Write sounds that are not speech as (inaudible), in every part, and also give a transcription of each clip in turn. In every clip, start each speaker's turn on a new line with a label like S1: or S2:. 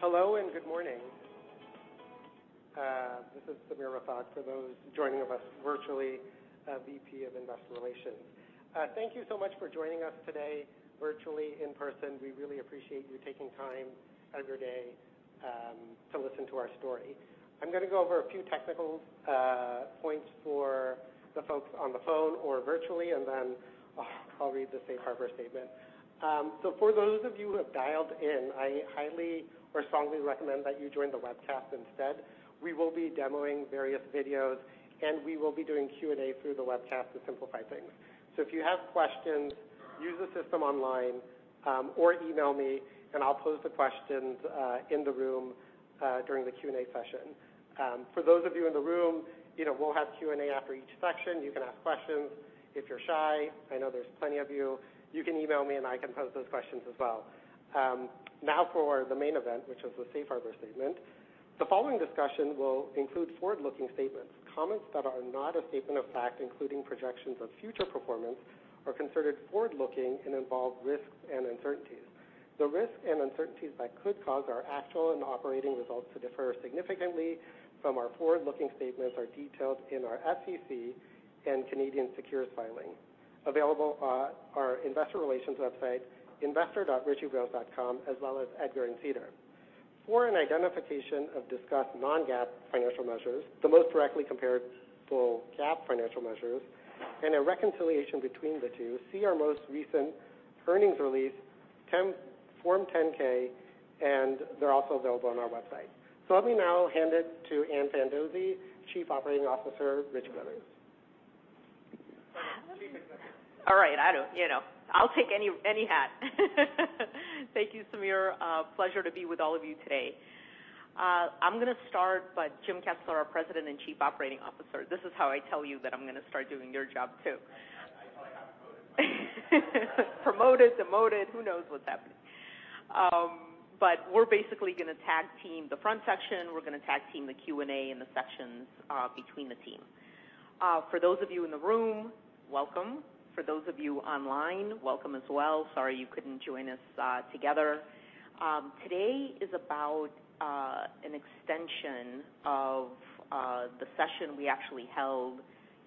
S1: Hello and good morning. This is Sameer Rathod, for those joining us virtually, VP of Investor Relations. Thank you so much for joining us today virtually, in person. We really appreciate you taking time out of your day to listen to our story. I'm going to go over a few technical points for the folks on the phone or virtually, and then I'll read the safe harbor statement. For those of you who have dialed in, I highly recommend that you join the webcast instead. We will be demoing various videos, and we will be doing Q&A through the webcast to simplify things. If you have questions, use the system online or email me, and I'll pose the questions in the room during the Q&A session. For those of you in the room, you know, we'll have Q&A after each section. You can ask questions. If you're shy, I know there's plenty of you can email me and I can pose those questions as well. Now for the main event, which is the safe harbor statement. The following discussion will include forward-looking statements. Comments that are not a statement of fact, including projections of future performance, are considered forward-looking and involve risks and uncertainties. The risks and uncertainties that could cause our actual and operating results to differ significantly from our forward-looking statements are detailed in our SEC and Canadian securities filings available at our investor relations website, investor.ritchiebros.com, as well as EDGAR and SEDAR. For an identification of discussed non-GAAP financial measures, the most directly comparable GAAP financial measures, and a reconciliation between the two, see our most recent earnings release, Form 10-K, and they're also available on our website. Let me now hand it to Ann Fandozzi, Chief Executive Officer, Ritchie Bros.
S2: All right. You know. I'll take any hat. Thank you, Samir. Pleasure to be with all of you today. I'm gonna start. Jim Kessler, our President and Chief Operating Officer, this is how I tell you that I'm gonna start doing your job too.
S1: I probably got promoted.
S2: Promoted, demoted, who knows what's happening. We're basically gonna tag-team the front section. We're gonna tag-team the Q&A and the sections between the team. For those of you in the room, welcome. For those of you online, welcome as well. Sorry you couldn't join us together. Today is about an extension of the session we actually held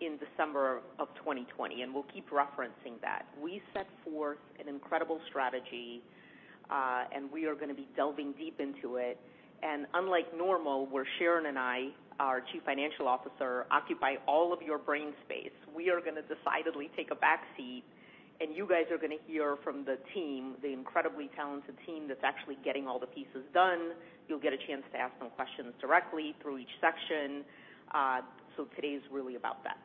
S2: in December of 2020, and we'll keep referencing that. We set forth an incredible strategy, and we are gonna be delving deep into it. Unlike normal, where Sharon and I, our Chief Financial Officer, occupy all of your brain space, we are gonna decidedly take a back seat, and you guys are going to hear from the team, the incredibly talented team that's actually getting all the pieces done. You'll get a chance to ask them questions directly through each section. Today is really about that.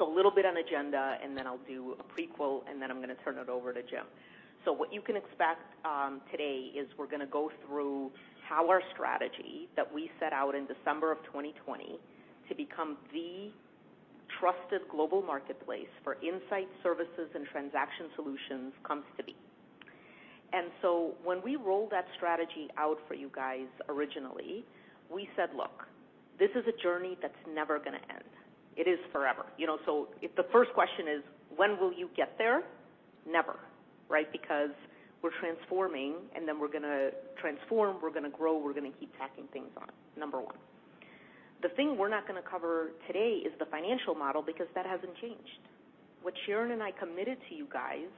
S2: A little bit on the agenda, and then I'll do a preview, and then I'm gonna turn it over to Jim. What you can expect today is we're gonna go through how our strategy that we set out in December of 2020 to become the trusted global marketplace for insight services and transaction solutions comes to be. When we rolled that strategy out for you guys originally, we said, "Look, this is a journey that's never gonna end. It is forever." You know? If the first question is, when will you get there? Never, right? Because we're transforming, and then we're gonna transform, we're gonna grow, we're gonna keep tacking things on. Number one. The thing we're not gonna cover today is the financial model, because that hasn't changed. What Sharon and I committed to you guys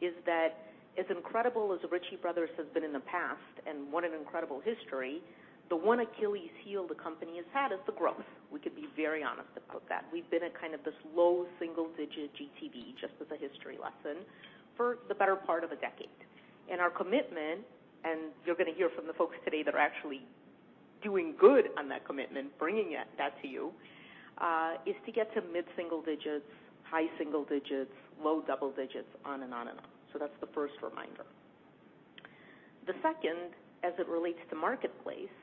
S2: is that as incredible as Ritchie Bros. has been in the past, and what an incredible history, the one Achilles heel the company has had is the growth. We can be very honest about that. We've been at kind of this low single digit GTV, just as a history lesson, for the better part of a decade. Our commitment, and you're going to hear from the folks today that are actually doing good on that commitment, bringing that to you, is to get to mid-single digits, high single digits, low double digits, on and on and on. That's the first reminder. The second, as it relates to marketplace,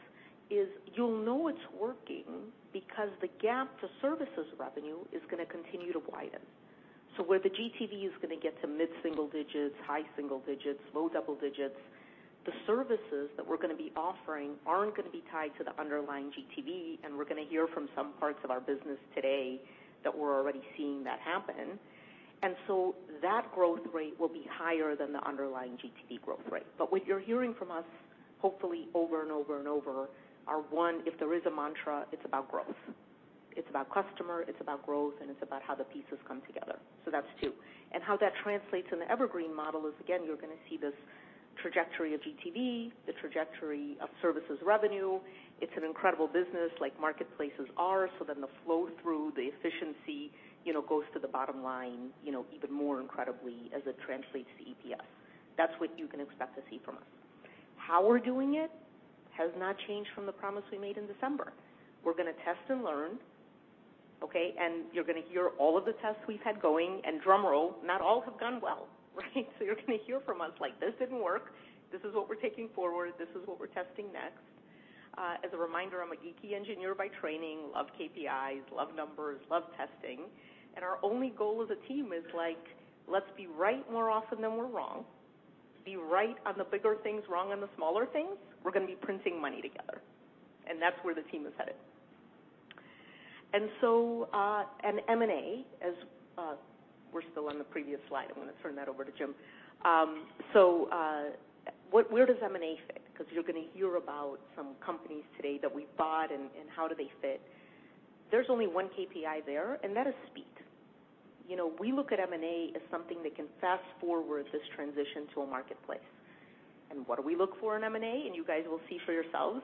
S2: is you'll know it's working because the gap to services revenue is going to continue to widen. Where the GTV is gonna get to mid-single digits, high single digits, low double digits, the services that we're gonna be offering aren't gonna be tied to the underlying GTV, and we're gonna hear from some parts of our business today that we're already seeing that happen. That growth rate will be higher than the underlying GTV growth rate. What you're hearing from us, hopefully over and over and over, are, one, if there is a mantra, it's about growth. It's about customer, it's about growth, and it's about how the pieces come together. That's two. How that translates in the Evergreen model is, again, you're gonna see this trajectory of GTV, the trajectory of services revenue. It's an incredible business like marketplaces are, so then the flow through, the efficiency, you know, goes to the bottom line, you know, even more incredibly as it translates to EPS. That's what you can expect to see from us. How we're doing it has not changed from the promise we made in December. We're gonna test and learn, okay? You're gonna hear all of the tests we've had going, and drum roll, not all have gone well, right? You're gonna hear from us, like, "This didn't work. This is what we're taking forward. This is what we're testing next." As a reminder, I'm a geeky engineer by training, love KPIs, love numbers, love testing. Our only goal as a team is like, let's be right more often than we're wrong. Be right on the bigger things, wrong on the smaller things. We're gonna be printing money together. That's where the team is headed. M&A, as we're still on the previous slide. I'm going to turn that over to Jim. Where does M&A fit? Because you're gonna hear about some companies today that we bought and how do they fit. There's only one KPI there, and that is speed. You know, we look at M&A as something that can fast-forward this transition to a marketplace. What do we look for in M&A? You guys will see for yourselves.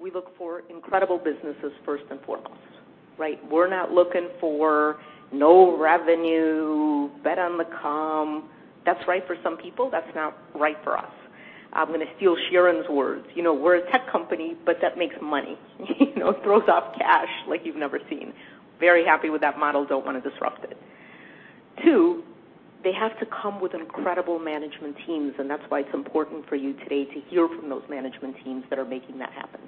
S2: We look for incredible businesses first and foremost, right? We're not looking for no revenue, bet on the com. That's right for some people; that's not right for us. I'm gonna steal Sharon's words. You know, we're a tech company, but that makes money, you know, throws off cash like you've never seen. Very happy with that model. Don't wanna disrupt it. Two, they have to come with incredible management teams, and that's why it's important for you today to hear from those management teams that are making that happen.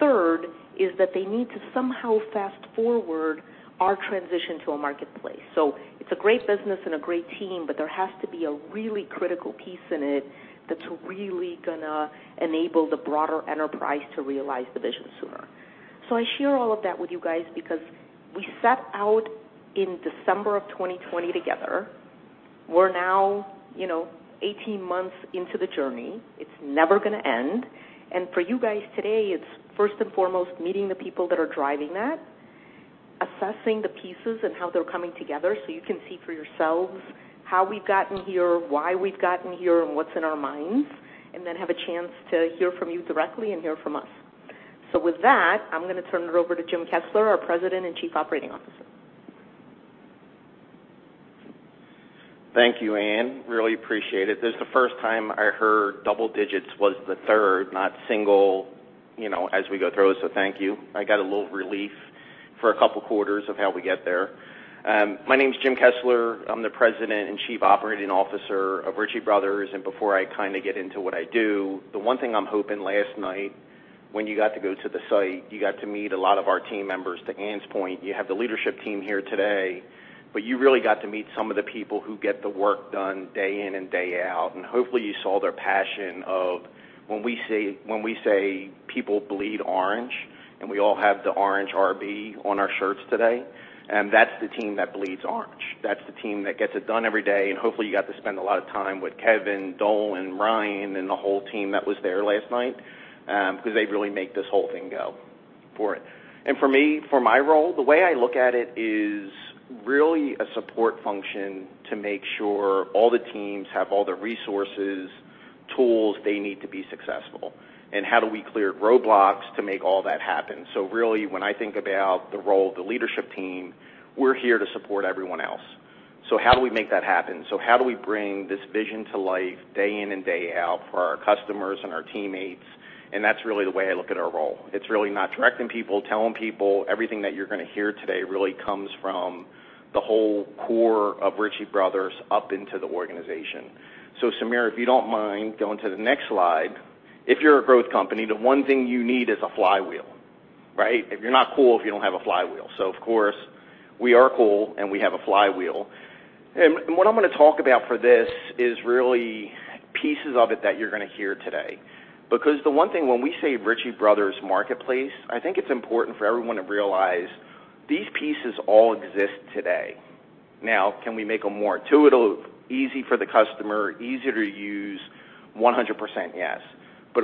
S2: Third is that they need to somehow fast-forward our transition to a marketplace. It's a great business and a great team, but there has to be a really critical piece in it that's really gonna enable the broader enterprise to realize the vision sooner. I share all of that with you guys because we set out in December of 2020 together. We're now, you know, 18 months into the journey. It's never gonna end. For you guys today, it's first and foremost meeting the people that are driving that, assessing the pieces and how they're coming together, so you can see for yourselves how we've gotten here, why we've gotten here, and what's in our minds, and then have a chance to hear from you directly and hear from us. With that, I'm gonna turn it over to Jim Kessler, our President and Chief Operating Officer.
S3: Thank you, Anne. Really appreciate it. This is the first time I heard double digits was the third, not single, you know, as we go through. Thank you. I got a little relief for a couple quarters of how we get there. My name's Jim Kessler. I'm the president and chief operating officer of Ritchie Brothers. Before I kinda get into what I do, the one thing I'm hoping last night when you got to go to the site, you got to meet a lot of our team members. To Ann's point, you have the leadership team here today, but you really got to meet some of the people who get the work done day in and day out. Hopefully, you saw their passion of when we say people bleed orange, and we all have the orange RB on our shirts today, and that's the team that bleeds orange. That's the team that gets it done every day. Hopefully, you got to spend a lot of time with Kevin, Dolan, Ryan, and the whole team that was there last night, cause they really make this whole thing go for it. For me, for my role, the way I look at it is really a support function to make sure all the teams have all the resources, tools they need to be successful. How do we clear roadblocks to make all that happen? Really, when I think about the role of the leadership team, we're here to support everyone else. How do we make that happen? How do we bring this vision to life day in and day out for our customers and our teammates? That's really the way I look at our role. It's really not directing people, telling people. Everything that you're gonna hear today really comes from the whole core of Ritchie Brothers up into the organization. Samir, if you don't mind going to the next slide. If you're a growth company, the one thing you need is a flywheel, right? If you're not cool if you don't have a flywheel. Of course, we are cool, and we have a flywheel. What I'm gonna talk about for this is really pieces of it that you're gonna hear today. Because the one thing when we say Ritchie Brothers marketplace, I think it's important for everyone to realize these pieces all exist today. Now, can we make them more intuitive, easy for the customer, easier to use? 100% yes.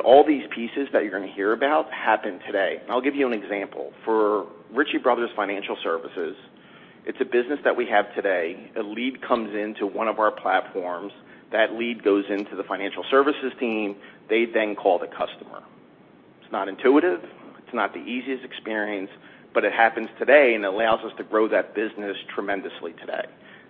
S3: All these pieces that you're gonna hear about happen today. I'll give you an example. For Ritchie Bros. Financial Services, it's a business that we have today. A lead comes into one of our platforms. That lead goes into the financial services team. They then call the customer. It's not intuitive, it's not the easiest experience, but it happens today and allows us to grow that business tremendously today.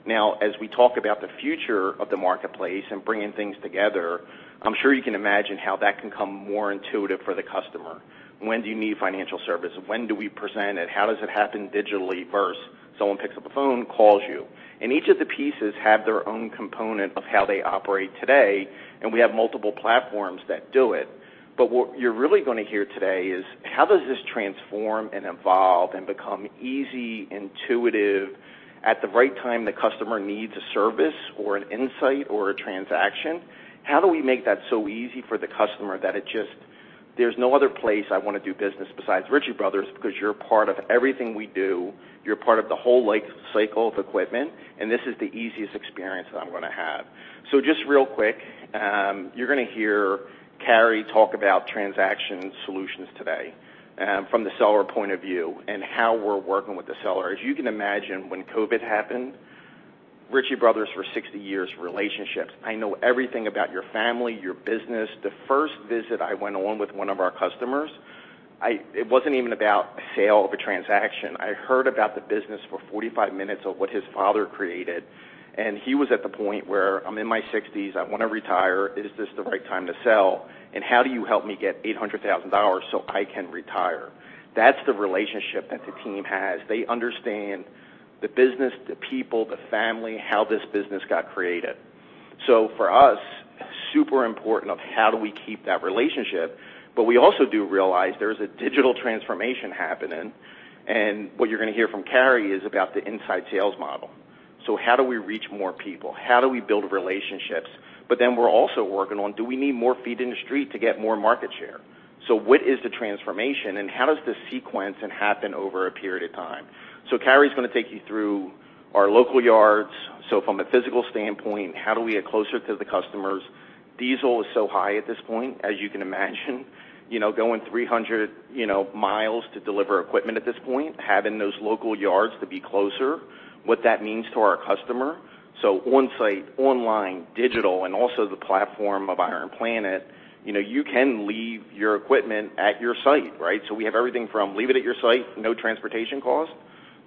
S3: Now, as we talk about the future of the marketplace and bringing things together, I'm sure you can imagine how that can come more intuitive for the customer. When do you need financial service? When do we present it? How does it happen digitally versus someone picks up a phone, calls you? Each of the pieces have their own component of how they operate today, and we have multiple platforms that do it. What you're really gonna hear today is how does this transform and evolve and become easy, intuitive at the right time the customer needs a service or an insight or a transaction. How do we make that so easy for the customer that it just, there's no other place I wanna do business besides Ritchie Bros. because you're part of everything we do, you're part of the whole life cycle of equipment, and this is the easiest experience that I'm gonna have. Just real quick, you're gonna hear Kari talk about transaction solutions today, from the seller point of view and how we're working with the seller. As you can imagine, when COVID happened, Ritchie Bros. for 60 years, relationships. I know everything about your family, your business. The first visit I went on with one of our customers, it wasn't even about a sale of a transaction. I heard about the business for 45 minutes of what his father created, and he was at the point where, "I'm in my sixties, I wanna retire. Is this the right time to sell? And how do you help me get $800,000 so I can retire?" That's the relationship that the team has. They understand the business, the people, the family, how this business got created. For us, super important of how do we keep that relationship, but we also do realize there's a digital transformation happening, and what you're gonna hear from Kari is about the inside sales model. How do we reach more people? How do we build relationships? We're also working on, do we need more feet in the street to get more market share? What is the transformation and how does this sequence and happen over a period of time? Kari's gonna take you through our local yards. From a physical standpoint, how do we get closer to the customers? Diesel is so high at this point, as you can imagine, you know, going 300, you know, miles to deliver equipment at this point, having those local yards to be closer, what that means to our customer. On-site, online, digital, and also the platform of IronPlanet, you know, you can leave your equipment at your site, right? We have everything from leave it at your site, no transportation cost,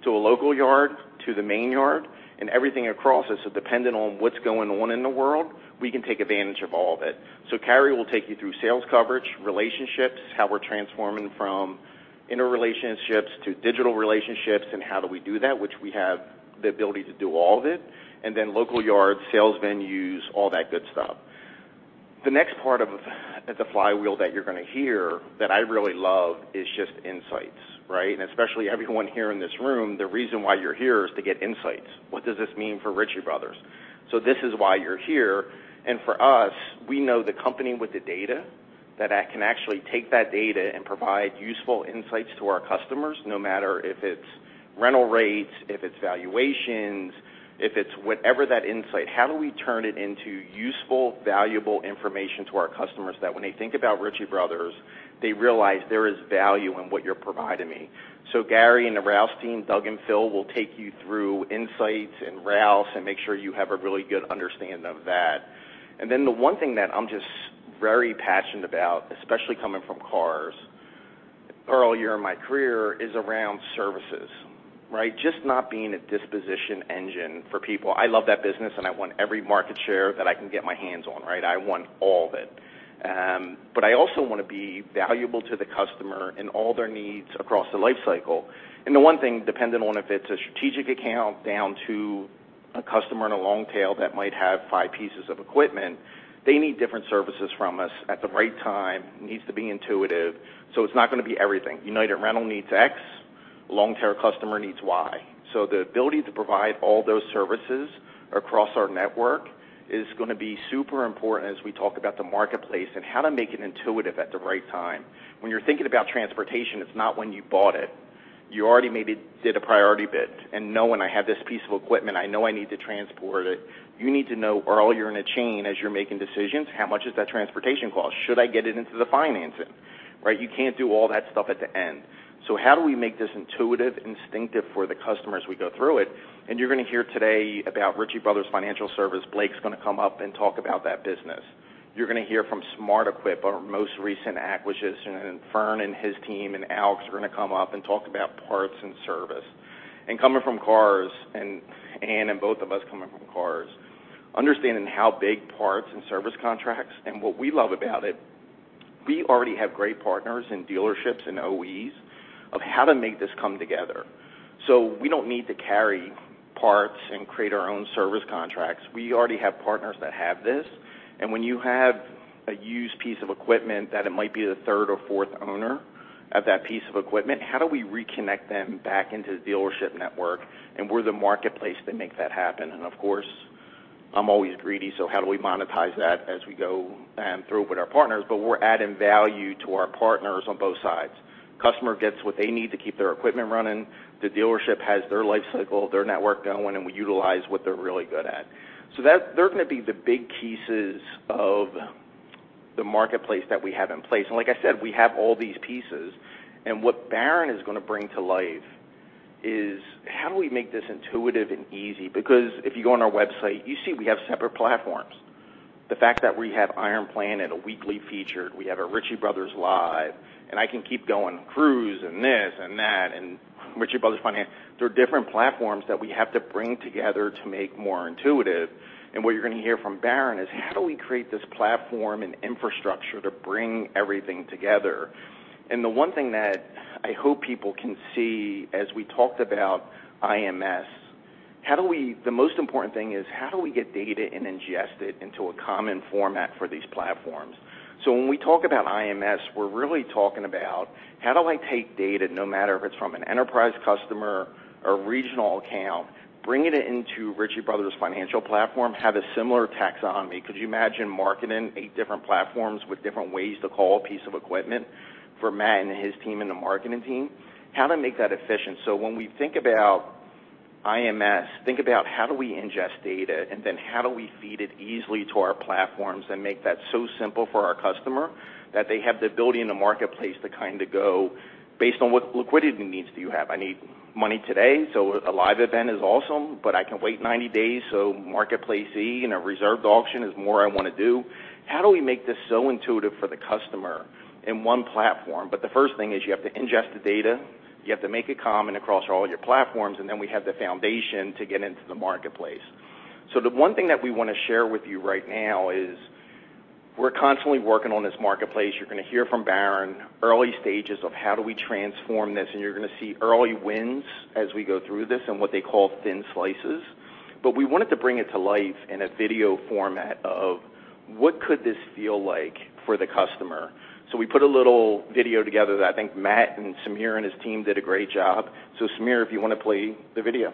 S3: to a local yard, to the main yard, and everything across it. Dependent on what's going on in the world, we can take advantage of all of it. Kari will take you through sales coverage, relationships, how we're transforming from interrelationships to digital relationships, and how we do that, which we have the ability to do all of it, and then local yards, sales venues, all that good stuff. The next part of the flywheel that you're gonna hear that I really love is just insights, right? Especially everyone here in this room, the reason why you're here is to get insights. What does this mean for Ritchie Bros.? This is why you're here. For us, we know the company with the data that can actually take that data and provide useful insights to our customers, no matter if it's rental rates, if it's valuations, if it's whatever that insight. How do we turn it into useful, valuable information to our customers that when they think about Ritchie Bros., they realize there is value in what you're providing me? Gary and the Rouse team, Doug and Phil, will take you through insights and Rouse and make sure you have a really good understanding of that. The one thing that I'm just very passionate about, especially coming from cars, Earl, you're in my career, is around services, right? Just not being a disposition engine for people. I love that business, and I want every market share that I can get my hands on, right? I want all of it. I also want to be valuable to the customer and all their needs across the life cycle. The one thing, dependent on if it's a strategic account down to a customer in a long tail that might have five pieces of equipment, they need different services from us at the right time. It needs to be intuitive. It's not gonna be everything. United Rentals needs X, long-term customer needs Y. The ability to provide all those services across our network is gonna be super important as we talk about the marketplace and how to make it intuitive at the right time. When you're thinking about transportation, it's not when you bought it. You already maybe did a priority bid and know when I have this piece of equipment, I know I need to transport it. You need to know, Earl, you're in a chain as you're making decisions. How much is that transportation cost? Should I get it into the financing, right? You can't do all that stuff at the end. How do we make this intuitive, instinctive for the customer as we go through it? You're going to hear today about Ritchie Bros. Financial Services. Blake's gonna come up and talk about that business. You're gonna hear from SmartEquip, our most recent acquisition, and Fern and his team and Alex are gonna come up and talk about parts and service. Coming from cars, and Ann and both of us coming from cars, understanding how big parts and service contracts and what we love about it, we already have great partners in dealerships and OEs of how to make this come together. We don't need to carry parts and create our own service contracts. We already have partners that have this. When you have a used piece of equipment that it might be the third or fourth owner of that piece of equipment, how do we reconnect them back into the dealership network? We're the marketplace that make that happen. Of course, I'm always greedy, so how do we monetize that as we go through with our partners? We're adding value to our partners on both sides. Customer gets what they need to keep their equipment running. The dealership has their life cycle, their network going, and we utilize what they're really good at. That they're gonna be the big pieces of the marketplace that we have in place. Like I said, we have all these pieces. What Baron is gonna bring to life is how do we make this intuitive and easy? Because if you go on our website, you see we have separate platforms. The fact that we have IronPlanet, a weekly feature, we have our Ritchie Bros. Live, and I can keep going, Rouse and this and that, and Ritchie Bros. Financial. There are different platforms that we have to bring together to make more intuitive. What you're gonna hear from Baron is how do we create this platform and infrastructure to bring everything together? The one thing that I hope people can see as we talked about IMS, the most important thing is how do we get data and ingest it into a common format for these platforms? When we talk about IMS, we're really talking about how do I take data, no matter if it's from an enterprise customer or regional account, bring it into Ritchie Bros. Financial platform, have a similar taxonomy. Could you imagine marketing eight different platforms with different ways to call a piece of equipment for Matt and his team and the marketing team? How to make that efficient. When we think about IMS, think about how do we ingest data, and then how do we feed it easily to our platforms and make that so simple for our customer that they have the ability in the marketplace to kind of go based on what liquidity needs do you have? I need money today, so a live event is awesome, but I can wait 90 days, so Marketplace-E in a reserved auction is more I want to do. How do we make this so intuitive for the customer in one platform? The first thing is you have to ingest the data, you have to make it common across all your platforms, and then we have the foundation to get into the marketplace. The one thing that we wanna share with you right now is we're constantly working on this marketplace. You're gonna hear from Baron early stages of how do we transform this, and you're gonna see early wins as we go through this in what they call thin slices. We wanted to bring it to life in a video format of what could this feel like for the customer. We put a little video together that I think Matt and Sameer and his team did a great job. Sameer, if you want to play the video.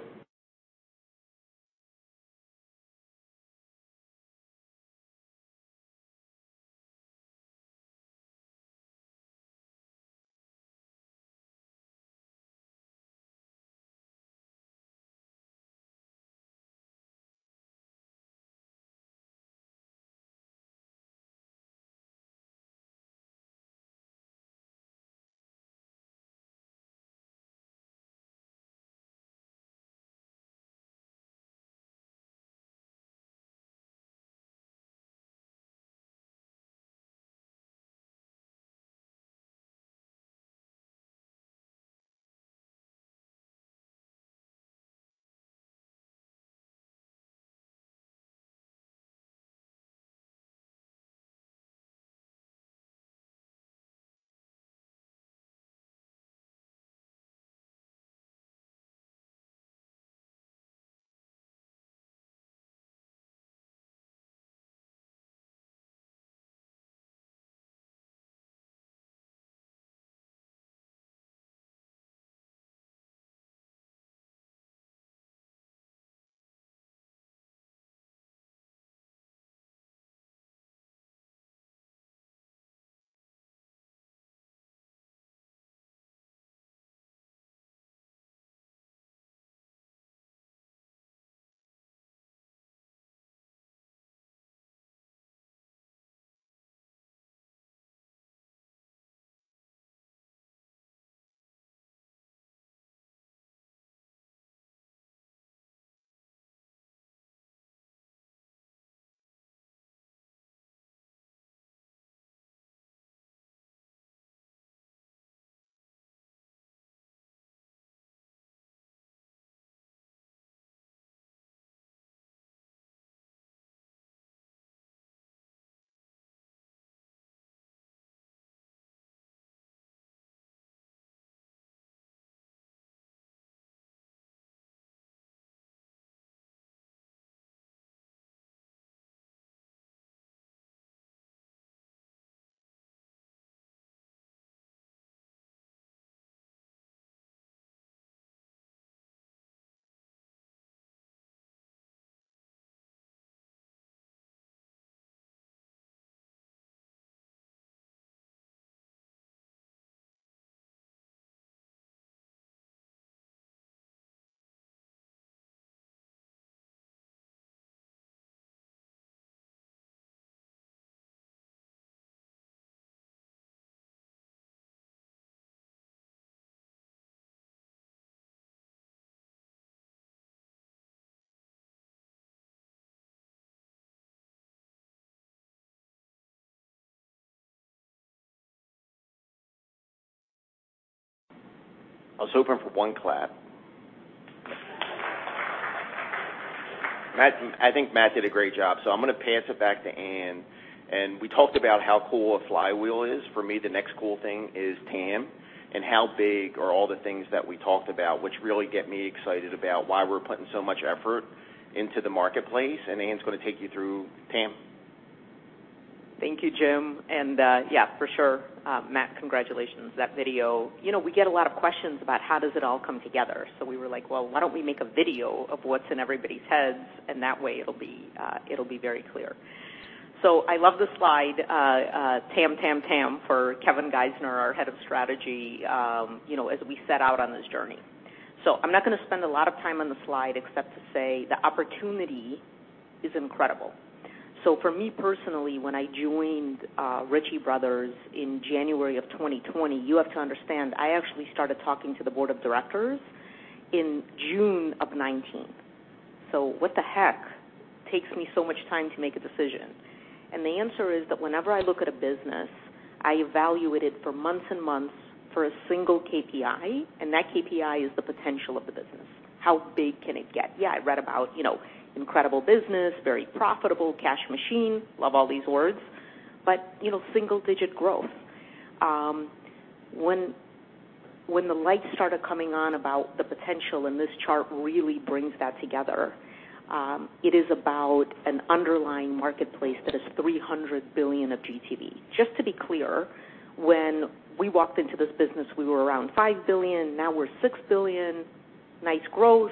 S3: I was hoping for one clap. Matt, I think Matt did a great job, so I'm gonna pass it back to Ann. We talked about how cool a flywheel is. For me, the next cool thing is TAM, and how big are all the things that we talked about which really get me excited about why we're putting so much effort into the marketplace. Ann's gonna take you through TAM.
S2: Thank you, Jim. Yeah, for sure, Matt, congratulations. That video. You know, we get a lot of questions about how does it all come together. We were like, "Well, why don't we make a video of what's in everybody's heads, and that way it'll be very clear." I love the slide, TAM for Kevin Geisner, our Head of Strategy, you know, as we set out on this journey. I'm not gonna spend a lot of time on the slide except to say the opportunity is incredible. For me personally, when I joined Ritchie Bros. in January of 2020, you have to understand, I actually started talking to the board of directors in June of 2019. What the heck takes me so much time to make a decision? The answer is that whenever I look at a business, I evaluate it for months and months for a single KPI, and that KPI is the potential of the business. How big can it get? Yeah, I read about, you know, incredible business, very profitable cash machine. Love all these words, but, you know, single-digit growth. When the lights started coming on about the potential, and this chart really brings that together, it is about an underlying marketplace that is $300 billions of GTV. Just to be clear, when we walked into this business, we were around $5 billion, now we're $6 billion. Nice growth,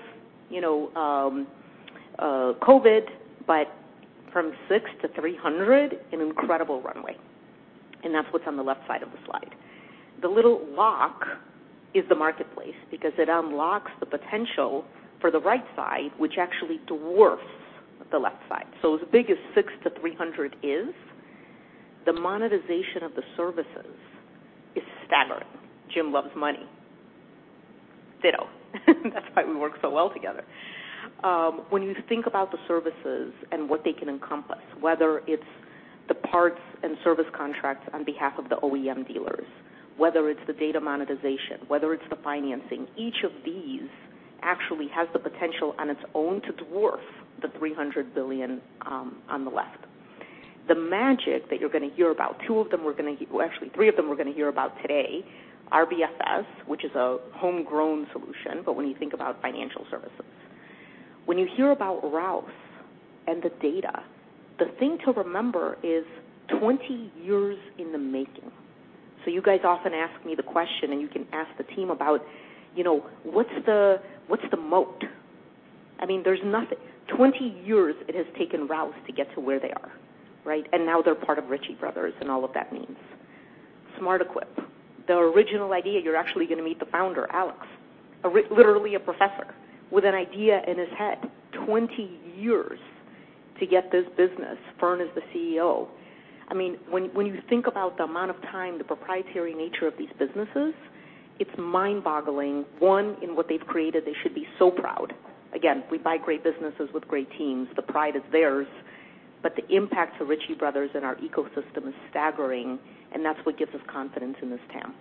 S2: you know, COVID, but from $6 billion-$300 billion, an incredible runway, and that's what's on the left side of the slide. The little lock is the marketplace because it unlocks the potential for the right side, which actually dwarfs the left side. As big as $600 billion is, the monetization of the services is staggering. Jim loves money. Ditto. That's why we work so well together. When you think about the services and what they can encompass, whether it's the parts and service contracts on behalf of the OEM dealers, whether it's the data monetization, whether it's the financing, each of these actually has the potential on its own to dwarf the $300 billion on the left. The magic that you're gonna hear about, three of them we're gonna hear about today, RBFS, which is a homegrown solution, but when you think about financial services. When you hear about Rouse and the data, the thing to remember is 20 years in the making. You guys often ask me the question, and you can ask the team about, you know, what's the moat? I mean, there's nothing. 20 years it has taken Rouse to get to where they are, right? Now they're part of Ritchie Bros., and all of that means. SmartEquip, the original idea, you're actually gonna meet the founder, Alex, literally a professor with an idea in his head. 20 years to get this business. Fern is the CEO. I mean, when you think about the amount of time, the proprietary nature of these businesses, it's mind-boggling, one, in what they've created, they should be so proud. Again, we buy great businesses with great teams. The pride is theirs, but the impact to Ritchie Bros. and our ecosystem is staggering, and that's what gives us confidence in this TAM.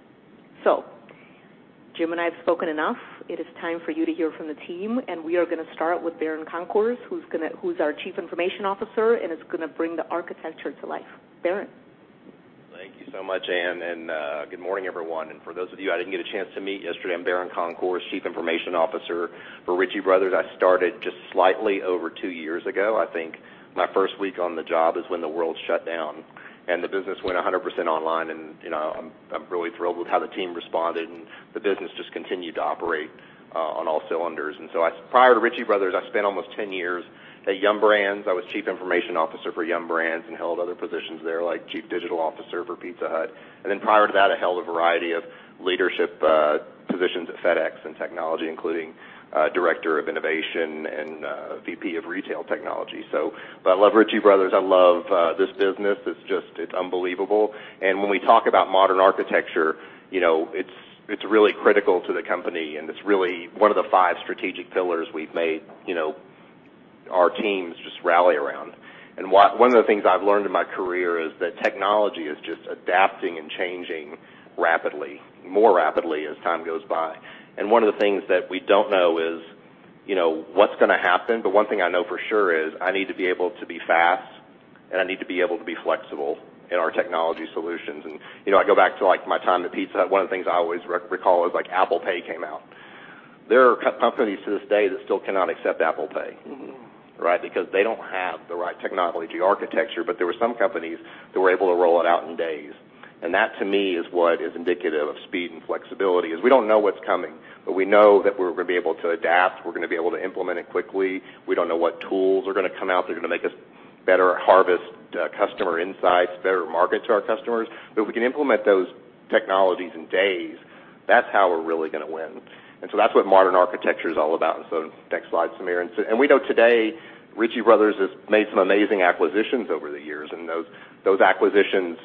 S2: Jim and I have spoken enough. It is time for you to hear from the team, and we are gonna start with Baron Concors, who's our Chief Information Officer and is gonna bring the architecture to life. Baron.
S4: Thank you so much, Anne, and good morning, everyone. For those of you I didn't get a chance to meet yesterday, I'm Baron Concors, Chief Information Officer for Ritchie Brothers. I started just slightly over two years ago. I think my first week on the job is when the world shut down and the business went 100% online. You know, I'm really thrilled with how the team responded, and the business just continued to operate on all cylinders. Prior to Ritchie Brothers, I spent almost ten years at Yum! Brands. I was Chief Information Officer for Yum! Brands and held other positions there, like Chief Digital Officer for Pizza Hut. Then prior to that, I held a variety of leadership positions at FedEx in technology, including Director of Innovation and VP of Retail Technology. I love Ritchie Brothers. I love this business. It's just, it's unbelievable. When we talk about modern architecture, you know, it's really critical to the company, and it's really one of the five strategic pillars we've made, you know, our teams just rally around. One of the things I've learned in my career is that technology is just adapting and changing rapidly, more rapidly as time goes by. One of the things that we don't know is, you know, what's gonna happen, but one thing I know for sure is I need to be able to be fast, and I need to be able to be flexible in our technology solutions. You know, I go back to, like, my time at Pizza Hut. One of the things I always recall is, like, Apple Pay came out. There are some companies to this day that still cannot accept Apple Pay.
S2: Mm-hmm.
S4: Right? Because they don't have the right technology architecture. There were some companies that were able to roll it out in days. That, to me, is what is indicative of speed and flexibility, is we don't know what's coming, but we know that we're gonna be able to adapt. We're gonna be able to implement it quickly. We don't know what tools are gonna come out that are gonna make us better harvest, customer insights, better market to our customers. If we can implement those technologies in days, that's how we're really gonna win. That's what modern architecture is all about. Next slide, Sameer. We know today Ritchie Brothers has made some amazing acquisitions over the years, and those acquisitions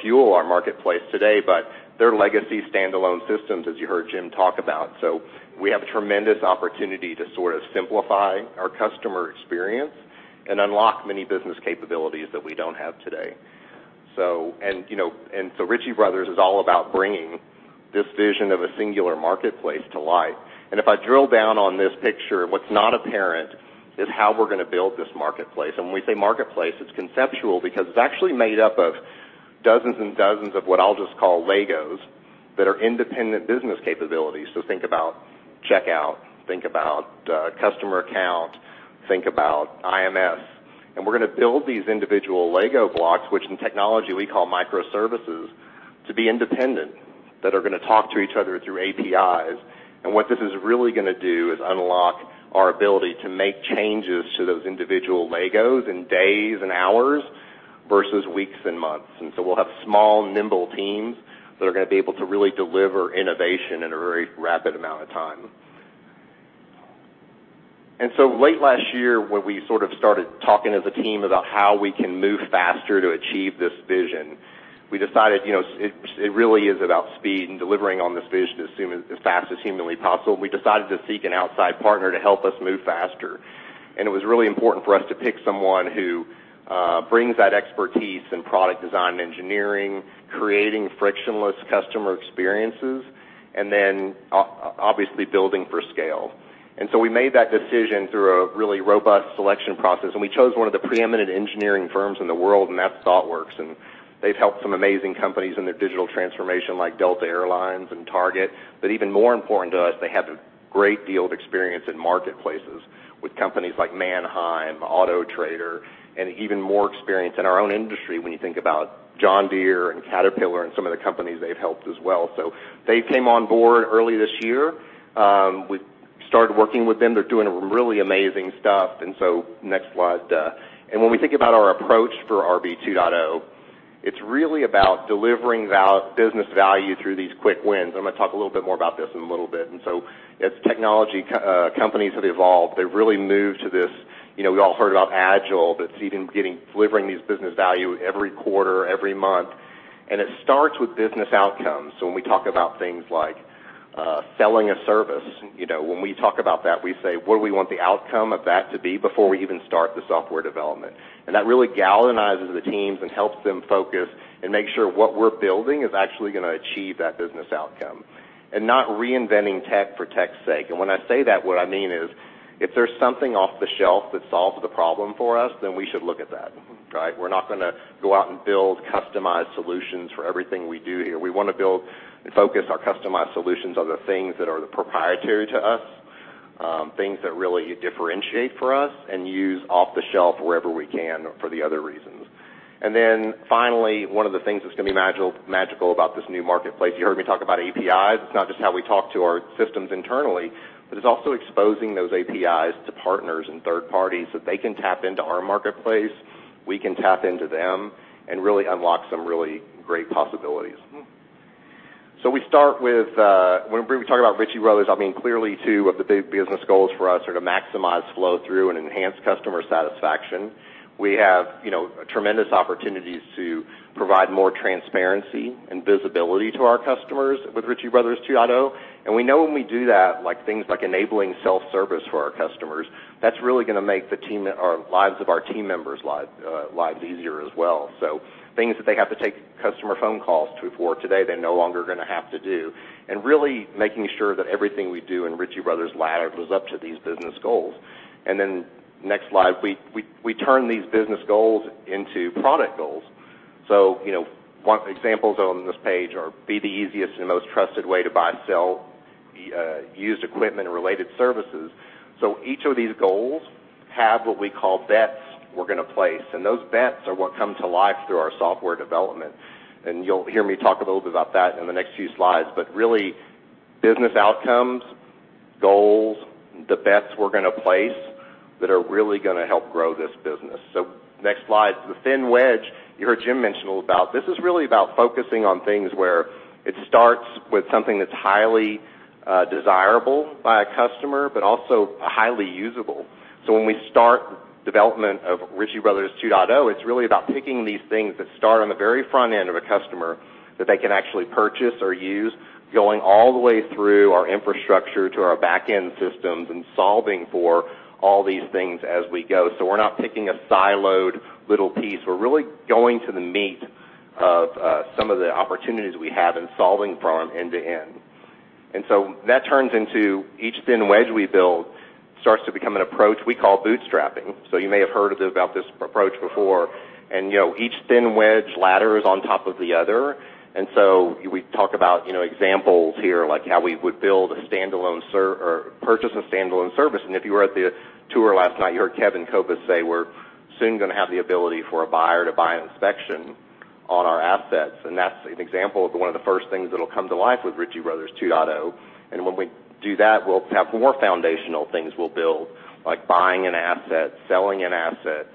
S4: fuel our marketplace today, but they're legacy standalone systems, as you heard Jim talk about. We have tremendous opportunity to sort of simplify our customer experience and unlock many business capabilities that we don't have today. You know, Ritchie Bros. is all about bringing this vision of a singular marketplace to life. If I drill down on this picture, what's not apparent is how we're gonna build this marketplace. When we say marketplace, it's conceptual because it's actually made up of dozens and dozens of what I'll just call Legos that are independent business capabilities. Think about checkout. Think about customer account. Think about IMS. We're gonna build these individual Lego blocks, which in technology we call microservices, to be independent, that are gonna talk to each other through APIs. What this is really gonna do is unlock our ability to make changes to those individual LEGOs in days and hours versus weeks and months. We'll have small, nimble teams that are gonna be able to really deliver innovation in a very rapid amount of time. Late last year, when we sort of started talking as a team about how we can move faster to achieve this vision, we decided, you know, it really is about speed and delivering on this vision as fast as humanly possible. We decided to seek an outside partner to help us move faster. It was really important for us to pick someone who brings that expertise in product design and engineering, creating frictionless customer experiences, and then obviously building for scale. We made that decision through a really robust selection process, and we chose one of the preeminent engineering firms in the world, and that's Thoughtworks. They've helped some amazing companies in their digital transformation, like Delta Air Lines and Target. Even more important to us, they have a great deal of experience in marketplaces with companies like Manheim, AutoTrader, and even more experience in our own industry when you think about John Deere and Caterpillar and some of the companies they've helped as well. They came on board early this year. We started working with them. They're doing really amazing stuff. Next slide. When we think about our approach for RB 2.0, it's really about delivering business value through these quick wins. I'm gonna talk a little bit more about this in a little bit. As technology companies have evolved, they've really moved to this. You know, we all heard about agile, but it's even delivering these business value every quarter, every month. It starts with business outcomes. When we talk about things like selling a service, you know, when we talk about that, we say, "What do we want the outcome of that to be?" before we even start the software development. That really galvanizes the teams and helps them focus and make sure what we're building is actually going to achieve that business outcome and not reinventing tech for tech's sake. When I say that, what I mean is, if there's something off the shelf that solves the problem for us, then we should look at that. Right? We're not gonna go out and build customized solutions for everything we do here. We wanna build and focus our customized solutions on the things that are proprietary to us, things that really differentiate for us, and use off-the-shelf wherever we can for the other reasons. Then finally, one of the things that's gonna be magical about this new marketplace, you heard me talk about APIs. It's not just how we talk to our systems internally, but it's also exposing those APIs to partners and third parties, so they can tap into our marketplace, we can tap into them and really unlock some really great possibilities. We start with when we talk about Ritchie Brothers, I mean, clearly two of the big business goals for us are to maximize flow through and enhance customer satisfaction. We have, you know, tremendous opportunities to provide more transparency and visibility to our customers with Ritchie Brothers 2.0. We know when we do that, like, things like enabling self-service for our customers, that's really gonna make the lives of our team members easier as well. Things that they have to take customer phone calls to and for today, they're no longer gonna have to do. Really making sure that everything we do in Ritchie Bros. ladders up to these business goals. Next slide, we turn these business goals into product goals. You know, an example on this page is be the easiest and most trusted way to buy and sell used equipment and related services. Each of these goals have what we call bets we're gonna place, and those bets are what come to life through our software development. You'll hear me talk a little bit about that in the next few slides. Really business outcomes, goals, the bets we're gonna place that are really gonna help grow this business. Next slide. The thin wedge you heard Jim mention about. This is really about focusing on things where it starts with something that's highly desirable by a customer, but also highly usable. When we start development of Ritchie Brothers 2.0, it's really about picking these things that start on the very front end of a customer that they can actually purchase or use, going all the way through our infrastructure to our back-end systems and solving for all these things as we go. We're not picking a siloed little piece. We're really going to the meat of some of the opportunities we have in solving for them end to end. That turns into each thin wedge we build starts to become an approach we call bootstrapping. You may have heard of it about this approach before. You know, each thin wedge ladders on top of the other. We talk about, you know, examples here, like how we would build a standalone or purchase a standalone service. If you were at the tour last night, you heard Kevin Copas say we're soon gonna have the ability for a buyer to buy an inspection on our assets. That's an example of one of the first things that'll come to life with Ritchie Brothers 2.0. When we do that, we'll have more foundational things we'll build, like buying an asset, selling an asset,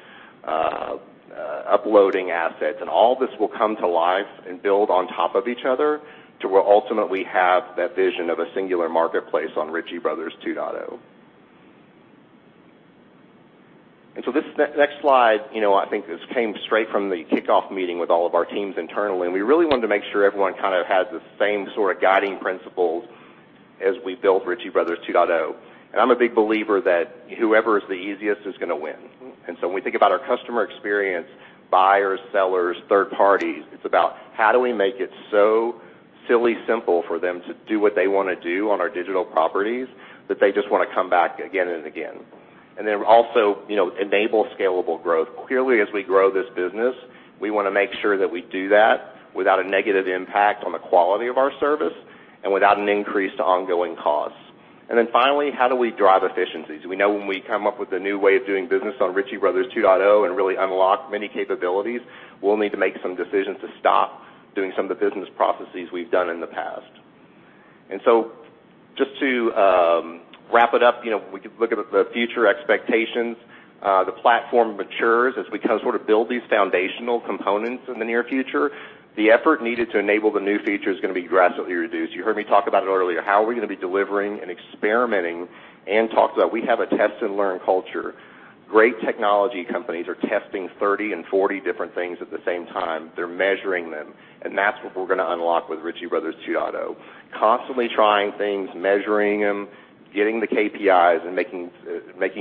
S4: uploading assets. All this will come to life and build on top of each other to where ultimately have that vision of a singular marketplace on Ritchie Brothers 2.0. This next slide, you know, I think this came straight from the kickoff meeting with all of our teams internally, and we really wanted to make sure everyone kind of has the same sort of guiding principles as we build Ritchie Brothers 2.0. I'm a big believer that whoever is the easiest is gonna win. When we think about our customer experience, buyers, sellers, third parties, it's about how do we make it so silly simple for them to do what they wanna do on our digital properties, that they just wanna come back again and again. You know, enable scalable growth. Clearly, as we grow this business, we wanna make sure that we do that without a negative impact on the quality of our service and without an increase to ongoing costs. Finally, how do we drive efficiencies? We know when we come up with a new way of doing business on Ritchie Brothers 2.0 and really unlock many capabilities, we'll need to make some decisions to stop doing some of the business processes we've done in the past. Just to wrap it up, you know, we can look at the future expectations. The platform matures as we kind of sort of build these foundational components in the near future. The effort needed to enable the new features is gonna be drastically reduced. You heard me talk about it earlier, how are we gonna be delivering and experimenting, and talk about we have a test-and-learn culture. Great technology companies are testing 30 and 40 different things at the same time. They're measuring them, and that's what we're gonna unlock with Ritchie Brothers 2.0. Constantly trying things, measuring them, getting the KPIs, and making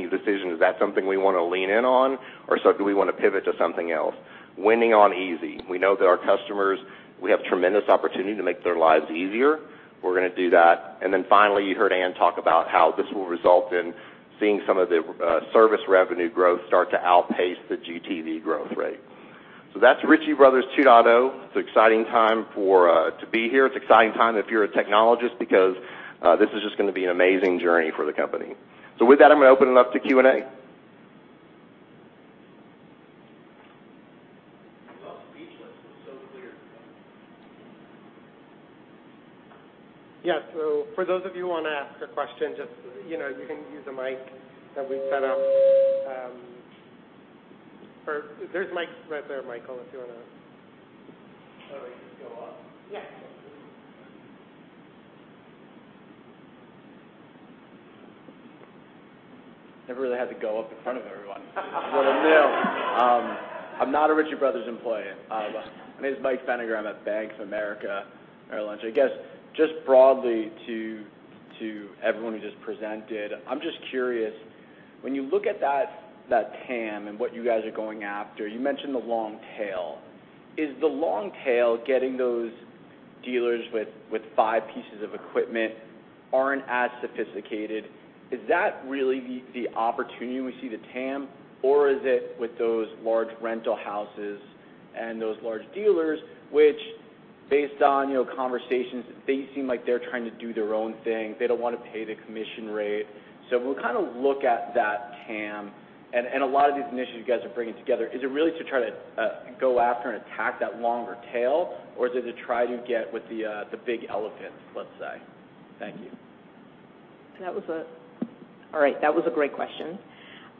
S4: decisions. Is that something we want to lean in on, or so do we want to pivot to something else? Winning on easy. We know that our customers, we have tremendous opportunity to make their lives easier. We're going to do that. Finally, you heard Ann talk about how this will result in seeing some of the service revenue growth start to outpace the GTV growth rate. That's Ritchie Brothers 2.0. It's an exciting time to be here. It's exciting time if you're a technologist because this is just going to be an amazing journey for the company. With that, I'm going to open it up to Q&A.
S5: I'm speechless. It was so clear.
S1: Yeah. For those of you who wanna ask a question, just, you know, you can use the mic that we've set up. Or there's mics right there, Michael, if you wanna.
S5: Oh, I just go up?
S1: Yeah.
S5: Never really had to go up in front of everyone. This is new. I'm not a Ritchie Brothers employee. My name is Michael Feniger. I'm at Bank of America Merrill Lynch. I guess just broadly to everyone who just presented, I'm just curious, when you look at that TAM and what you guys are going after, you mentioned the long tail. Is the long tail getting those- Dealers with five pieces of equipment aren't as sophisticated. Is that really the opportunity we see the TAM? Or is it with those large rental houses and those large dealers which based on, you know, conversations, they seem like they're trying to do their own thing. They don't wanna pay the commission rate. When we kinda look at that TAM and a lot of these initiatives' you guys are bringing together, is it really to try to go after and attack that longer tail, or is it to try to get with the big elephant, let's say? Thank you.
S2: That was a great question.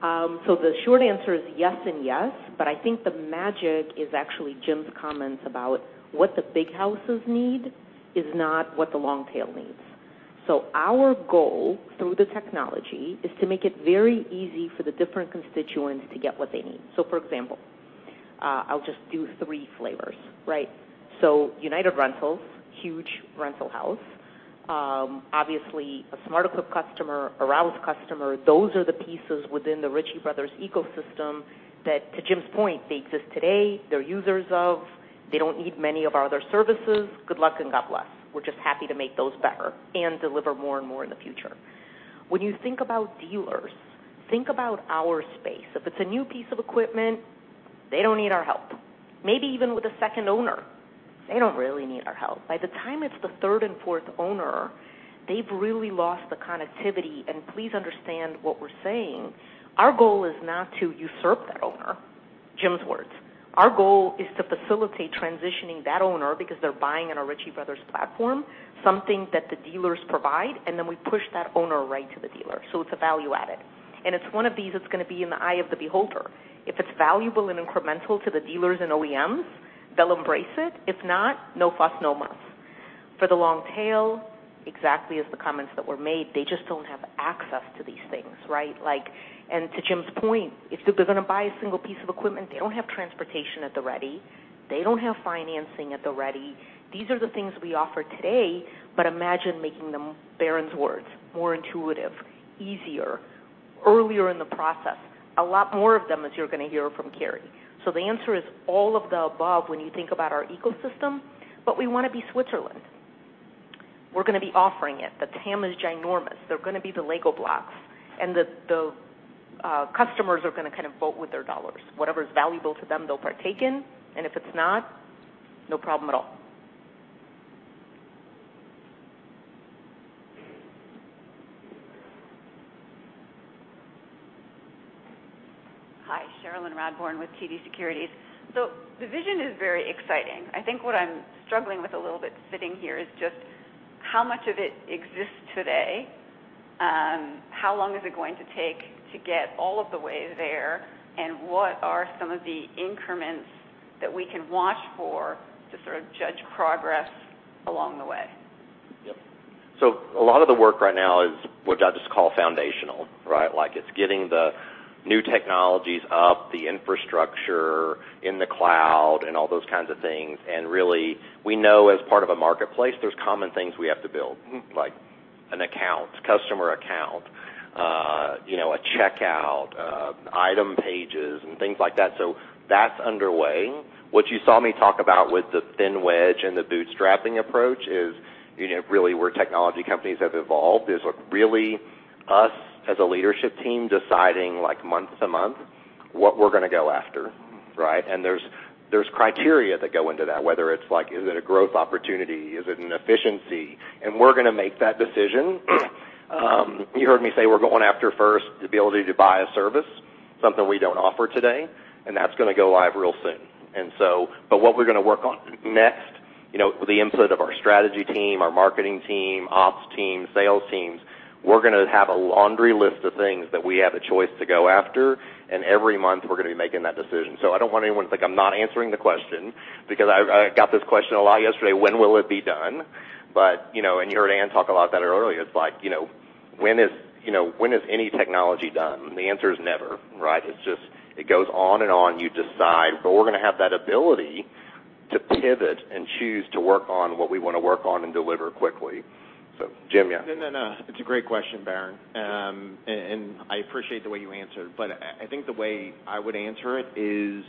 S2: The short answer is yes and yes, but I think the magic is actually Jim's comments about what the big houses need is not what the long tail needs. Our goal through the technology is to make it very easy for the different constituents to get what they need. For example, I'll just do three flavors, right? United Rentals, huge rental house. Obviously a SmartEquip customer, a Rouse customer, those are the pieces within the Ritchie Brothers ecosystem that, to Jim's point, they exist today. They're users of. They don't need many of our other services. Good luck and God bless. We're just happy to make those better and deliver more and more in the future. When you think about dealers, think about our space. If it's a new piece of equipment, they don't need our help. Maybe even with a second owner, they don't really need our help. By the time it's the third and fourth owner, they've really lost the connectivity. Please understand what we're saying. Our goal is not to usurp that owner, Jim's words. Our goal is to facilitate transitioning that owner because they're buying on a Ritchie Brothers platform, something that the dealers provide, and then we push that owner right to the dealer. It's a value added. It's one of these that's gonna be in the eye of the beholder. If it's valuable and incremental to the dealers and OEMs, they'll embrace it. If not, no fuss, no muss. For the long tail, exactly as the comments that were made, they just don't have access to these things, right? Like To Jim's point, if they're gonna buy a single piece of equipment, they don't have transportation at the ready. They don't have financing at the ready. These are the things we offer today, but imagine making them, Baron's words, more intuitive, easier, earlier in the process. A lot more of them, as you're going to hear from Kari. The answer is all of the above when you think about our ecosystem, but we want to be Switzerland. We're gonna be offering it. The TAM is ginormous. They're gonna be the LEGO blocks, and the customers are gonna kind of vote with their dollars. Whatever is valuable to them, they'll partake in, and if it's not, no problem at all.
S6: Hi, Cherilyn Radbourne with TD Cowen. The vision is very exciting. I think what I'm struggling with a little bit sitting here is just how much of it exists today, how long is it going to take to get all of the way there, and what are some of the increments that we can watch for to sort of judge progress along the way?
S4: Yep. A lot of the work right now is what I just call foundational, right? Like, it's getting the new technologies up, the infrastructure in the cloud, and all those kinds of things. Really, we know as part of a marketplace, there's common things we have to build, like an account, customer account, you know, a checkout, item pages and things like that. That's underway. What you saw me talk about with the thin wedge and the bootstrapping approach is, you know, really where technology companies have evolved is what really us as a leadership team deciding, like, month to month what we're gonna go after, right? There's criteria that go into that, whether it's like, is it a growth opportunity? Is it an efficiency? We're gonna make that decision. You heard me say we're going after first the ability to buy a service, something we don't offer today, and that's gonna go live real soon. What we're gonna work on next, you know, the input of our strategy team, our marketing team, ops team, sales teams, we're gonna have a laundry list of things that we have a choice to go after, and every month we're gonna be making that decision. I don't want anyone to think I'm not answering the question because I got this question a lot yesterday, when will it be done? You know, and you heard Ann talk a lot about it earlier. It's like, you know, when is any technology done? The answer is never, right? It's just, it goes on and on. You decide. We're gonna have that ability to pivot and choose to work on what we wanna work on and deliver quickly. Jim, yeah.
S3: No, no. It's a great question, Baron. I appreciate the way you answered, but I think the way I would answer it is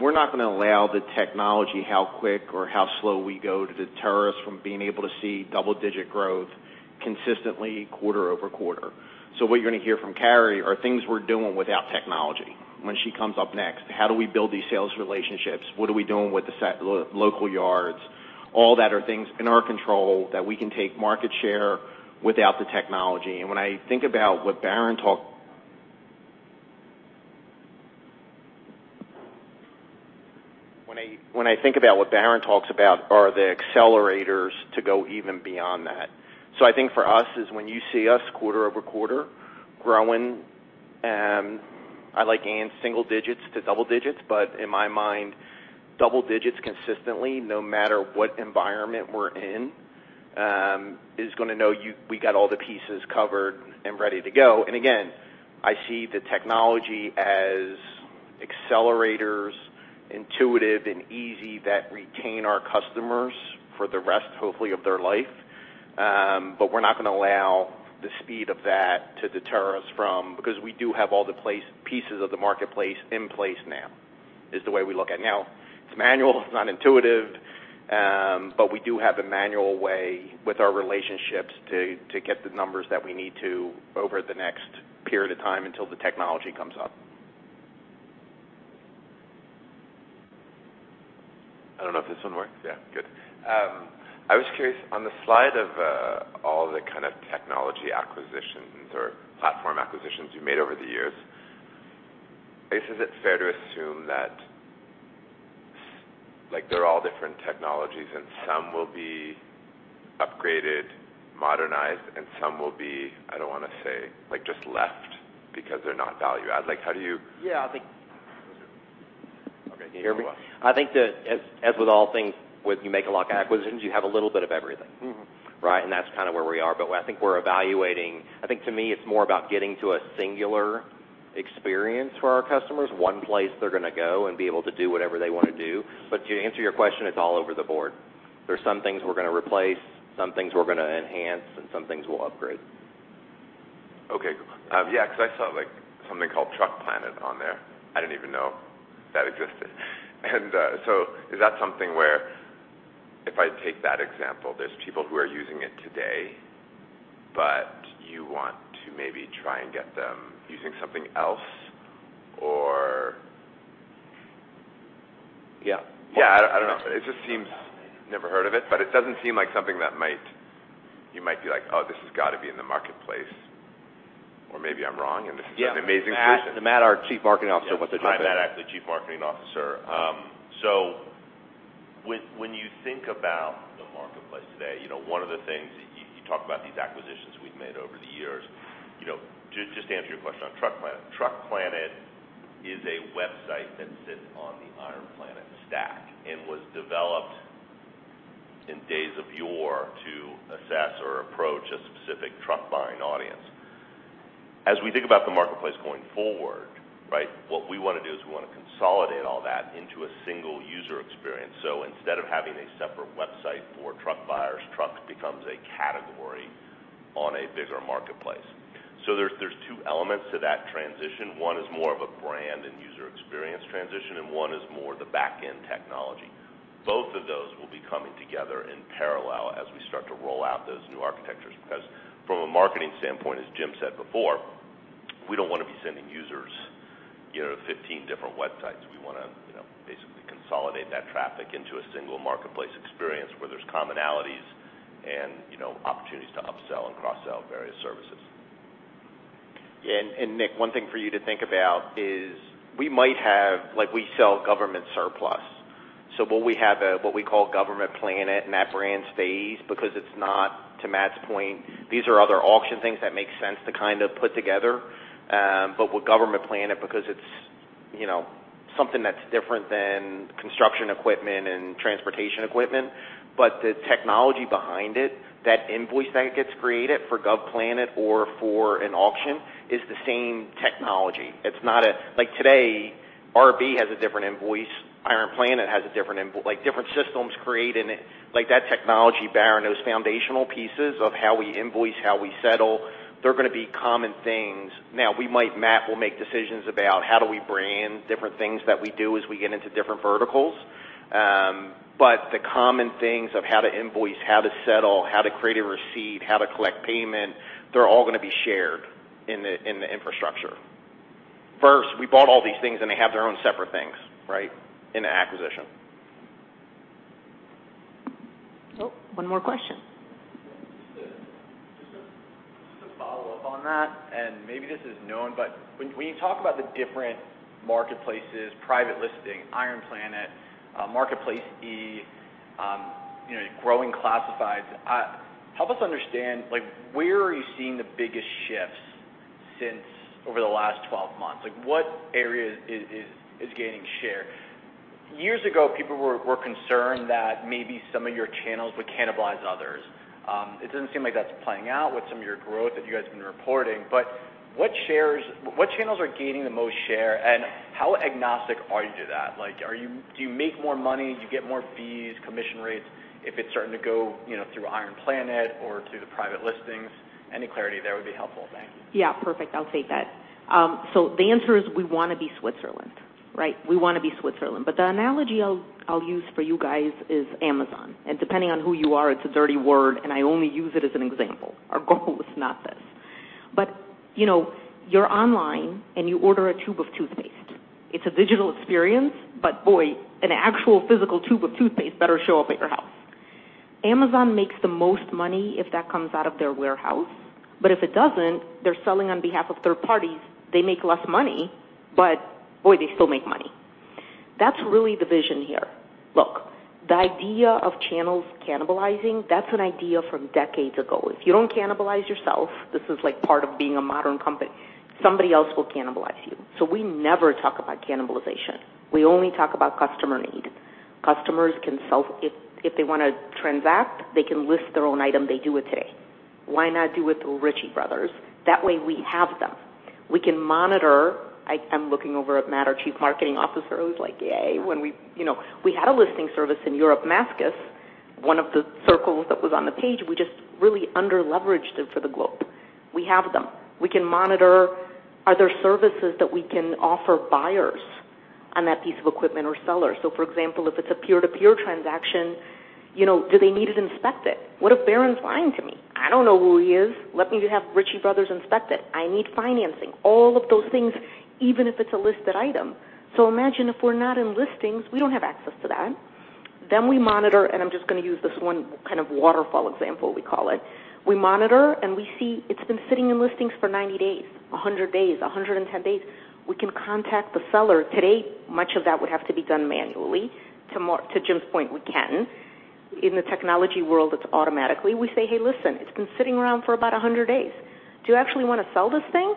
S3: we're not gonna allow the technology, how quick or how slow we go, to deter us from being able to see double-digit growth consistently quarter-over-quarter. What you're gonna hear from Kari are things we're doing without technology when she comes up next. How do we build these sales relationships? What are we doing with the local yards? All that are things in our control that we can take market share without the technology. When I think about what Baron talks about are the accelerators to go even beyond that. I think for us is when you see us quarter-over-quarter growing. I like Ann's single digits to double digits, but in my mind, double digits consistently no matter what environment we're in is going to show you we got all the pieces covered and ready to go. I see the technology as accelerators, intuitive and easy that retain our customers for the rest, hopefully, of their life. We're not gonna allow the speed of that to deter us from because we do have all the pieces of the marketplace in place now. That's the way we look at it. Now, it's manual, it's not intuitive, but we do have a manual way with our relationships to get the numbers that we need to over the next period of time until the technology comes up.
S7: I don't know if this one works. Yeah, good. I was curious. On the slide of all the kind of technology acquisitions or platform acquisitions you made over the years, I guess, is it fair to assume that, like, they're all different technologies, and some will be upgraded, modernized, and some will be, I don't wanna say, like, just left because they're not value add? Like, how do you-
S3: Yeah, I think.
S7: Okay.
S3: Can you hear me? I think that as with all things, when you make a lot of acquisitions, you have a little bit of everything.
S7: Mm-hmm.
S3: Right? That's kinda where we are. What I think we're evaluating, I think to me it's more about getting to a singular experience for our customers. One place they're gonna go and be able to do whatever they wanna do. To answer your question, it's all over the board. There's some things we're gonna replace, some things we're gonna enhance, and some things we'll upgrade.
S7: Okay. Yeah, cause I saw, like, something called TruckPlanet on there. I didn't even know that existed. Is that something where if I take that example, there's people who are using it today, but you want to maybe try and get them using something else or?
S3: Yeah.
S7: Yeah, I don't know. It just seems never heard of it, but it doesn't seem like something that you might be like, "Oh, this has gotta be in the marketplace." Or maybe I'm wrong, and this is an amazing acquisition.
S3: Yeah. Matt, our Chief Marketing Officer, wants to jump in.
S8: Yeah. Hi, Matt. I'm the Chief Marketing Officer. When you think about the marketplace today, you know, one of the things you talk about these acquisitions we've made over the years. You know, just to answer your question on TruckPlanet. TruckPlanet is a website that sits on the IronPlanet stack and was developed in days of yore to access or approach a specific truck buying audience. As we think about the marketplace going forward, right, what we wanna do is we wanna consolidate all that into a single user experience. Instead of having a separate website for truck buyers, trucks become a category on a bigger marketplace. There's two elements to that transition. One is more of a brand and user experience transition, and one is more the backend technology. Both of those will be coming together in parallel as we start to roll out those new architectures. Because from a marketing standpoint, as Jim said before, we don't wanna be sending users, you know, 15 different websites. We wanna, you know, basically consolidate that traffic into a single marketplace experience where there's commonalities and, you know, opportunities to upsell and cross-sell various services.
S3: Yeah. Nick, one thing for you to think about is we might have. Like, we sell government surplus, so will we have a, what we call GovPlanet, and that brand stays because it's not, to Matt's point, these are other auction things that make sense to kind of put together. With GovPlanet because it's, you know, something that's different than construction equipment and transportation equipment. The technology behind it, that invoice that gets created for GovPlanet or for an auction is the same technology. It's not a. Like, today, RB has a different invoice. IronPlanet has a different invoice. Like, different systems create, and it. Like, that technology bears on those foundational pieces of how we invoice, how we settle, they're gonna be common things. Now, Matt will make decisions about how do we brand different things that we do as we get into different verticals. The common things of how to invoice, how to settle, how to create a receipt, how to collect payment, they're all gonna be shared in the infrastructure. First, we bought all these things, and they have their own separate things, right, in the acquisition.
S2: One more question.
S5: Just a follow-up on that, and maybe this is known, but when you talk about the different marketplaces, private listing, IronPlanet, Marketplace-E, you know, growing classifieds, help us understand, like, where are you seeing the biggest shifts since over the last 12 months? Like, what area is gaining share? Years ago, people were concerned that maybe some of your channels would cannibalize others. It doesn't seem like that's playing out with some of your growth that you guys have been reporting. But what channels are gaining the most share, and how agnostic are you to that? Like, do you make more money, do you get more fees, commission rates if it's starting to go, you know, through IronPlanet or to the private listings? Any clarity there would be helpful. Thanks.
S2: Yeah, perfect. I'll take that. So, the answer is we wanna be Switzerland, right? We wanna be Switzerland. The analogy I'll use for you guys is Amazon, and depending on who you are, it's a dirty word, and I only use it as an example. Our goal is not this. You know, you're online, and you order a tube of toothpaste. It's a digital experience, but boy, an actual physical tube of toothpaste better show up at your house. Amazon makes the most money if that comes out of their warehouse, but if it doesn't, they're selling on behalf of third parties, they make less money, but boy, they still make money. That's really the vision here. Look, the idea of channels cannibalizing, that's an idea from decades ago. If you don't cannibalize yourself, this is like part of being a modern company, somebody else will cannibalize you. We never talk about cannibalization. We only talk about customer need. Customers can. If they wanna transact, they can list their own item. They do it today. Why not do it through Ritchie Bros.? That way we have them. We can monitor. I'm looking over at Matt, our Chief Marketing Officer, who's like, "Yay." When we, you know, we had a listing service in Europe, Mascus, one of the circles that was on the page. We just really under-leveraged it for the globe. We have them. We can monitor. Are there services that we can offer buyers on that piece of equipment or sellers? For example, if it's a peer-to-peer transaction, you know, do they need it inspected? What if Baron's lying to me? I don't know who he is. Let me have Ritchie Bros. inspect it. I need financing. All of those things, even if it's a listed item. Imagine if we're not in listings, we don't have access to that. We monitor, and I'm just gonna use this one kind of waterfall example, we call it. We monitor, and we see it's been sitting in listings for 90 days, 100 days, 110 days. We can contact the seller. Today, much of that would have to be done manually. To Jim's point, we can. In the technology world, it's automatic. We say, "Hey, listen, it's been sitting around for about 100 days. Do you actually wanna sell this thing?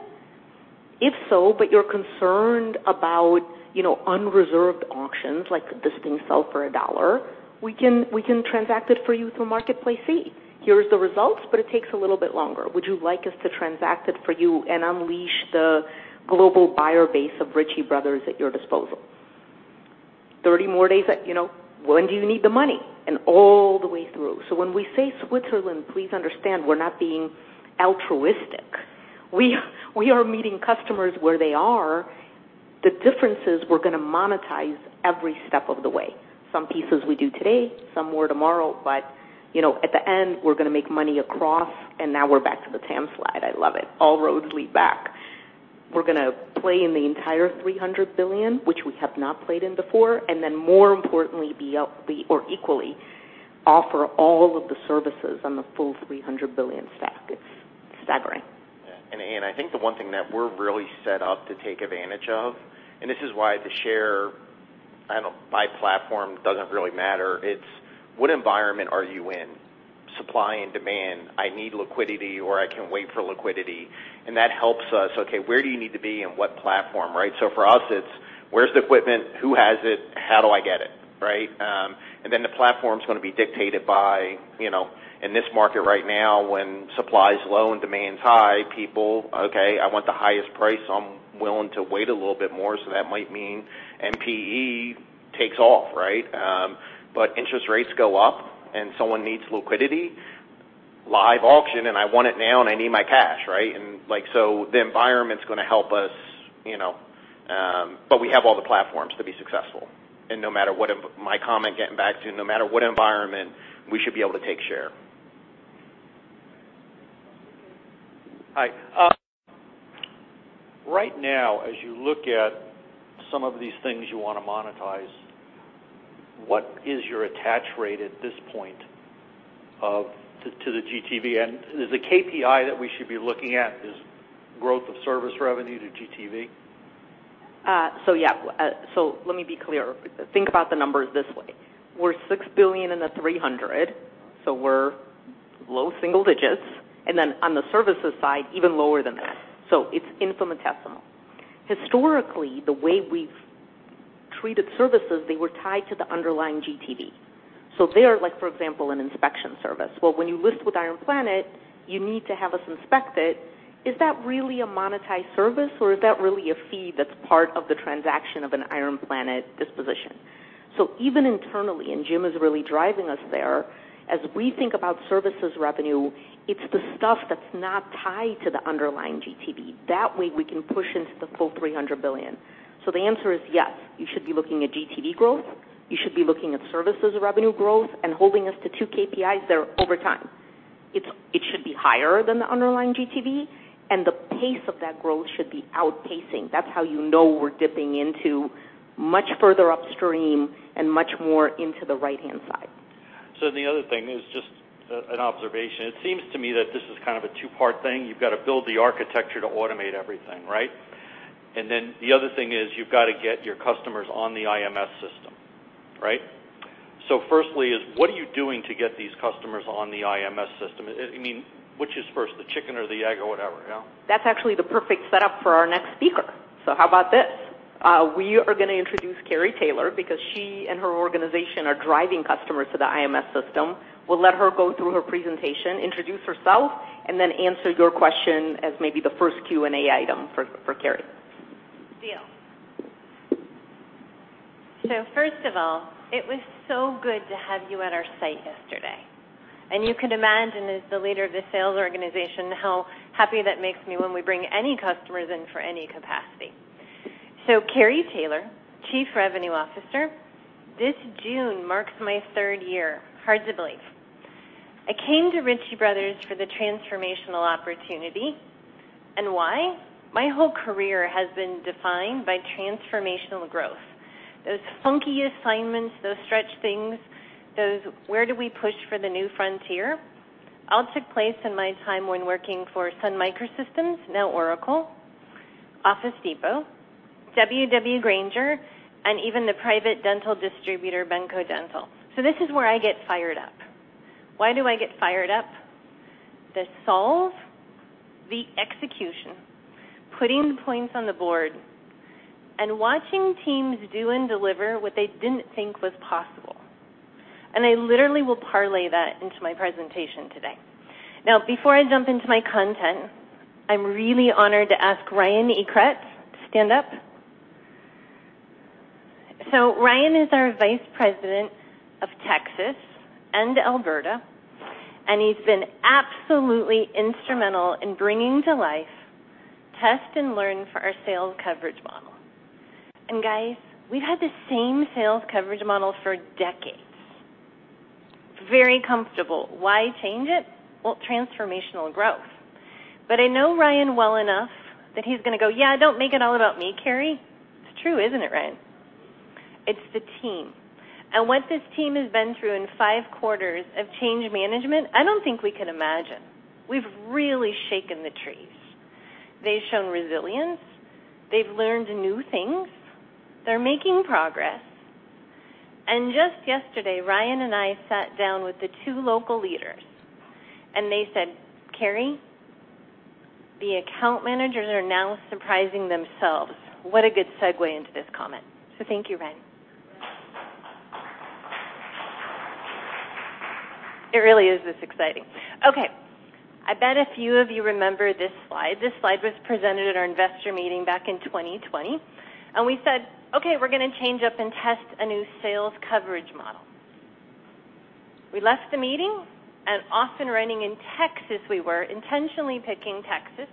S2: If so, but you're concerned about, you know, unreserved auctions, like could this thing sell for a dollar, we can transact it for you through Marketplace-E. Here's the results, but it takes a little bit longer. Would you like us to transact it for you and unleash the global buyer base of Ritchie Bros. at your disposal? 30 more days that, you know, when do you need the money? All the way through. When we say Switzerland, please understand we're not being altruistic. We are meeting customers where they are. The difference is we're gonna monetize every step of the way. Some pieces we do today, some more tomorrow, but, you know, at the end, we're gonna make money across. Now we're back to the same slide. I love it. All roads lead back. We're gonna play in the entire $300 billion, which we have not played in before. More importantly or equally offer all of the services on the full $300 billion stack. It's staggering.
S3: Yeah. Ann, I think the one thing that we're really set up to take advantage of, and this is why the share, I don't know, by platform doesn't really matter. It's what environment are you in, supply and demand. I need liquidity, or I can wait for liquidity, and that helps us. Okay, where do you need to be and what platform, right? For us, it's where's the equipment? Who has it? How do I get it, right? The platform's gonna be dictated by, you know, in this market right now, when supply is low and demand's high, people, okay, I want the highest price, so I'm willing to wait a little bit more. That might mean MPE takes off, right? Interest rates go up and someone needs liquidity, live auction, and I want it now and I need my cash, right? Like, so the environment's gonna help us, you know, but we have all the platforms to be successful. No matter what environment, my comment, getting back to you, no matter what environment, we should be able to take share.
S7: Hi. Right now, as you look at some of these things you wanna monetize, what is your attach rate at this point to the GTV? Is the KPI that we should be looking at is growth of service revenue to GTV?
S2: Yeah. Let me be clear. Think about the numbers this way. We're $6 billion in the $300 billion, so we're low single digits. Then on the services side, even lower than that. It's infinitesimal. Historically, the way we've treated services, they were tied to the underlying GTV. They are, like, for example, an inspection service. Well, when you list with IronPlanet, you need to have us inspect it. Is that really a monetized service or is that really a fee that's part of the transaction of an IronPlanet disposition? Even internally, and Jim is really driving us there, as we think about services revenue, it's the stuff that's not tied to the underlying GTV. That way, we can push into the full $300 billion. The answer is yes. You should be looking at GTV growth. You should be looking at services revenue growth and holding us to two KPIs there over time. It should be higher than the underlying GTV, and the pace of that growth should be outpacing. That's how you know we're dipping into much further upstream and much more into the right-hand side.
S7: The other thing is just an observation. It seems to me that this is kind of a two-part thing. You've got to build the architecture to automate everything, right? The other thing is you've got to get your customers on the IMS system, right? Firstly is, what are you doing to get these customers on the IMS system? I mean, which is first, the chicken or the egg or whatever, you know?
S2: That's actually the perfect setup for our next speaker. How about this? We are gonna introduce Kari Taylor because she and her organization are driving customers to the IMS system. We'll let her go through her presentation, introduce herself, and then answer your question as maybe the first Q&A item for Kari.
S9: Deal. First of all, it was so good to have you at our site yesterday. You can imagine, as the leader of the sales organization, how happy that makes me when we bring any customers in for any capacity. Kari Taylor, Chief Revenue Officer. This June marks my third year. Hard to believe. I came to Ritchie Bros. for the transformational opportunity, and why? My whole career has been defined by transformational growth. Those funky assignments, those stretch things, those where do we push for the new frontier, all took place in my time when working for Sun Microsystems, now Oracle, Office Depot, W.W. Grainger, and even the private dental distributor, Benco Dental. This is where I get fired up. Why do I get fired up? The solve, putting points on the board and watching teams do and deliver what they didn't think was possible. I literally will parlay that into my presentation today. Now, before I jump into my content, I'm really honored to ask Ryan Eckert to stand up. Ryan is our Vice President of Texas and Alberta, and he's been absolutely instrumental in bringing to life test and learn for our sales coverage model. Guys, we've had the same sales coverage model for decades. Very comfortable. Why change it? Well, transformational growth. I know Ryan well enough that he's gonna go, "Yeah, don't make it all about me, Kari." It's true, isn't it, Ryan? It's the team. What this team has been through in five quarters of change management, I don't think we can imagine. We've really shaken the trees. They've shown resilience, they've learned new things, they're making progress. Just yesterday, Ryan and I sat down with the two local leaders, and they said, "Kari, the account managers are now surprising themselves." What a good segue into this comment. Thank you, Ryan. It really is this exciting. Okay. I bet a few of you remember this slide. This slide was presented at our investor meeting back in 2020, and we said, "Okay, we're gonna change up and test a new sales coverage model." We left the meeting, and off and running in Texas, we were intentionally picking Texas.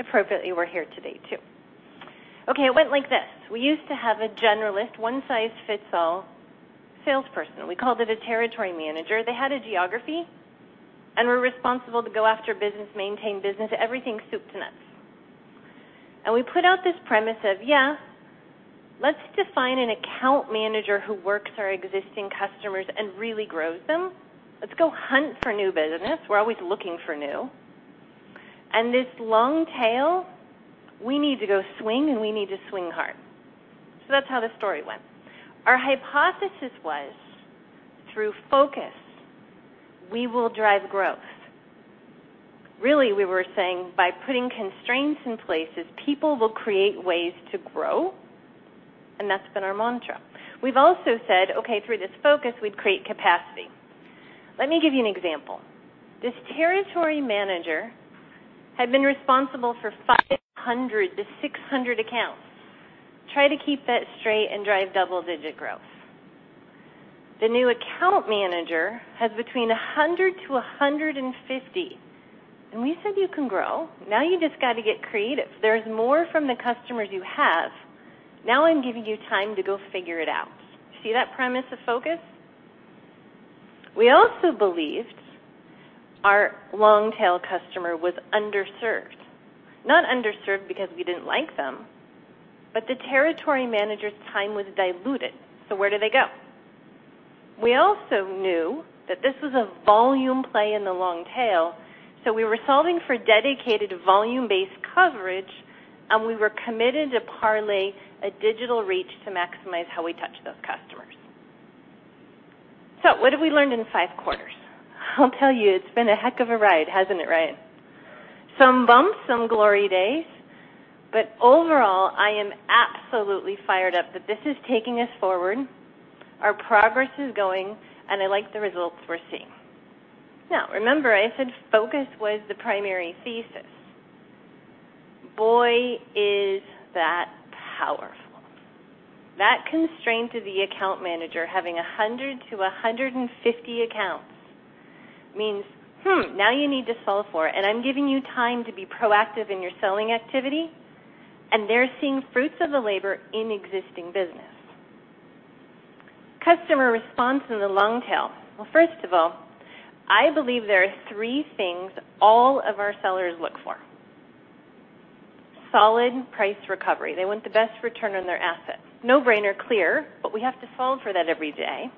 S9: Appropriately, we're here today too. Okay, it went like this. We used to have a generalist one-size-fits-all salesperson. We called it a territory manager. They had a geography and were responsible to go after business, maintain business, everything soup to nuts. We put out this premise of, yeah, let's define an account manager who works our existing customers and really grows them. Let's go hunt for new business. We're always looking for new. This long tail, we need to go swing, and we need to swing hard. That's how the story went. Our hypothesis was, through focus, we will drive growth. Really, we were saying by putting constraints in places, people will create ways to grow, and that's been our mantra. We've also said, "Okay, through this focus, we'd create capacity." Let me give you an example. This territory manager had been responsible for 500-600 accounts. Try to keep that straight and drive double-digit growth. The new account manager has between 100-150, and we said, "You can grow. Now you just got to get creative. There's more from the customers you have. Now I'm giving you time to go figure it out." See that premise of focus? We also believed our long-tail customer was underserved. Not underserved because we didn't like them, but the territory manager's time was diluted. Where do they go? We also knew that this was a volume play in the long tail, so we were solving for dedicated volume-based coverage, and we were committed to parlay a digital reach to maximize how we touch those customers. What have we learned in five quarters? I'll tell you, it's been a heck of a ride, hasn't it, Ryan? Some bumps, some glory days, but overall, I am absolutely fired up that this is taking us forward. Our progress is going, and I like the results we're seeing. Now, remember I said focus was the primary thesis. Boy, is that powerful. That constraint of the account manager having 100-150 accounts means now you need to solve for it, and I'm giving you time to be proactive in your selling activity, and they're seeing fruits of the labor in existing business. Customer response in the long tail. Well, first of all, I believe there are three things all of our sellers look for. Solid price recovery. They want the best return on their assets. No-brainer, clear, but we have to solve for that every day.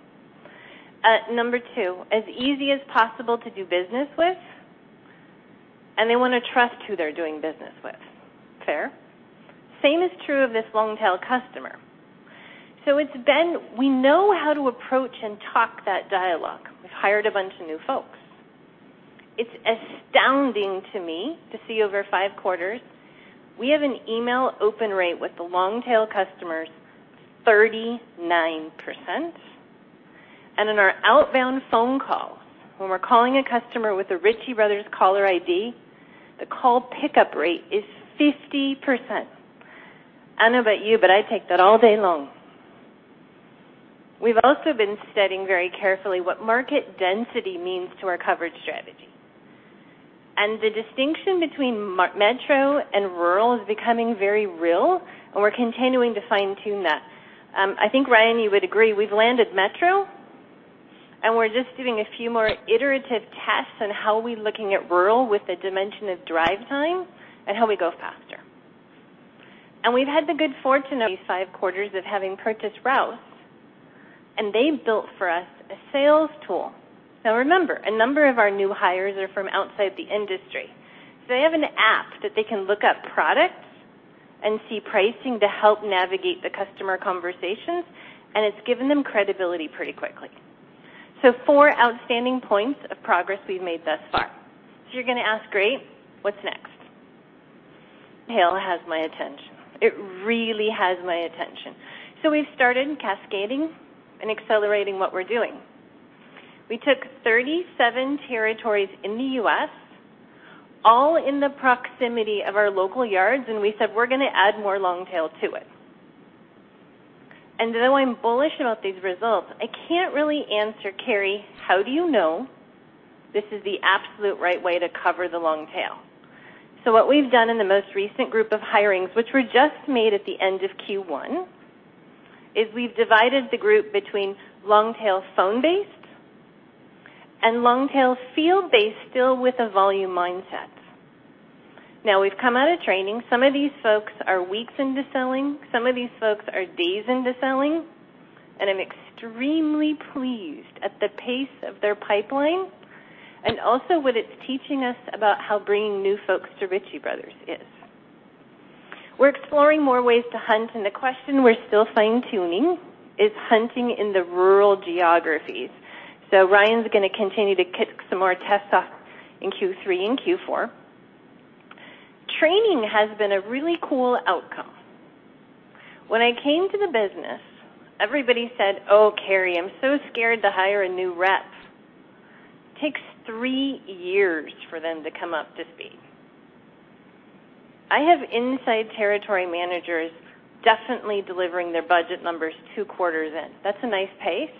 S9: Number two, as easy as possible to do business with, and they wanna trust who they're doing business with. Fair? Same is true of this long-tail customer. We know how to approach and talk that dialogue. We've hired a bunch of new folks. It's astounding to me to see over five quarters we have an email open rate with the long-tail customers, 39%. In our outbound phone calls, when we're calling a customer with a Ritchie Brothers caller ID, the call pickup rate is 50%. I don't know about you, but I take that all day long. We've also been studying very carefully what market density means to our coverage strategy. The distinction between metro and rural is becoming very real, and we're continuing to fine-tune that. I think, Ryan, you would agree, we've landed metro, and we're just doing a few more iterative tests on how we're looking at rural with the dimension of drive time and how we go faster. We've had the good fortune of these five quarters of having purchased Rouse, and they built for us a sales tool. Now, remember, a number of our new hires are from outside the industry. They have an app that they can look up products and see pricing to help navigate the customer conversations, and it's given them credibility pretty quickly. Four outstanding points of progress we've made thus far. You're gonna ask, great, what's next? Hail has my attention. It really has my attention. We've started cascading and accelerating what we're doing. We took 37 territories in the U.S., all in the proximity of our local yards, and we said, "We're gonna add more long tail to it." Though I'm bullish about these results, I can't really answer, Kari, how do you know this is the absolute right way to cover the long tail? What we've done in the most recent group of hirings, which were just made at the end of Q1, is we've divided the group between long tail phone-based and long tail field-based, still with a volume mindset. Now we've come out of training. Some of these folks are weeks into selling, some of these folks are days into selling, and I'm extremely pleased at the pace of their pipeline and also what it's teaching us about how bringing new folks to Ritchie Bros. is. We're exploring more ways to hunt, and the question we're still fine-tuning is hunting in the rural geographies. Ryan's gonna continue to kick some more tests off in Q3 and Q4. Training has been a really cool outcome. When I came to the business, everybody said, "Oh, Kari, I'm so scared to hire a new rep. Takes three years for them to come up to speed." I have inside territory managers definitely delivering their budget numbers two quarters in. That's a nice pace.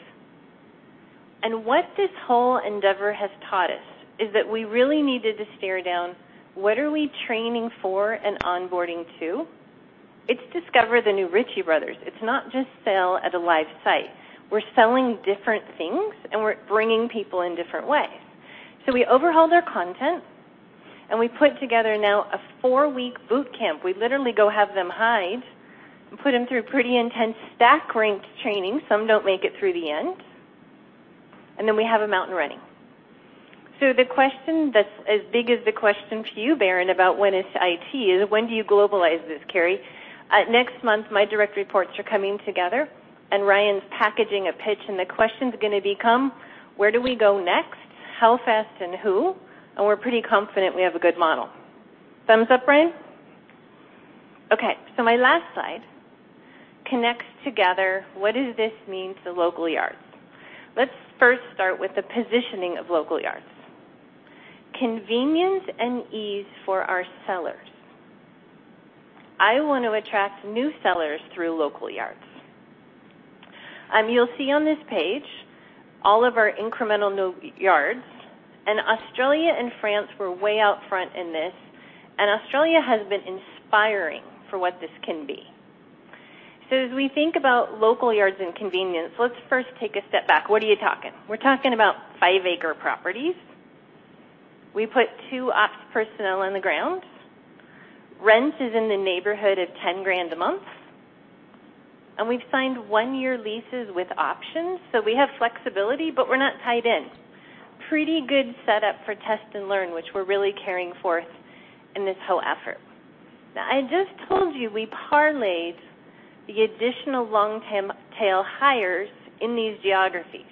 S9: What this whole endeavor has taught us is that we really needed to stare down what are we training for and onboarding to. It's to discover the new Ritchie Bros. It's not just sell at a live site. We're selling different things, and we're bringing people in different ways. We overhauled our content, and we put together now a four-week boot camp. We literally go have them ride and put them through pretty intense stack-ranked training. Some don't make it through the end. Then we have them out and running. The question that's as big as the question to you, Baron, about when it's IT, is when do you globalize this, Kari? Next month, my direct reports are coming together, and Ryan's packaging a pitch, and the question's gonna become, where do we go next? How fast and who? We're pretty confident we have a good model. Thumbs up, Ryan? Okay. My last slide connects together what does this mean to local yards? Let's first start with the positioning of local yards. Convenience and ease for our sellers. I want to attract new sellers through local yards. You'll see on this page all of our incremental new yards, and Australia and France were way out front in this, and Australia has been inspiring for what this can be. As we think about local yards and convenience, let's first take a step back. We're talking about five-acre properties. We put two ops' personnel on the ground. Rent is in the neighborhood of $10,000 a month, and we've signed one-year leases with options, so we have flexibility, but we're not tied in. Pretty good setup for test and learn, which we're really carrying forth in this whole effort. Now, I just told you we parlayed the additional long-term tail hires in these geographies.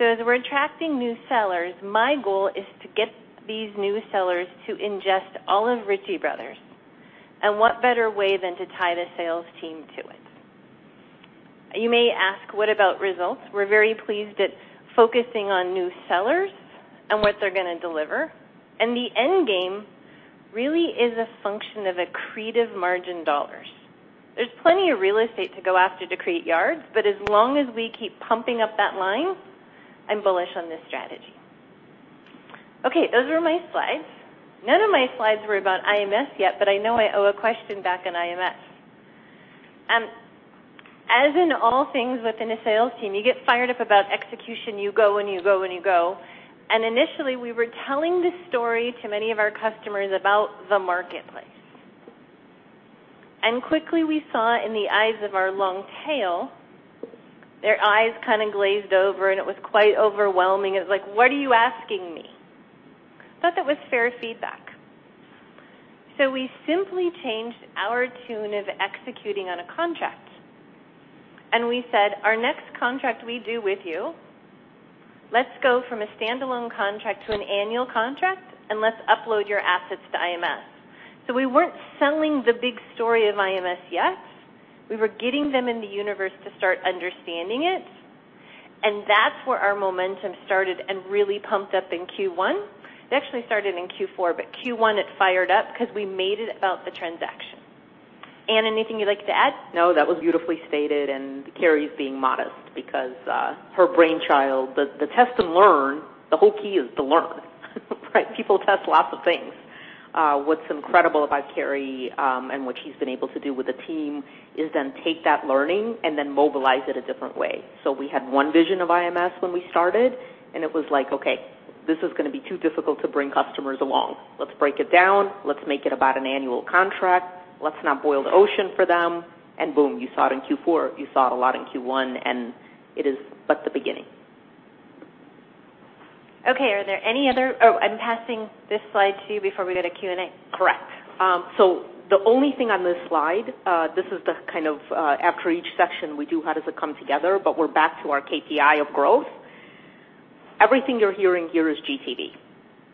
S9: As we're attracting new sellers, my goal is to get these new sellers to ingest all of Ritchie Brothers. What better way than to tie the sales team to it? You may ask, what about results? We're very pleased at focusing on new sellers and what they're gonna deliver. The end game really is a function of accretive margin dollars. There's plenty of real estate to go after to create yards, but as long as we keep pumping up that line, I'm bullish on this strategy. Okay, those were my slides. None of my slides were about IMS yet, but I know I owe a question back on IMS. As in all things within a sales team, you get fired up about execution. You go, and you go, and you go. Initially, we were telling this story to many of our customers about the marketplace. Quickly, we saw in the eyes of our long tail, their eyes kind of glazed over, and it was quite overwhelming. It was like, "What are you asking me?" Thought that was fair feedback. We simply changed our tune of executing on a contract, and we said, "Our next contract we do with you, let's go from a standalone contract to an annual contract, and let's upload your assets to IMS." We weren't selling the big story of IMS yet. We were getting them in the universe to start understanding it, and that's where our momentum started and really pumped up in Q1. It actually started in Q4, but Q1, it fired up cause we made it about the transaction. Ann, anything you'd like to add?
S2: No, that was beautifully stated, and Kari's being modest because her brainchild, the test and learn, the whole key is to learn, right? People test lots of things. What's incredible about Kari, and what she's been able to do with the team is then take that learning and then mobilize it a different way. We had one vision of IMS when we started, and it was like, "Okay, this is gonna be too difficult to bring customers along. Let's break it down. Let's make it about an annual contract. Let's not boil the ocean for them." Boom, you saw it in Q4. You saw it a lot in Q1, and it is but the beginning.
S9: Okay. Oh, I'm passing this slide to you before we go to Q&A.
S2: Correct. So, the only thing on this slide, this is kind of after each section we do, how does it come together? We're back to our KPI of growth. Everything you're hearing here is GTV,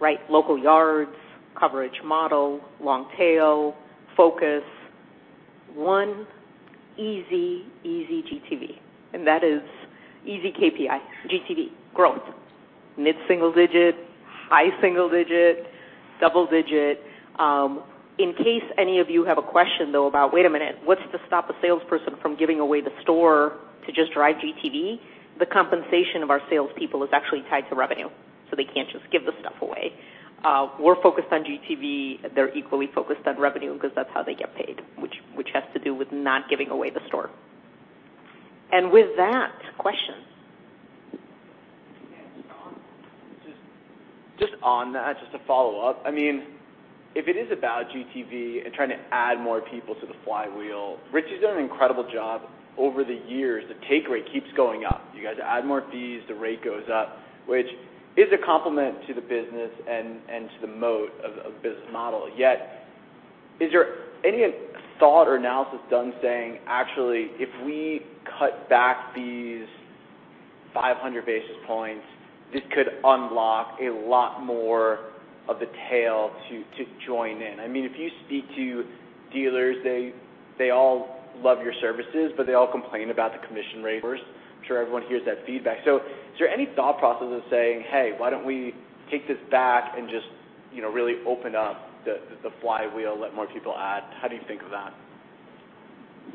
S2: right? Local yards, coverage model, long tail, focus. One easy GTV, and that is easy KPI, GTV growth, mid-single-digit, high single-digit, double-digit. In case any of you have a question, though, about what's to stop a salesperson from giving away the store to just drive GTV? The compensation of our salespeople is actually tied to revenue, so they can't just give the stuff away. We're focused on GTV. They're equally focused on revenue because that's how they get paid, which has to do with not giving away the store. With that, questions.
S5: Just on that, just to follow up. I mean, if it is about GTV and trying to add more people to the flywheel, Rich has done an incredible job over the years. The take rate keeps going up. You guys add more fees, the rate goes up, which is a compliment to the business and to the moat of business model. Yet is there any thought or analysis done saying, "Actually, if we cut back these 500 basis points, this could unlock a lot more of the tail to join in." I mean, if you speak to dealers, they all love your services, but they all complain about the commission rate first. I'm sure everyone hears that feedback. Is there any thought process of saying, "Hey, why don't we take this back and just, you know, really open up the flywheel, let more people add?" How do you think of that?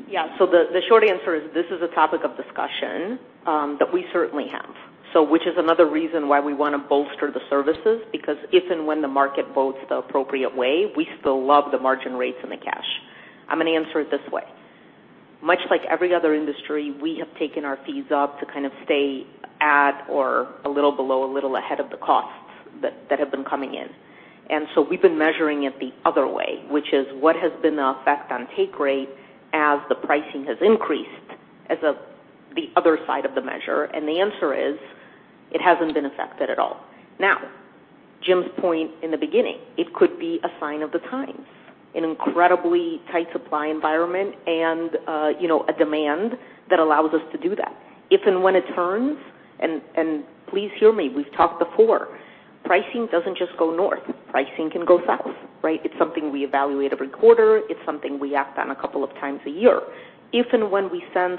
S2: Yeah. The short answer is this is a topic of discussion that we certainly have. Which is another reason why we wanna bolster the services, because if and when the market bodes the appropriate way, we still love the margin rates and the cash. I'm gonna answer it this way. Much like every other industry, we have taken our fees up to kind of stay at or a little below, a little ahead of the costs that have been coming in. We've been measuring it the other way, which is what has been the effect on take rate as the pricing has increased as the other side of the measure, and the answer is, it hasn't been affected at all. Now, Jim's point in the beginning, it could be a sign of the times, an incredibly tight supply environment and, you know, a demand that allows us to do that. If and when it turns, and please hear me, we've talked before, pricing doesn't just go north. Pricing can go south, right? It's something we evaluate every quarter. It's something we act on a couple of times a year. If and when we sense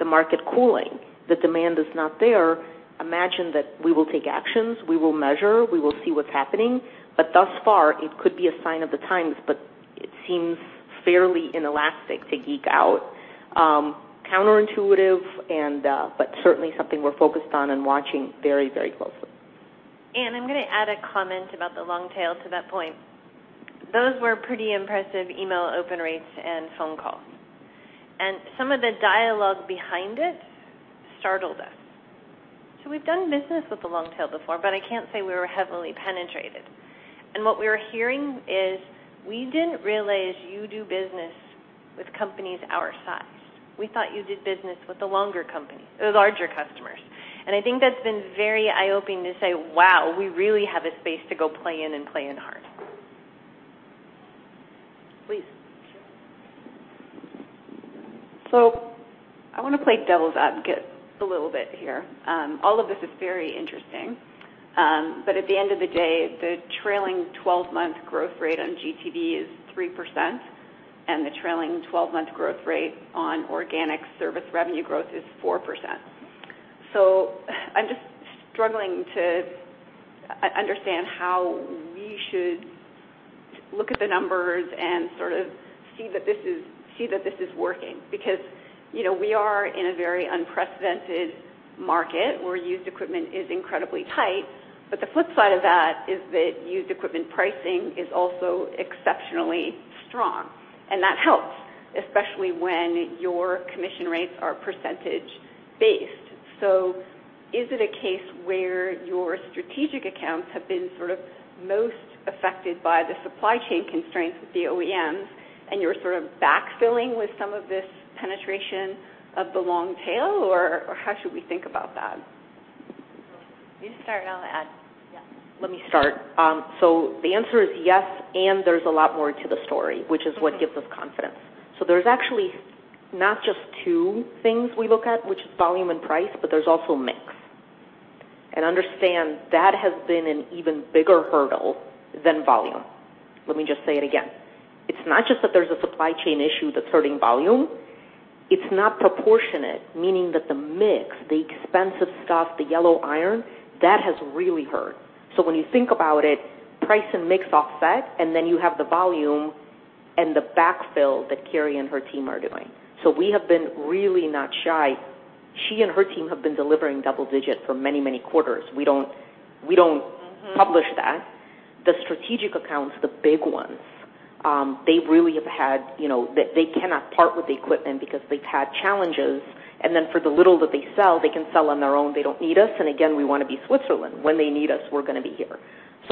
S2: the market cooling, the demand is not there, imagine that we will take actions, we will measure, we will see what's happening. Thus far, it could be a sign of the times, but it seems fairly inelastic to geek out. Counterintuitive and, but certainly something we're focused on and watching very, very closely.
S9: I'm gonna add a comment about the long tail to that point. Those were pretty impressive email open rates and phone calls, and some of the dialogue behind it startled us. We've done business with the long tail before, but I can't say we were heavily penetrated. What we were hearing is we didn't realize you do business with companies our size. We thought you did business with the longer company, the larger customers. I think that's been very eye-opening to say, "Wow, we really have a space to go play in and play in hard." Please.
S6: I wanna play devil's advocate a little bit here. All of this is very interesting. At the end of the day, the trailing 12-month growth rate on GTV is 3%, and the trailing 12-month growth rate on organic service revenue growth is 4%. I'm just struggling to understand how we should look at the numbers and sort of see that this is working. Because, you know, we are in a very unprecedented market where used equipment is incredibly tight. The flip side of that is that used equipment pricing is also exceptionally strong, and that helps, especially when your commission rates are percentage based. Is it a case where your strategic accounts have been sort of most affected by the supply chain constraints with the OEMs, and you're sort of backfilling with some of this penetration of the long tail, or how should we think about that?
S9: You start, I'll add. Yeah.
S2: Let me start. The answer is yes, there's a lot more to the story, which is what gives us confidence. There's actually not just two things we look at, which is volume and price, but there's also mix. Understand that has been an even bigger hurdle than volume. Let me just say it again. It's not just that there's a supply chain issue that's hurting volume. It's not proportionate, meaning that the mix, the expensive stuff, the yellow iron, that has really hurt. When you think about it, price and mix offset, and then you have the volume and the backfill that Kari and her team are doing. We have been really not shy. She and her team have been delivering double digit for many, many quarters. We don't publish that. The strategic accounts, the big ones, they really have had. You know, they cannot part with the equipment because they've had challenges, and then for the little that they sell, they can sell on their own. They don't need us, and again, we wanna be Switzerland. When they need us, we're gonna be here.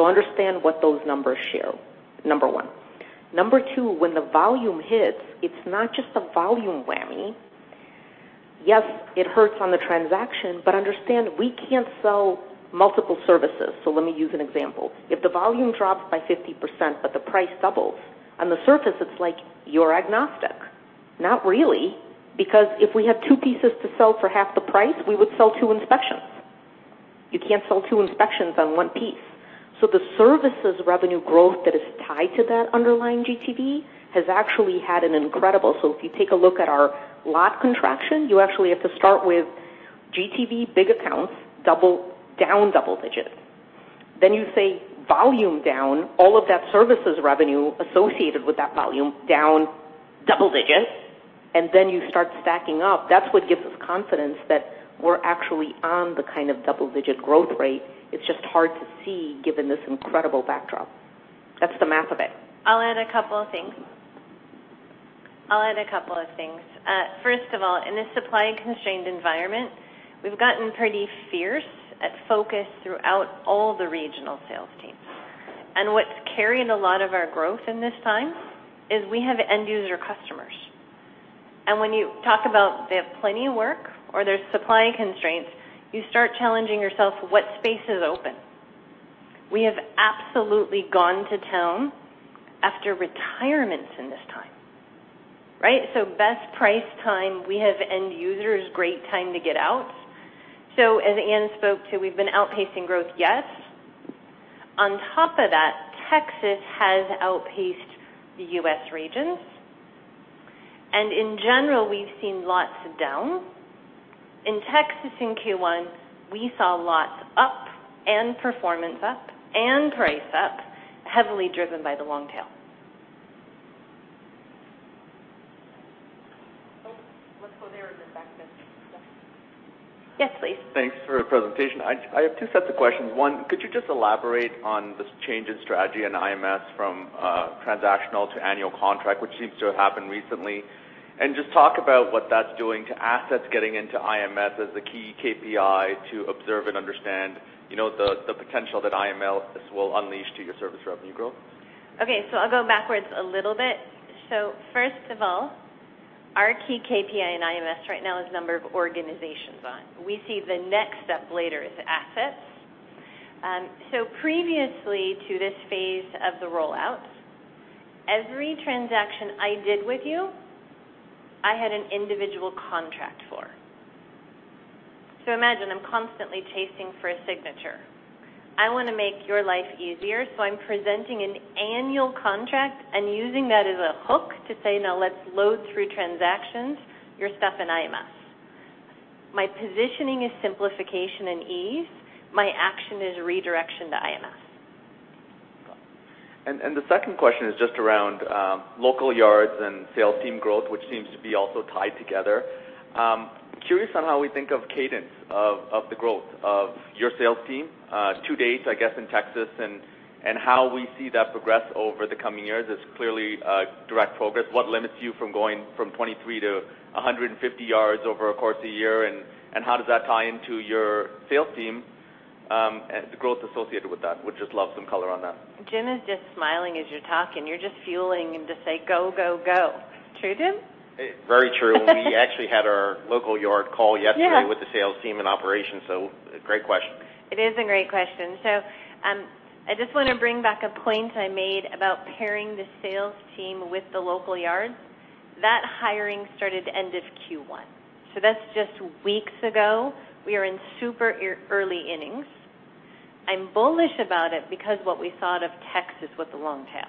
S2: Understand what those numbers show, number one. Number two, when the volume hits, it's not just a volume whammy. Yes, it hurts on the transaction but understand we can't sell multiple services. Let me use an example. If the volume drops by 50% but the price doubles, on the surface it's like you're agnostic. Not really, because if we have two pieces to sell for half the price, we would sell two inspections. You can't sell two inspections on one piece. The services revenue growth that is tied to that underlying GTV has actually had an incredible. If you take a look at our lot contraction, you actually have to start with GTV big accounts, double down double digits. You say volume down, all of that services revenue associated with that volume down double digits, and then you start stacking up. That's what gives us confidence that we're actually on the kind of double-digit growth rate. It's just hard to see given this incredible backdrop. That's the math of it.
S9: I'll add a couple of things. First of all, in this supply constrained environment, we've gotten pretty fierce at focus throughout all the regional sales teams. What's carried a lot of our growth in this time is we have end user customers. When you talk about, they have plenty of work or there's supply constraints, you start challenging yourself what space is open. We have absolutely gone to town after retirements in this time, right? Best price time, we have end users, great time to get out. As Ann spoke to, we've been outpacing growth, yes. On top of that, Texas has outpaced the U.S. regions. In general, we've seen lots down. In Texas in Q1, we saw lots up and performance up and price up, heavily driven by the long tail.
S2: Oh, let's go there and then back then.
S9: Yes, please.
S7: Thanks for the presentation. I have two sets of questions. One, could you just elaborate on this change in strategy in IMS from transactional to annual contract, which seems to have happened recently? Just talk about what that's doing to assets getting into IMS as the key KPI to observe and understand, you know, the potential that IMS will unleash to your service revenue growth.
S9: Okay. I'll go backwards a little bit. First of all, our key KPI in IMS right now is number of organizations on. We see the next step later is assets. Previously to this phase of the rollout, every transaction I did with you, I had an individual contract for. Imagine I'm constantly chasing for a signature. I wanna make your life easier, so I'm presenting an annual contract and using that as a hook to say, "Now let's load through transactions, your stuff in IMS." My positioning is simplification and ease. My action is redirection to IMS.
S7: The second question is just around local yards and sales team growth, which seems to be also tied together. Curious on how we think of cadence of the growth of your sales team to date, I guess, in Texas and how we see that progress over the coming years. It's clearly a direct focus. What limits you from going from 23 to 150 yards over a course of a year, and how does that tie into your sales team the growth associated with that? Would just love some color on that.
S9: Jim is just smiling as you're talking. You're just fueling him to say, "Go, go." True, Jim?
S3: Very true. We actually had our local yard call yesterday.
S9: Yeah.
S3: With the sales team in operation, so great question.
S9: It is a great question. I just wanna bring back a point I made about pairing the sales team with the local yards. That hiring started end of Q1. That's just weeks ago. We are in super early innings. I'm bullish about it because what we saw out of Texas with the long tail.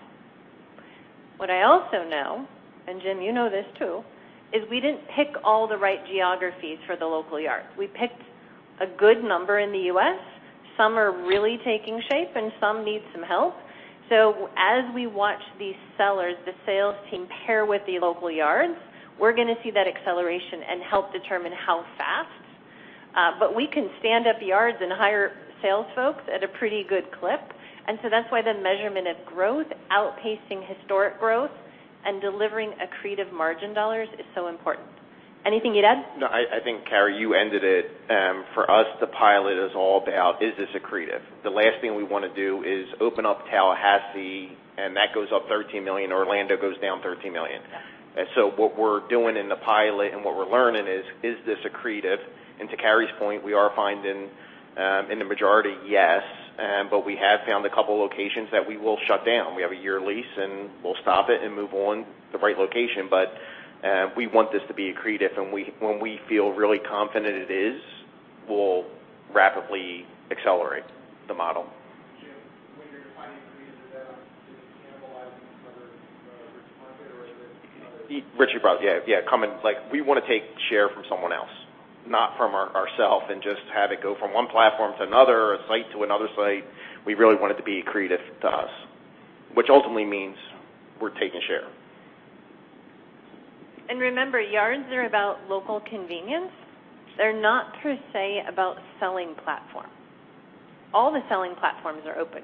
S9: What I also know, and Jim, you know this too, is we didn't pick all the right geographies for the local yards. We picked a good number in the U.S. Some are really taking shape, and some need some help. As we watch these sellers, the sales team pair with the local yards, we're gonna see that acceleration and help determine how fast. We can stand up yards and hire sales folks at a pretty good clip. That's why the measurement of growth outpacing historic growth and delivering accretive margin dollars is so important. Anything you'd add?
S3: No. I think, Kari, you ended it. For us, the pilot is all about, is this accretive? The last thing we want to do is open up Tallahassee, and that goes up $13 million, Orlando goes down $13 million.
S9: Yeah.
S3: What we're doing in the pilot and what we're learning is this accretive? To Kari's point, we are finding in the majority, yes. We have found a couple locations that we will shut down. We have a year lease, and we'll stop it and move on to the right location. We want this to be accretive, and when we feel really confident it is, we'll rapidly accelerate the model.
S7: Jim, when you're defining accretive, is that on just cannibalizing some other Ritchie market or is it, you know, just- (inaudible)
S3: Ritchie Bros. Yeah. Like, we wanna take share from someone else, not from ourselves and just have it go from one platform to another or a site to another site. We really want it to be accretive to us, which ultimately means we're taking share.
S9: Remember, yards are about local convenience. They're not per se about selling platforms. All the selling platforms are open.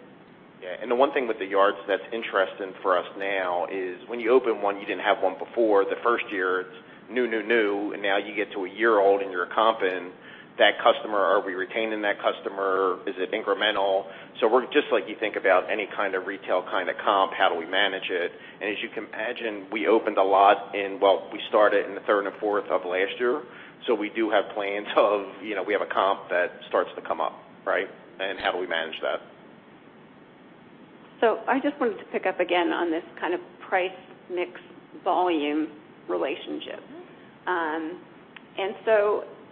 S3: Yeah. The one thing with the yards that's interesting for us now is when you open one, you didn't have one before. The first year, it's new, new, and now you get to a year old and you're a comp in. That customer, are we retaining that customer? Is it incremental? We're just like you think about any kind of retail kind of comp, how do we manage it? As you can imagine, we opened a lot in the third and fourth of last year. Well, we started in the third and fourth of last year, so we do have plans to, you know, we have a comp that starts to come up, right? How do we manage that?
S6: I just wanted to pick up again on this kind of price mix volume relationship.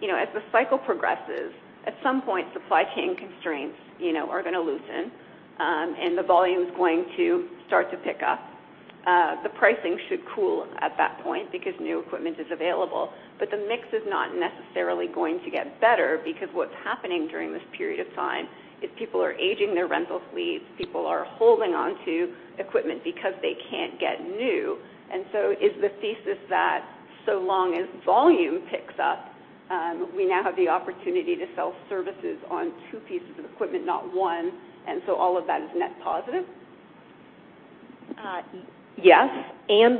S6: You know, as the cycle progresses, at some point, supply chain constraints, you know, are gonna loosen, and the volume is going to start to pick up. The pricing should cool at that point because new equipment is available. The mix is not necessarily going to get better, because what's happening during this period of time is people are aging their rental fleets, people are holding on to equipment because they can't get new. Is the thesis that so long as volume picks up, we now have the opportunity to sell services on two pieces of equipment, not one, and so all of that is net positive?
S2: Yes,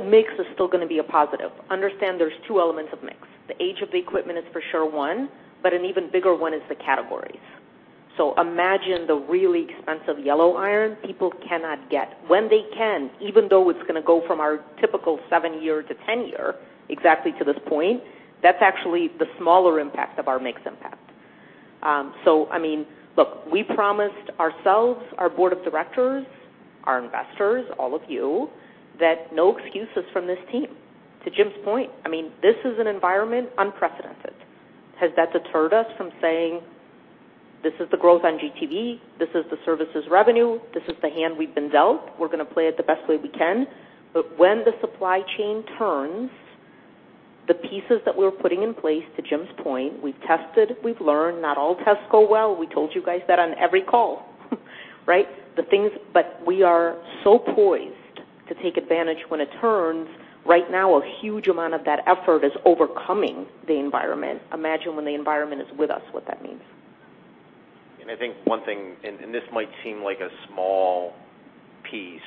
S2: mix is still gonna be a positive. Understand there's two elements of mix. The age of the equipment is for sure one, but an even bigger one is the categories. Imagine the really expensive yellow iron people cannot get. When they can, even though it's gonna go from our typical seven-year to 10-year, exactly to this point, that's actually the smaller impact of our mix impact. I mean, look, we promised ourselves, our board of directors, our investors, all of you, that no excuses from this team. To Jim's point, I mean, this is an environment unprecedented. Has that deterred us from saying, this is the growth on GTV, this is the services revenue, this is the hand we've been dealt, we're gonna play it the best way we can. When the supply chain turns, the pieces that we're putting in place, to Jim's point, we've tested, we've learned, not all tests go well. We told you guys that on every call. Right. We are so poised to take advantage when it turns. Right now, a huge amount of that effort is overcoming the environment. Imagine when the environment is with us, what that means.
S3: I think one thing, and this might seem like a small piece,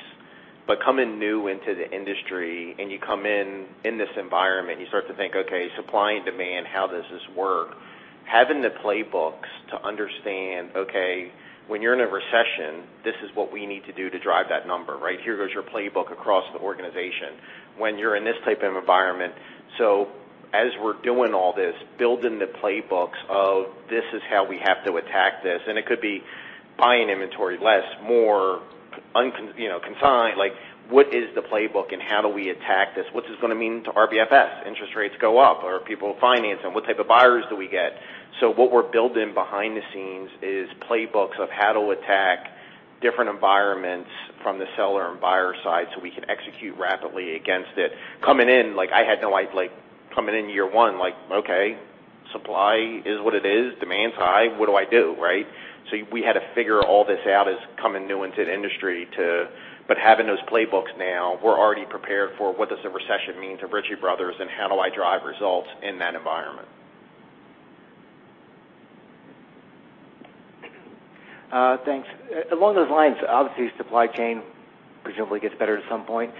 S3: but coming new into the industry, and you come in in this environment, you start to think, okay, supply and demand, how does this work? Having the playbooks to understand, okay, when you're in a recession, this is what we need to do to drive that number, right? Here goes your playbook across the organization when you're in this type of environment. As we're doing all this, building the playbooks of this is how we have to attack this, and it could be buying inventory less, more, you know, consigned. Like, what is the playbook and how do we attack this? What's this gonna mean to RBFS? Interest rates go up or are people financing? What type of buyers do we get? What we're building behind the scenes is playbooks of how to attack different environments from the seller and buyer side, so we can execute rapidly against it. Coming in, like, coming in year one, like, okay, supply is what it is. Demand's high. What do I do, right? We had to figure all this out as coming new into the industry. Having those playbooks now, we're already prepared for what does a recession mean to Ritchie Bros. and how do I drive results in that environment?
S7: Thanks. Along those lines, obviously, supply chain presumably gets better at some point.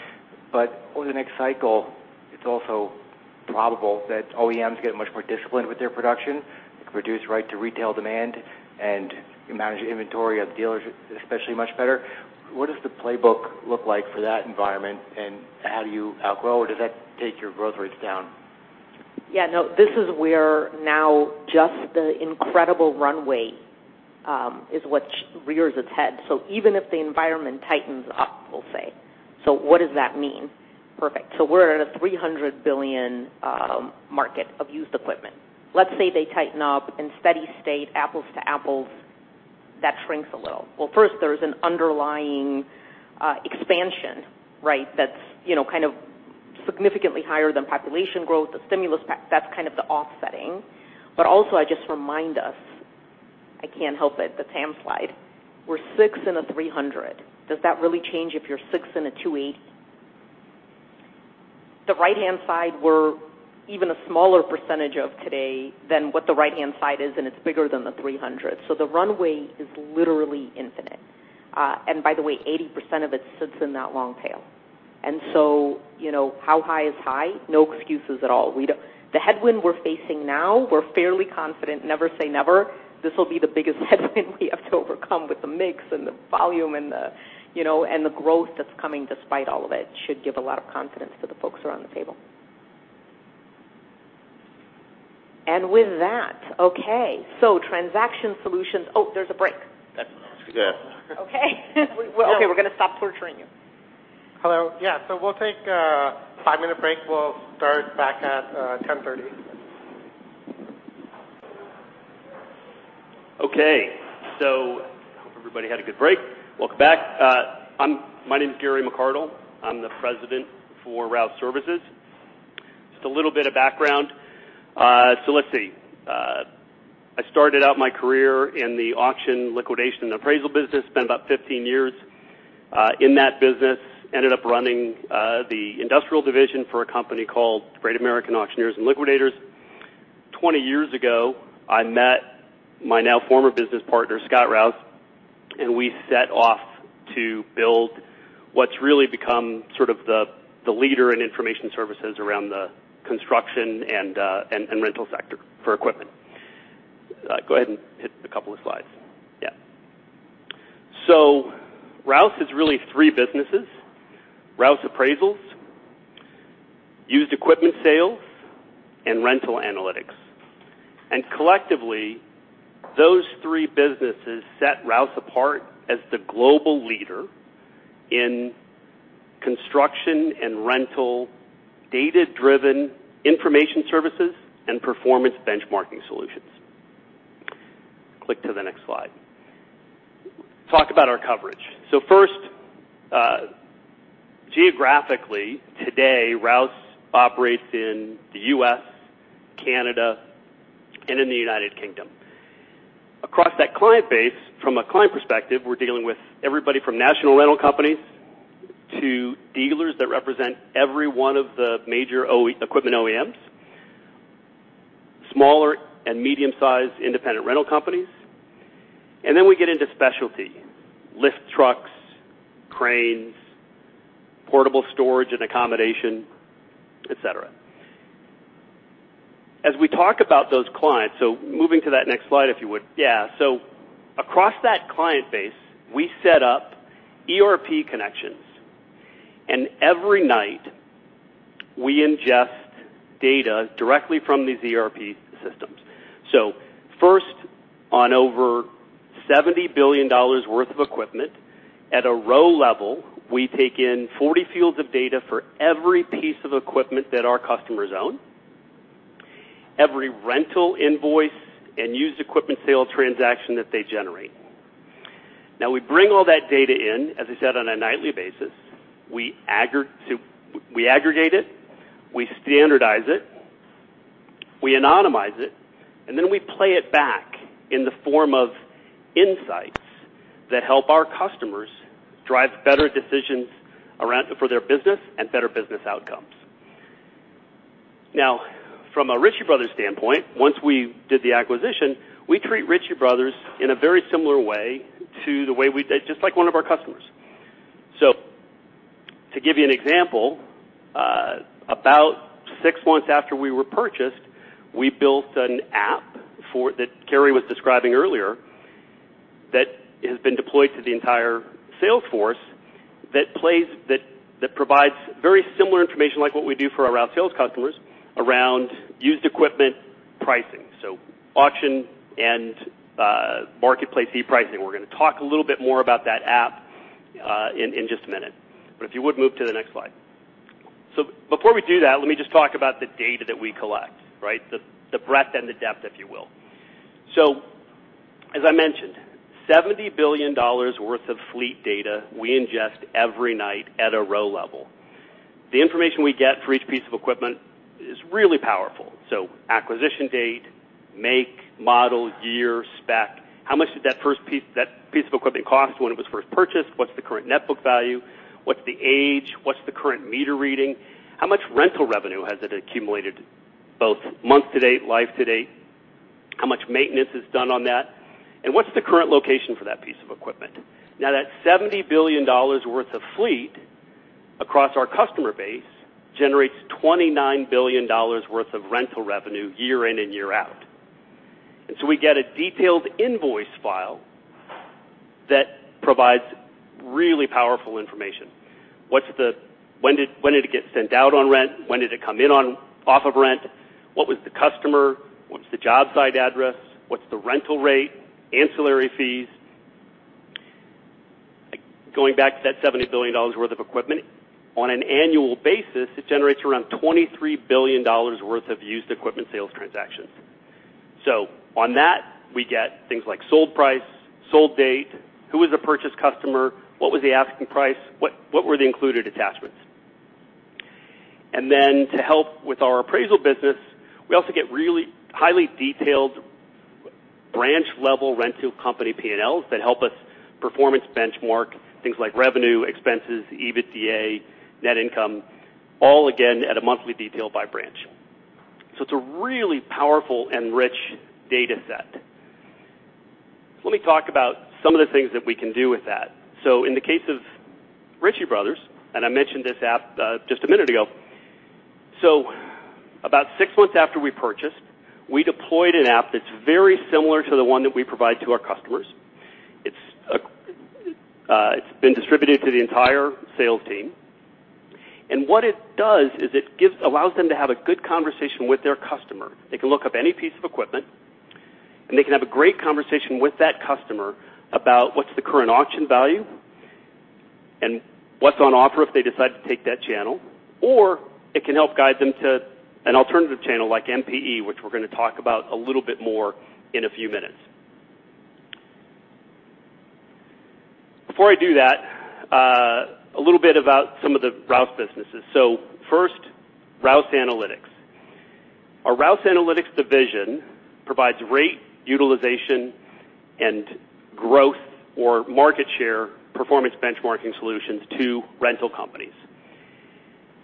S7: Over the next cycle, it's also probable that OEMs get much more disciplined with their production. It can react to retail demand and manage inventory at the dealership, especially much better. What does the playbook look like for that environment and how do you outgrow or does that take your growth rates down?
S2: Yeah, no. This is where now just the incredible runway is what rears its head. Even if the environment tightens up, we'll say, so what does that mean? Perfect. We're in a $300 billion market of used equipment. Let's say they tighten up in steady state, apples to apples, that shrinks a little. Well, first, there's an underlying expansion, right? That's, you know, kind of significantly higher than population growth, the stimulus package. That's kind of the offsetting. Also, I just remind us, I can't help it, the TAM slide. We're six in a 300. Does that really change if you're six in a 280? The right-hand side, we're even a smaller percentage of today than what the right-hand side is, and it's bigger than the 300. The runway is literally infinite. By the way, 80% of it sits in that long tail. You know, how high is high? No excuses at all. The headwind we're facing now, we're fairly confident. Never say never. This will be the biggest headwind we have to overcome with the mix and the volume and the, you know, and the growth that's coming despite all of it should give a lot of confidence to the folks around the table. With that, okay, so transaction solutions. Oh, there's a break.
S3: Yes.
S2: Okay.
S6: Okay, we're gonna stop torturing you.
S1: Hello. Yeah, so we'll take a five-minute break. We'll start back at 10:30.
S10: Okay, hope everybody had a good break. Welcome back. My name is Gary McArdle. I'm the president for Rouse Services. Just a little bit of background. I started out my career in the auction liquidation and appraisal business. Spent about 15 years in that business. Ended up running the industrial division for a company called Great American Auctioneers and Liquidators. 20 years ago, I met my now former business partner, Scott Rouse. We set off to build what's really become sort of the leader in information services around the construction and rental sector for equipment. Go ahead and hit a couple of slides. Yeah. Rouse is really three businesses. Rouse Appraisals used equipment sales, and rental analytics. Collectively, those three businesses set Rouse apart as the global leader in construction and rental data-driven information services and performance benchmarking solutions. Click to the next slide. Talk about our coverage. First, geographically, today, Rouse operates in the U.S., Canada, and in the United Kingdom. Across that client base, from a client perspective, we're dealing with everybody from national rental companies to dealers that represent every one of the major OEMs, smaller and medium-sized independent rental companies, and then we get into specialty. Lift trucks, cranes, portable storage and accommodation, et cetera. As we talk about those clients, moving to that next slide, if you would. Yeah. Across that client base, we set up ERP connections, and every night, we ingest data directly from these ERP systems. First, on over $70 billion worth of equipment at a row level, we take in 40 fields of data for every piece of equipment that our customers own, every rental invoice and used equipment sale transaction that they generate. Now, we bring all that data in, as I said, on a nightly basis. We aggregate it, we standardize it, we anonymize it, and then we play it back in the form of insights that help our customers drive better decisions around for their business and better business outcomes. Now, from a Ritchie Brothers standpoint, once we did the acquisition, we treat Ritchie Brothers in a very similar way to the way we did. Just like one of our customers. To give you an example, about six months after we were purchased, we built an app that Kerri was describing earlier that has been deployed to the entire sales force that provides very similar information like what we do for our Rouse sales customers around used equipment pricing. Auction and Marketplace-E pricing. We're going to talk a little bit more about that app in just a minute. If you would, move to the next slide. Before we do that, let me just talk about the data that we collect, right? The breadth and the depth, if you will. As I mentioned, $70 billion worth of fleet data we ingest every night at a row level. The information we get for each piece of equipment is really powerful. Acquisition date, make, model, year, spec. How much did that piece of equipment cost when it was first purchased? What's the current net book value? What's the age? What's the current meter reading? How much rental revenue has it accumulated, both month to date, life to date? How much maintenance is done on that? And what's the current location for that piece of equipment? Now, that $70 billion worth of fleet across our customer base generates $29 billion worth of rental revenue year in and year out. We get a detailed invoice file that provides really powerful information. When did it get sent out on rent? When did it come in on off of rent? What was the customer? What was the job site address? What's the rental rate? Ancillary fees? Going back to that $70 billion worth of equipment, on an annual basis, it generates around $23 billion worth of used equipment sales transactions. On that, we get things like sold price, sold date. Who was the purchase customer? What was the asking price? What were the included attachments? To help with our appraisal business, we also get really highly detailed branch-level rental company P&Ls that help us performance benchmark things like revenue, expenses, EBITDA, net income, all again at a monthly detail by branch. It's a really powerful and rich data set. Let me talk about some of the things that we can do with that. In the case of Ritchie Bros., and I mentioned this app, just a minute ago. About six months after we purchased, we deployed an app that's very similar to the one that we provide to our customers. It's been distributed to the entire sales team. What it does is it allows them to have a good conversation with their customer. They can look up any piece of equipment, and they can have a great conversation with that customer about what's the current auction value and what's on offer if they decide to take that channel. Or it can help guide them to an alternative channel like MPE, which we're gonna talk about a little bit more in a few minutes. Before I do that, a little bit about some of the Rouse businesses. First, Rouse Analytics. Our Rouse Analytics division provides rate, utilization, and growth or market share performance benchmarking solutions to rental companies.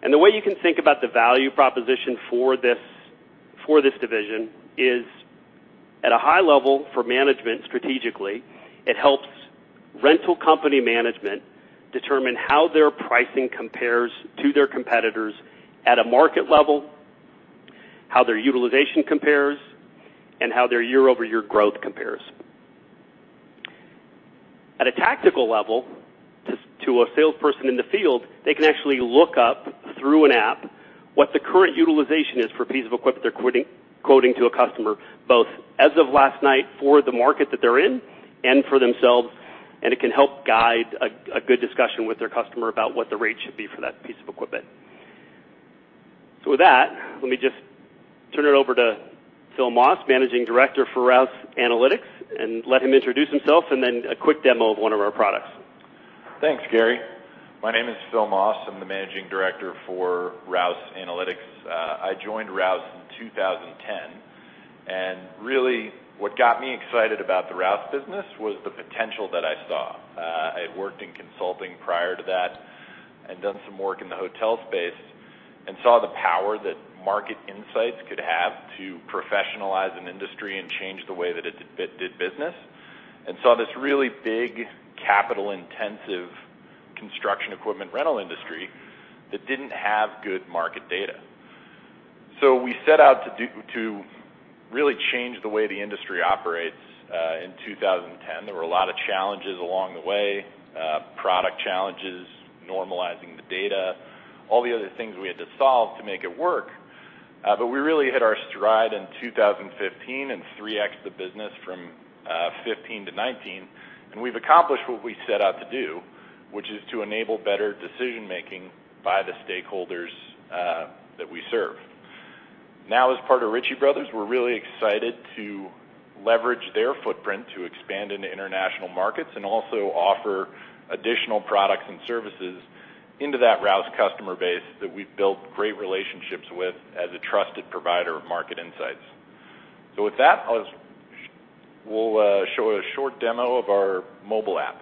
S10: The way you can think about the value proposition for this division is at a high level for management strategically. It helps rental company management determine how their pricing compares to their competitors at a market level, how their utilization compares, and how their year-over-year growth compares. At a tactical level, to a salesperson in the field, they can actually look up through an app what the current utilization is for a piece of equipment they're quoting to a customer, both as of last night for the market that they're in and for themselves, and it can help guide a good discussion with their customer about what the rate should be for that piece of equipment. With that, let me just turn it over to Phil Mause, Managing Director for Rouse Analytics, and let him introduce himself and then a quick demo of one of our products.
S11: Thanks, Gary. My name is Phil Mause. I'm the Managing Director for Rouse Analytics. I joined Rouse in 2010. Really, what got me excited about the Rouse business was the potential that I saw. I had worked in consulting prior to that and done some work in the hotel space and saw the power that market insights could have to professionalize an industry and change the way that it did business. Saw this really big, capital-intensive construction equipment rental industry that didn't have good market data. We set out to really change the way the industry operates in 2010. There were a lot of challenges along the way, product challenges, normalizing the data, all the other things we had to solve to make it work. We really hit our stride in 2015 and 3x the business from 2015-2019. We've accomplished what we set out to do, which is to enable better decision-making by the stakeholders that we serve. Now, as part of Ritchie Brothers, we're really excited to leverage their footprint to expand into international markets and also offer additional products and services into that Rouse customer base that we've built great relationships with as a trusted provider of market insights. With that, we'll show a short demo of our mobile app.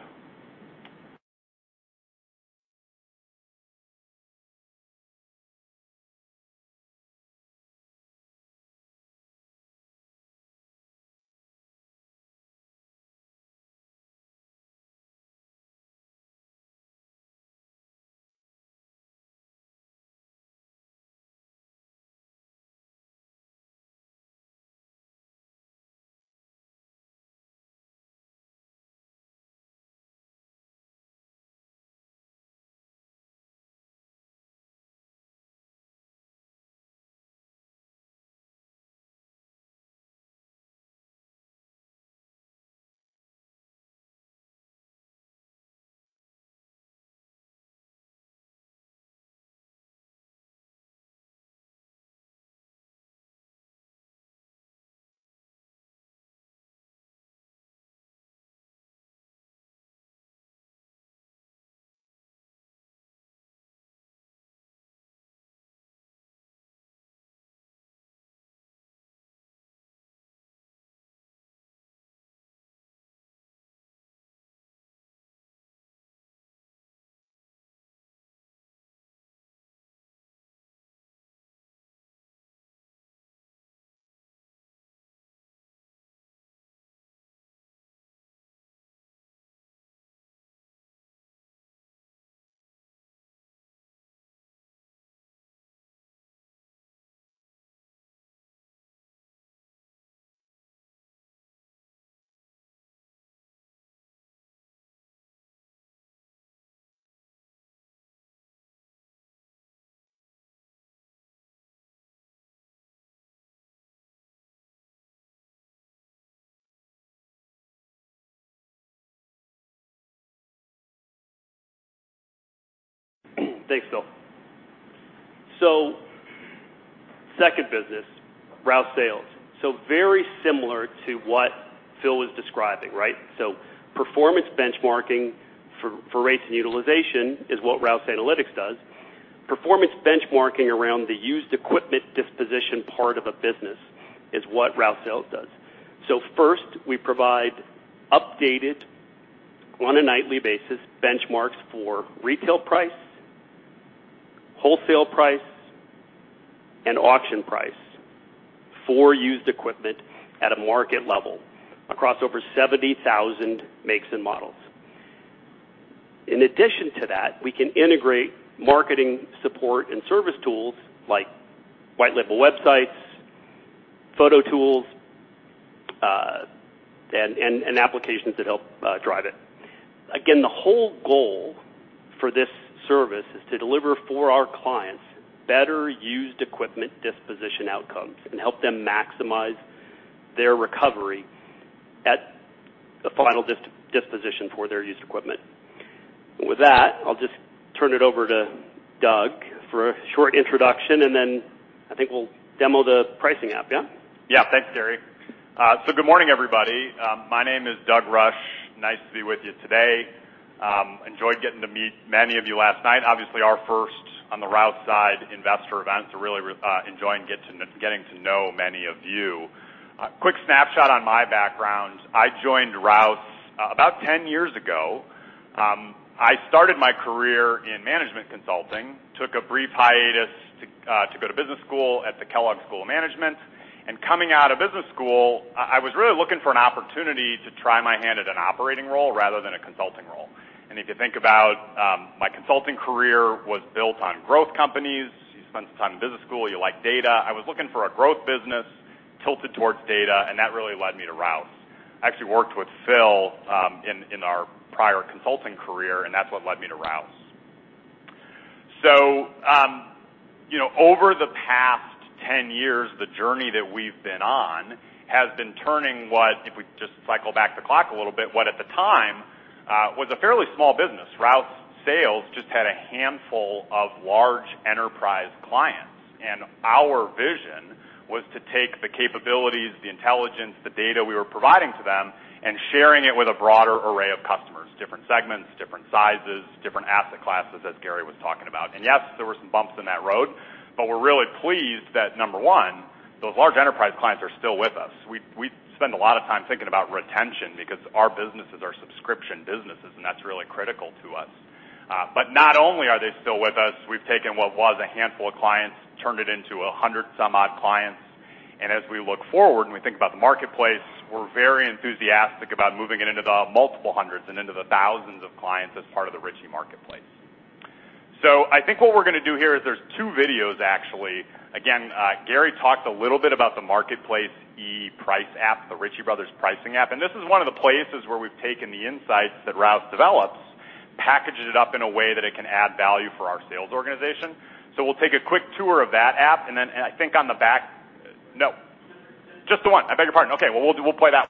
S10: Thanks, Phil. Second business, Rouse Sales. Very similar to what Phil was describing, right? Performance benchmarking for rates and utilization is what Rouse Analytics does. Performance benchmarking around the used equipment disposition part of a business is what Rouse Sales does. First, we provide updated, on a nightly basis, benchmarks for retail price, wholesale price, and auction price for used equipment at a market level across over 70,000 makes and models. In addition to that, we can integrate marketing support and service tools like white label websites, photo tools, and applications that help drive it. Again, the whole goal for this service is to deliver for our clients better used equipment disposition outcomes and help them maximize their recovery at the final disposition for their used equipment. With that, I'll just turn it over to Doug for a short introduction, and then I think we'll demo the pricing app. Yeah?
S12: Yeah. Thanks, Gary. Good morning, everybody. My name is Doug Rusch. Nice to be with you today. Enjoyed getting to meet many of you last night. Obviously, our first on the Rouse side investor event, so really enjoying getting to know many of you. Quick snapshot on my background. I joined Rouse About 10 years ago, I started my career in management consulting, took a brief hiatus to go to business school at the Kellogg School of Management. Coming out of business school, I was really looking for an opportunity to try my hand at an operating role rather than a consulting role. If you think about my consulting career was built on growth companies. You spend some time in business school, you like data. I was looking for a growth business tilted towards data, and that really led me to Rouse. I actually worked with Phil in our prior consulting career, and that's what led me to Rouse. You know, over the past 10 years, the journey that we've been on has been turning what, if we just cycle back the clock a little bit, what at the time was a fairly small business. Rouse Sales just had a handful of large enterprise clients, and our vision was to take the capabilities, the intelligence, the data we were providing to them and sharing it with a broader array of customers, different segments, different sizes, different asset classes, as Gary was talking about. Yes, there were some bumps in that road, but we're really pleased that, number one, those large enterprise clients are still with us. We spend a lot of time thinking about retention because our businesses are subscription businesses, and that's really critical to us. Not only are they still with us, we've taken what was a handful of clients, turned it into 100-some-odd clients. as we look forward and we think about the marketplace, we're very enthusiastic about moving it into the multiple hundreds and into the thousands of clients as part of the Ritchie marketplace. I think what we're gonna do here is there's two videos actually. Again, Gary talked a little bit about the marketplace, the price app, the Ritchie Brothers pricing app, and this is one of the places where we've taken the insights that Rouse develops, packaged it up in a way that it can add value for our sales organization. we'll take a quick tour of that app. Well, we'll play that one.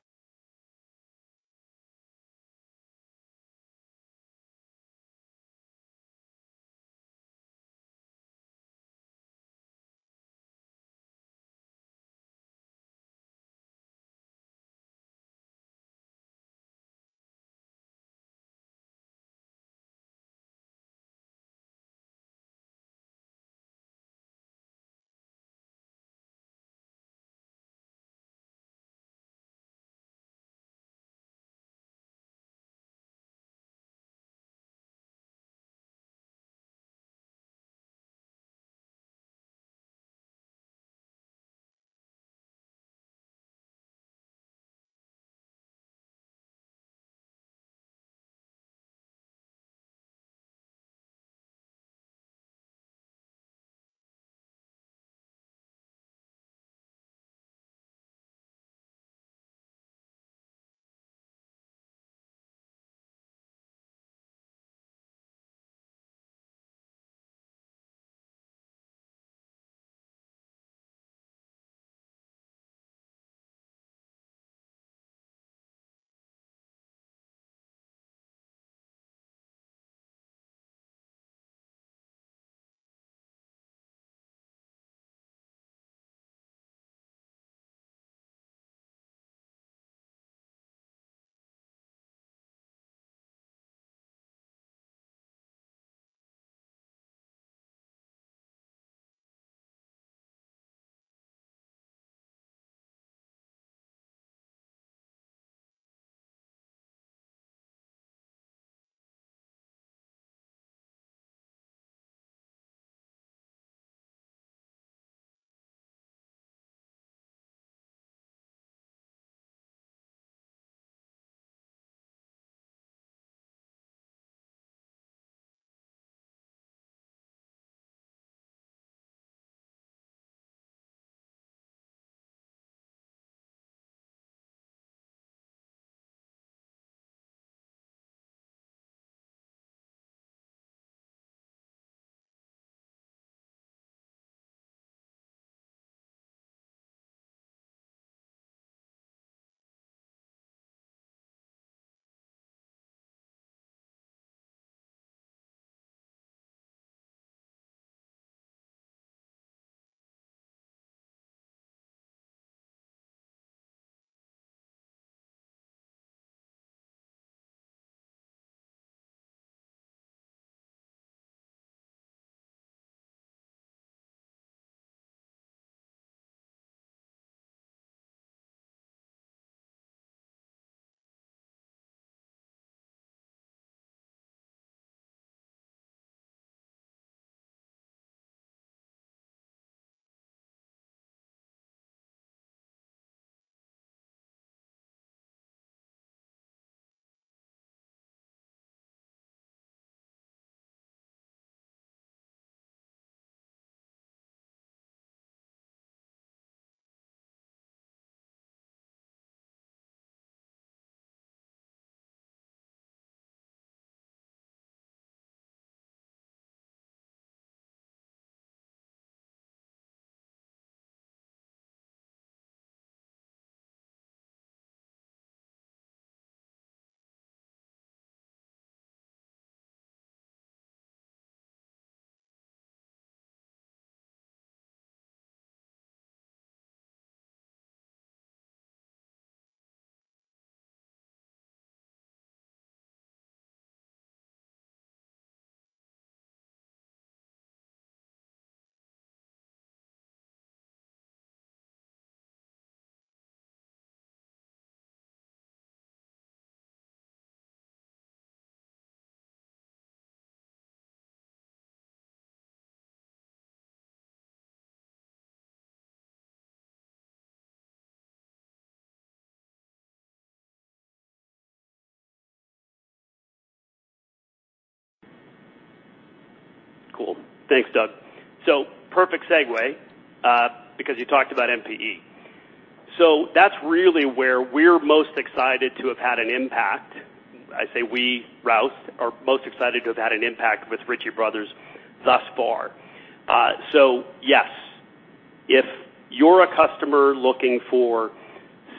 S10: Cool. Thanks, Doug. Perfect segue, because you talked about Marketplace-E. That's really where we're most excited to have had an impact. I say we, Rouse, are most excited to have had an impact with Ritchie Bros. thus far. Yes, if you're a customer looking for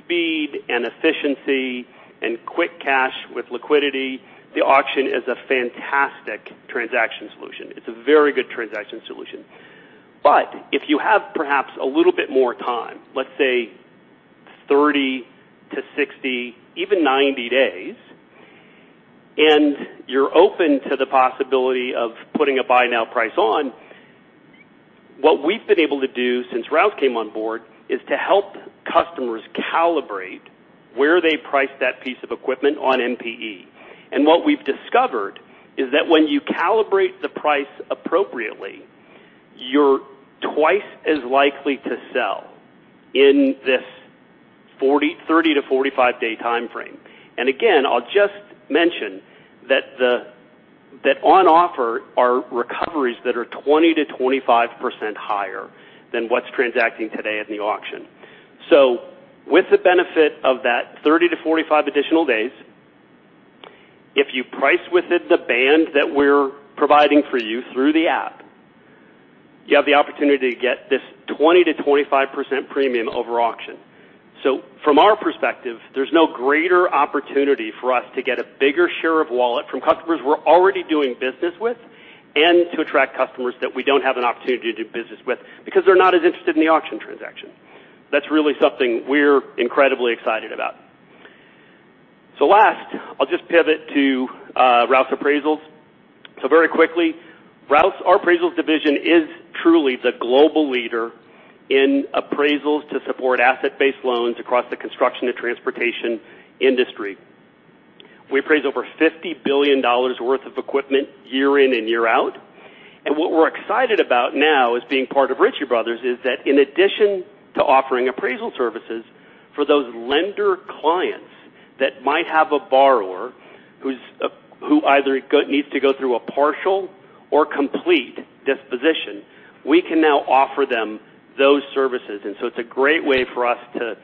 S10: speed and efficiency and quick cash with liquidity, the auction is a fantastic transaction solution. It's a very good transaction solution. If you have perhaps a little bit more time, let's say 30-60, even 90 days, and you're open to the possibility of putting a buy now price on, what we've been able to do since Rouse came on board is to help customers calibrate where they price that piece of equipment on MP-E. What we've discovered is that when you calibrate the price appropriately, you're twice as likely to sell in this 30-45-day time frame. Again, I'll just mention that that on offer are recoveries that are 20%-25% higher than what's transacting today at the auction. With the benefit of that 30-45 additional days, if you price within the band that we're providing for you through the app, you have the opportunity to get this 20%-25% premium over auction. From our perspective, there's no greater opportunity for us to get a bigger share of wallet from customers we're already doing business with and to attract customers that we don't have an opportunity to do business with because they're not as interested in the auction transaction. That's really something we're incredibly excited about. Last, I'll just pivot to Rouse Appraisals. Very quickly, Rouse, our appraisals division, is truly the global leader in appraisals to support asset-based loans across the construction and transportation industry. We appraise over $50 billion worth of equipment year in and year out. What we're excited about now as being part of Ritchie Bros. is that in addition to offering appraisal services for those lender clients that might have a borrower who's who either needs to go through a partial or complete disposition, we can now offer them those services. It's a great way for us to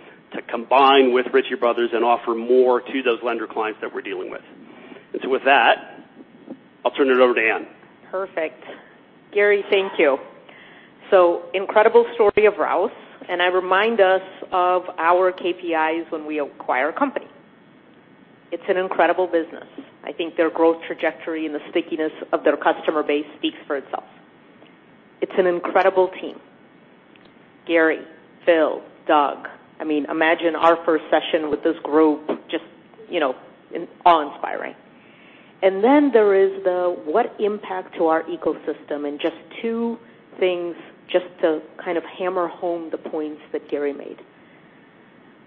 S10: combine with Ritchie Bros. and offer more to those lender clients that we're dealing with. With that, I'll turn it over to Ann.
S2: Perfect. Gary, thank you. Incredible story of Rouse, and I remind us of our KPIs when we acquire a company. It's an incredible business. I think their growth trajectory and the stickiness of their customer base speaks for itself. It's an incredible team, Gary, Phil, Doug. I mean, imagine our first session with this group, just awe-inspiring. There is the impact to our ecosystem. Just two things, just to kind of hammer home the points that Gary made.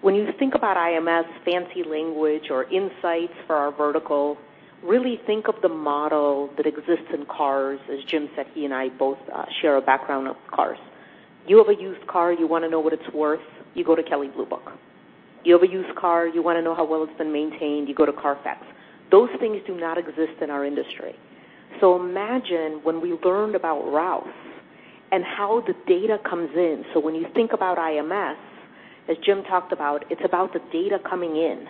S2: When you think about IMS fancy language or insights for our vertical, really think of the model that exists in cars. As Jim said, he and I both share a background of cars. You have a used car, you wanna know what it's worth, you go to Kelley Blue Book. You have a used car, you wanna know how well it's been maintained, you go to CARFAX. Those things do not exist in our industry. Imagine when we learned about Rouse and how the data comes in. When you think about IMS, as Jim talked about, it's about the data coming in.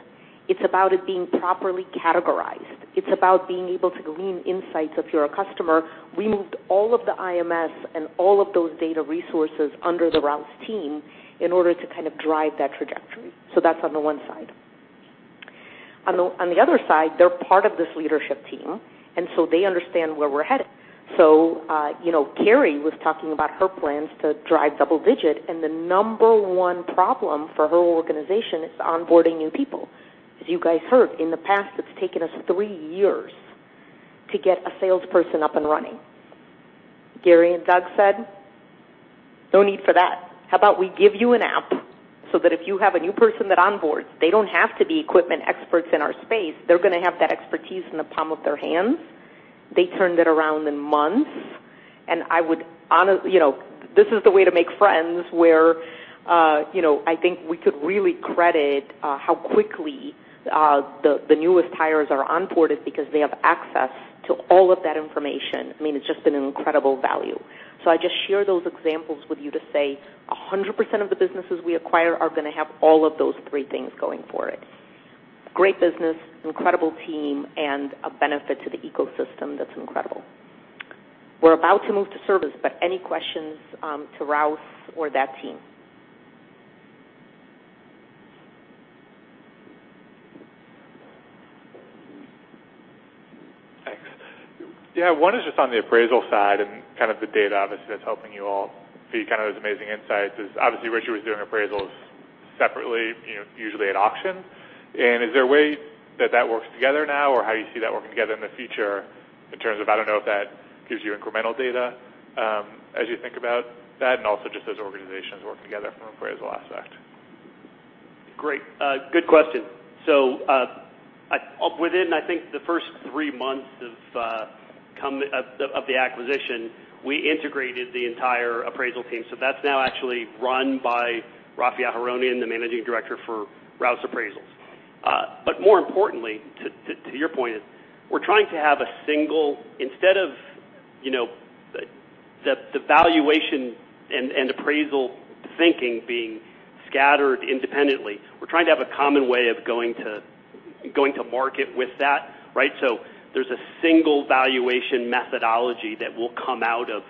S2: It's about it being properly categorized. It's about being able to glean insights if you're a customer. We moved all of the IMS and all of those data resources under the Rouse team in order to kind of drive that trajectory. That's on the one side. On the other side, they're part of this leadership team, and they understand where we're headed. You know, Kari was talking about her plans to drive double digit, and the number one problem for her organization is onboarding new people. As you guys heard, in the past, it's taken us three years to get a salesperson up and running. Gary and Doug said, "No need for that. How about we give you an app so that if you have a new person that onboards, they don't have to be equipment experts in our space. They're gonna have that expertise in the palm of their hands." They turned it around in months. I would honestly, you know, this is the way to make friends where, you know, I think we could really credit how quickly the newest hires are onboarded because they have access to all of that information. I mean, it's just been an incredible value. I just share those examples with you to say 100% of the businesses we acquire are gonna have all of those three things going for it. Great business, incredible team, and a benefit to the ecosystem that's incredible. We're about to move to service, but any questions to Rouse or that team?
S13: Thanks. Yeah. One is just on the appraisal side and kind of the data, obviously, that's helping you all see kind of those amazing insights is obviously Ritchie was doing appraisals. Separately, you know, usually at auction. Is there a way that that works together now or how you see that working together in the future in terms of, I don't know if that gives you incremental data, as you think about that and also just those organizations working together from an appraisal aspect?
S10: Great. Good question. Within, I think, the first three months of the acquisition, we integrated the entire appraisal team. That's now actually run by Raffi Aharonian, the managing director for Rouse Appraisals. More importantly to your point, we're trying to have a single instead of, you know, the valuation and appraisal thinking being scattered independently. We're trying to have a common way of going to market with that, right. There's a single valuation methodology that will come out of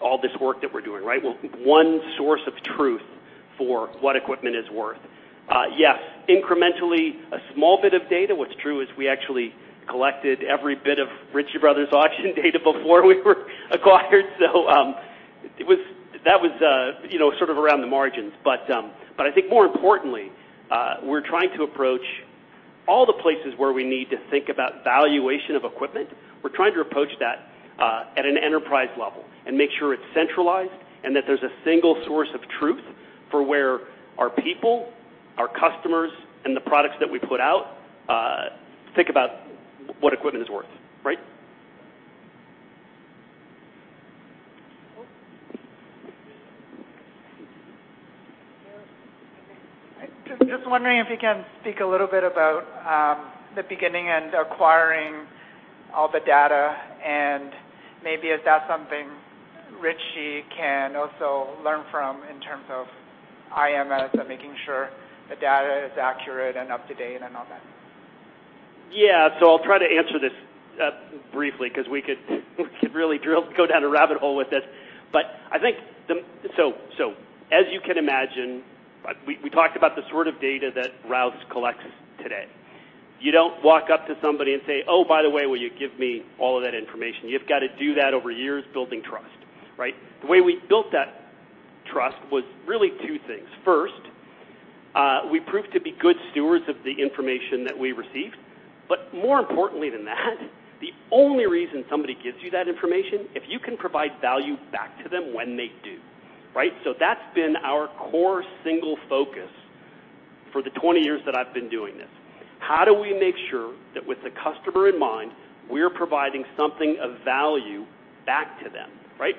S10: all this work that we're doing, right? One source of truth for what equipment is worth. Yes, incrementally, a small bit of data. What's true is we actually collected every bit of Ritchie Brothers auction data before we were acquired. That was, you know, sort of around the margins. But I think more importantly, we're trying to approach all the places where we need to think about valuation of equipment. We're trying to approach that at an enterprise level and make sure it's centralized and that there's a single source of truth for where our people, our customers, and the products that we put outthink about what equipment is worth. Right?
S7: Just wondering if you can speak a little bit about the beginning and acquiring all the data and maybe if that's something Ritchie can also learn from in terms of IMS and making sure the data is accurate and up-to-date and all that.
S10: I'll try to answer this briefly because we could really go down a rabbit hole with this. I think as you can imagine, we talked about the sort of data that Rouse collects today. You don't walk up to somebody and say, "Oh, by the way, will you give me all of that information?" You've got to do those over years building trust, right? The way we built that trust was really two things. First, we proved to be good stewards of the information that we received. More importantly than that, the only reason somebody gives you that information, if you can provide value back to them when they do, right? That's been our core single focus for the 20 years that I've been doing this. How do we make sure that with the customer in mind, we're providing something of value back to them, right?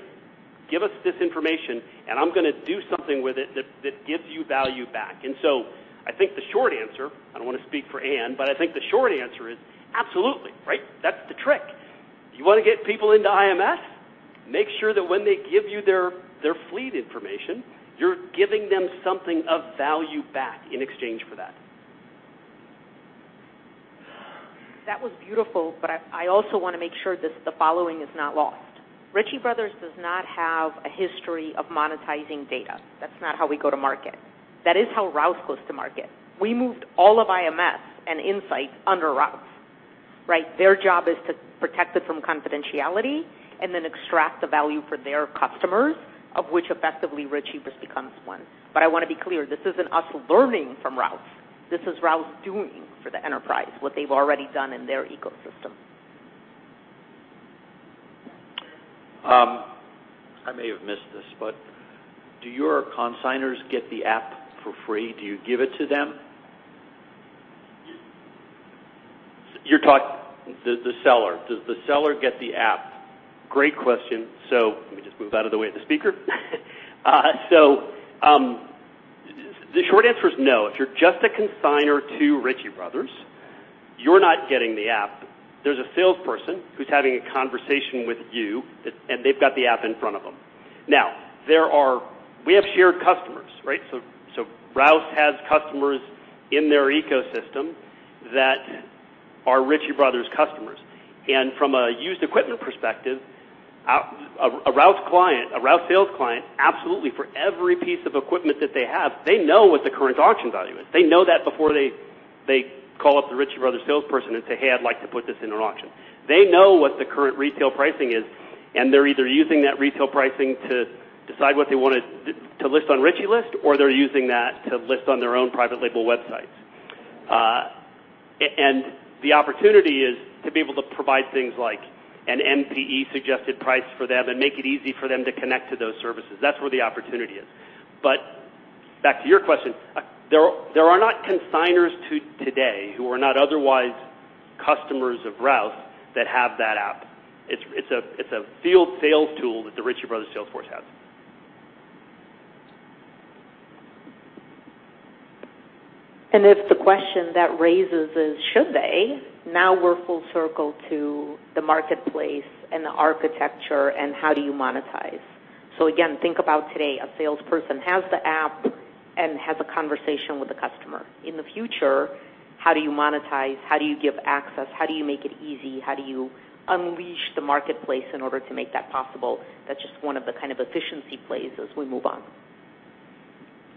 S10: Give us this information, and I'm gonna do something with it that gives you value back. I think the short answer, I don't want to speak for Ann, but I think the short answer is absolutely, right? That's the trick. You want to get people into IMS, make sure that when they give you their fleet information, you're giving them something of value back in exchange for that.
S2: That was beautiful, but I also want to make sure that the following is not lost. Ritchie Brothers. does not have a history of monetizing data. That's not how we go to market. That is how Rouse goes to market. We moved all of IMS and Insight under Rouse, right? Their job is to protect it from confidentiality and then extract the value for their customers, of which effectively Ritchie Bros. becomes one. But I want to be clear, this isn't us learning from Rouse. This is Rouse doing for the enterprise what they've already done in their ecosystem.
S14: I may have missed this, but do your consignors get the app for free? Do you give it to them?
S10: You're talk-
S14: The seller. Does the seller get the app?
S10: Great question. Let me just move out of the way of the speaker. The short answer is no. If you're just a consigner to Ritchie Brothers, you're not getting the app. There's a salesperson who's having a conversation with you, and they've got the app in front of them. Now, we have shared customers, right? Rouse has customers in their ecosystem that are Ritchie Brothers customers. From a used equipment perspective, a Rouse client, a Rouse sales client, absolutely for every piece of equipment that they have, they know what the current auction value is. They know that before they call up the Ritchie Brothers salesperson and say, "Hey, I'd like to put this in an auction." They know what the current retail pricing is, and they're either using that retail pricing to decide what they want to list on Ritchie List, or they're using that to list on their own private label websites. The opportunity is to be able to provide things like a MP-E suggested price for them and make it easy for them to connect to those services. That's where the opportunity is. Back to your question. There are not consignors today who are not otherwise customers of Rouse that have that app. It's a field sales tool that the Ritchie Brothers sales force has.
S2: If the question that raises is, should they? Now we're full circle to the marketplace and the architecture and how do you monetize. Again, think about today, a salesperson has the app and has a conversation with the customer. In the future, how do you monetize? How do you give access? How do you make it easy? How do you unleash the marketplace in order to make that possible? That's just one of the kind of efficiency plays as we move on.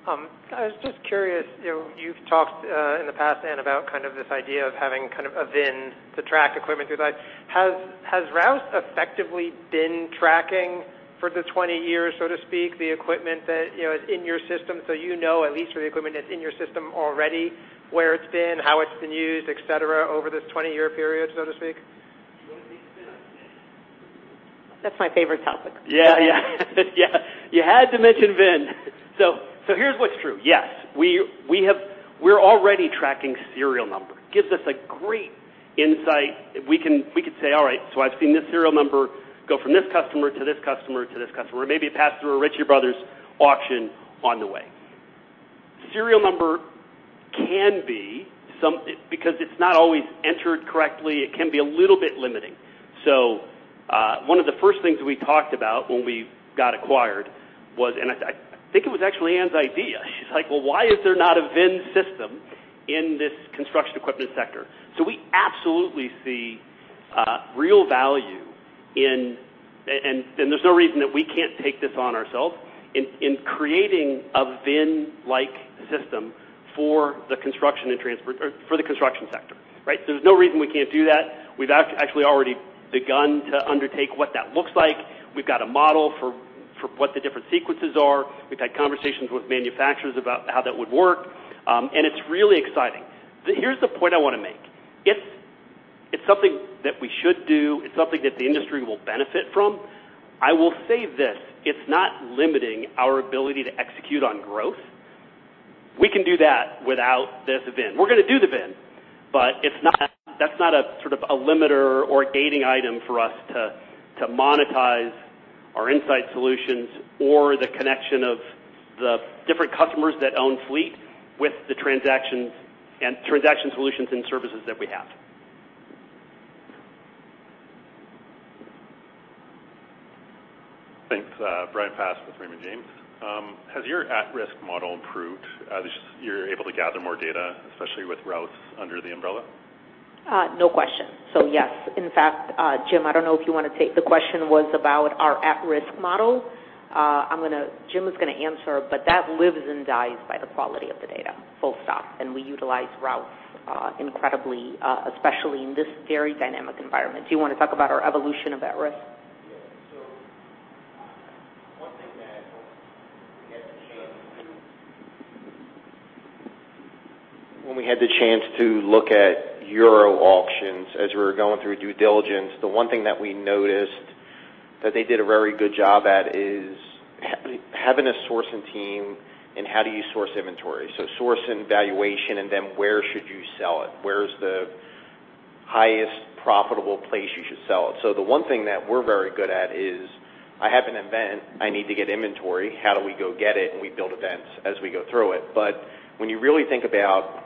S7: I was just curious, you know, you've talked in the past, Ann, about kind of this idea of having kind of a VIN to track equipment through life. Has Rouse effectively been tracking for the 20 years, so to speak, the equipment that, you know, is in your system so you know at least for the equipment that's in your system already, where it's been, how it's been used, et cetera, over this 20-year period, so to speak?
S2: That's my favorite topic.
S10: Yeah. You had to mention VIN. Here's what's true. Yes. We're already tracking serial numbers. Gives us a great insight. We can say, all right, so I've seen this serial number go from this customer to this customer to this customer, and maybe it passed through a Ritchie Bros. auction on the way. Serial number can be a little bit limiting because it's not always entered correctly. One of the first things we talked about when we got acquired was, I think it was actually Ann's idea. She's like, "Well, why is there not a VIN system in this construction equipment sector?" We absolutely see real value in and there's no reason that we can't take this on ourselves in creating a VIN-like system for the construction and transport or for the construction sector, right? There's no reason we can't do that. We've actually already begun to undertake what that looks like. We've got a model for what the different sequences are. We've had conversations with manufacturers about how that would work. It's really exciting. Here's the point I wanna make. It's something that we should do. It's something that the industry will benefit from. I will say this; it's not limiting our ability to execute on growth. We can do that without this VIN. We're gonna do the VIN, but that's not a sort of a limiter or gating item for us to monetize our insight solutions or the connection of the different customers that own fleet with the transactions and transaction solutions and services that we have.
S15: Thanks. Brian Pasch with Raymond James. Has your at-risk model improved as you're able to gather more data, especially with Rouse under the umbrella?
S2: No question. Yes. In fact, Jim, I don't know if you wanna take. The question was about our at-risk model. Jim is gonna answer, but that lives and dies by the quality of the data, full stop. We utilize Rouse incredibly, especially in this very dynamic environment. Do you wanna talk about our evolution of at-risk?
S3: One thing that we had the chance to. (inaudible) When we had the chance to look at Euro Auctions as we were going through due diligence, the one thing that we noticed that they did a very good job at is having a sourcing team and how do you source inventory. Sourcing valuation, and then where should you sell it? Where is the highest profitable place you should sell it? The one thing that we're very good at is I have an event, I need to get inventory, how do we go get it? And we build events as we go through it. But when you really think about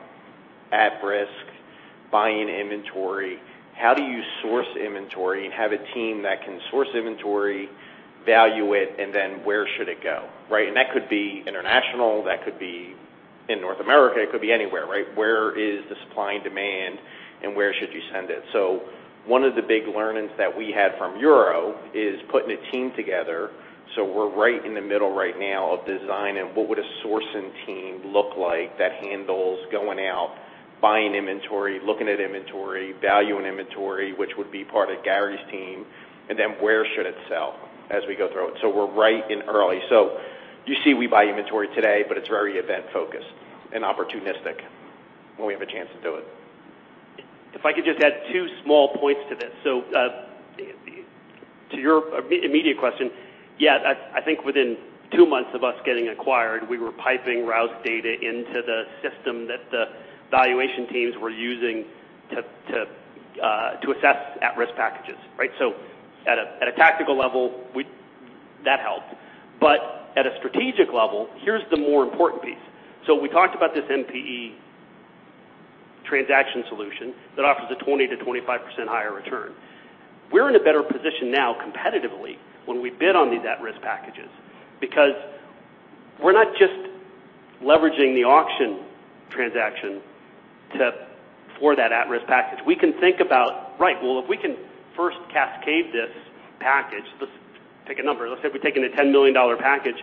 S3: at-risk, buying inventory, how do you source inventory and have a team that can source inventory, value it, and then where should it go, right? That could be international, that could be in North America, it could be anywhere, right? Where is the supply and demand, and where should you send it? One of the big learnings that we had from Euro is putting a team together. We're right in the middle right now of designing what would a sourcing team look like that handles going out, buying inventory, looking at inventory, valuing inventory, which would be part of Gary's team, and then where should it sell as we go through it. We're right in early. You see we buy inventory today, but it's very event-focused and opportunistic when we have a chance to do it.
S10: If I could just add two small points to this. To your immediate question, yes, I think within two months of us getting acquired, we were piping Rouse data into the system that the valuation teams were using to assess at-risk packages, right? At a tactical level, that helped. But at a strategic level, here's the more important piece. We talked about this MP-E transaction solution that offers a 20%-25% higher return. We're in a better position now competitively when we bid on these at-risk packages, because we're not just leveraging the auction transaction for that at-risk package. We can think about, right, well, if we can first cascade this package, let's take a number. Let's say we're taking a $10 million package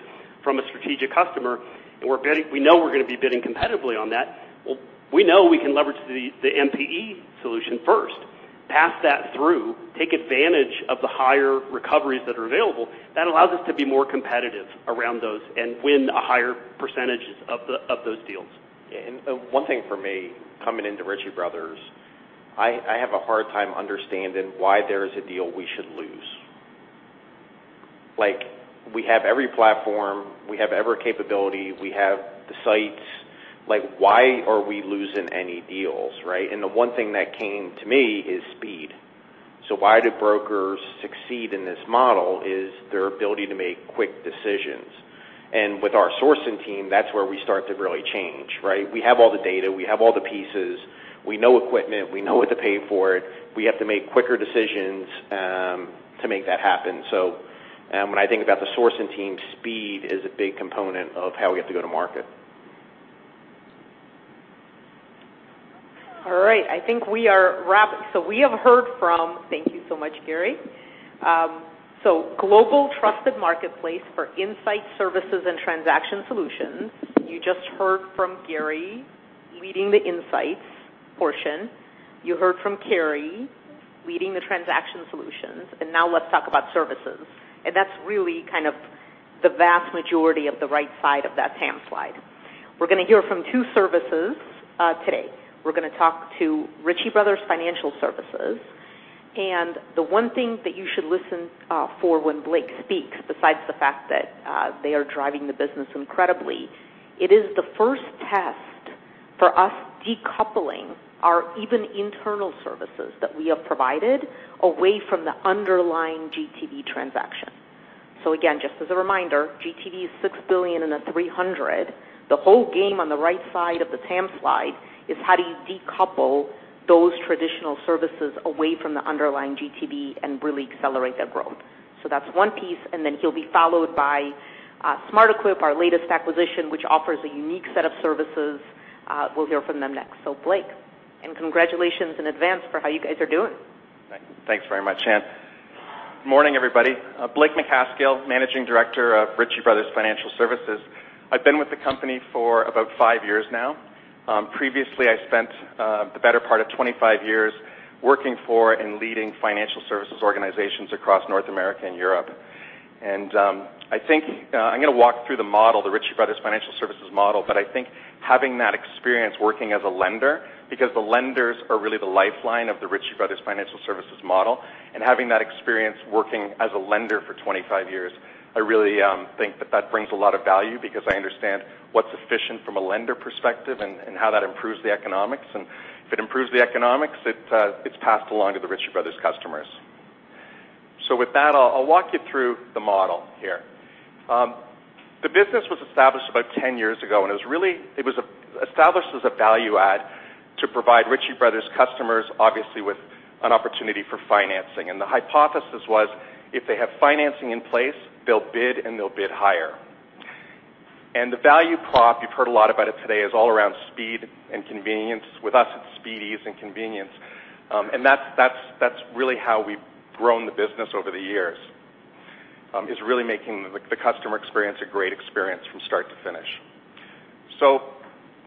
S10: from a strategic customer, and we're bidding. We know we're gonna be bidding competitively on that. Well, we know we can leverage the MP-E solution first, pass that through, take advantage of the higher recoveries that are available. That allows us to be more competitive around those and win a higher percentage of those deals.
S3: Yeah. One thing for me coming into Ritchie Brothers, I have a hard time understanding why there is a deal we should lose. Like, we have every platform, we have every capability, we have the sites. Like, why are we losing any deals, right? The one thing that came to me is speed. Why do brokers succeed in this model is their ability to make quick decisions. With our sourcing team, that's where we start to really change, right? We have all the data, we have all the pieces, we know equipment, we know what to pay for it. We have to make quicker decisions to make that happen. When I think about the sourcing team, speed is a big component of how we have to go to market.
S2: All right, I think we are. We have heard from. Thank you so much, Gary. Global trusted marketplace for insight services and transaction solutions. You just heard from Gary leading the insights portion. You heard from Kari leading the transaction solutions. Now let's talk about services. That's really kind of the vast majority of the right side of that TAM slide. We're gonna hear from two services today. We're gonna talk to Ritchie Bros. Financial Services. The one thing that you should listen for when Blake speaks, besides the fact that they are driving the business incredibly, it is the first test for us decoupling our even internal services that we have provided away from the underlying GTV transaction. Again, just as a reminder, GTV is $6 billion in a $300 billion. The whole game on the right side of the TAM slide is how do you decouple those traditional services away from the underlying GTV and really accelerate their growth. That's one piece, and then he'll be followed by SmartEquip, our latest acquisition, which offers a unique set of services. We'll hear from them next. Blake, and congratulations in advance for how you guys are doing.
S16: Thanks very much. Morning, everybody. Blake Macaskill, Managing Director of Ritchie Bros. Financial Services. I've been with the company for about five years now. Previously, I spent the better part of 25 years working for and leading financial services organizations across North America and Europe. I think I'm gonna walk through the model, the Ritchie Bros. Financial Services model. But I think having that experience working as a lender, because the lenders are really the lifeline of the Ritchie Bros. Financial Services model, and having that experience working as a lender for 25 years, I really think that that brings a lot of value because I understand what's efficient from a lender perspective and how that improves the economics. If it improves the economics, it's passed along to the Ritchie Bros. customers. With that, I'll walk you through the model here. The business was established about 10 years ago, and it was established as a value add to provide Ritchie Bros. customers, obviously, with an opportunity for financing. The hypothesis was, if they have financing in place, they'll bid, and they'll bid higher. The value prop, you've heard a lot about it today, is all around speed and convenience. With us, its speed, ease, and convenience. That's really how we've grown the business over the years, is really making the customer experience a great experience from start to finish.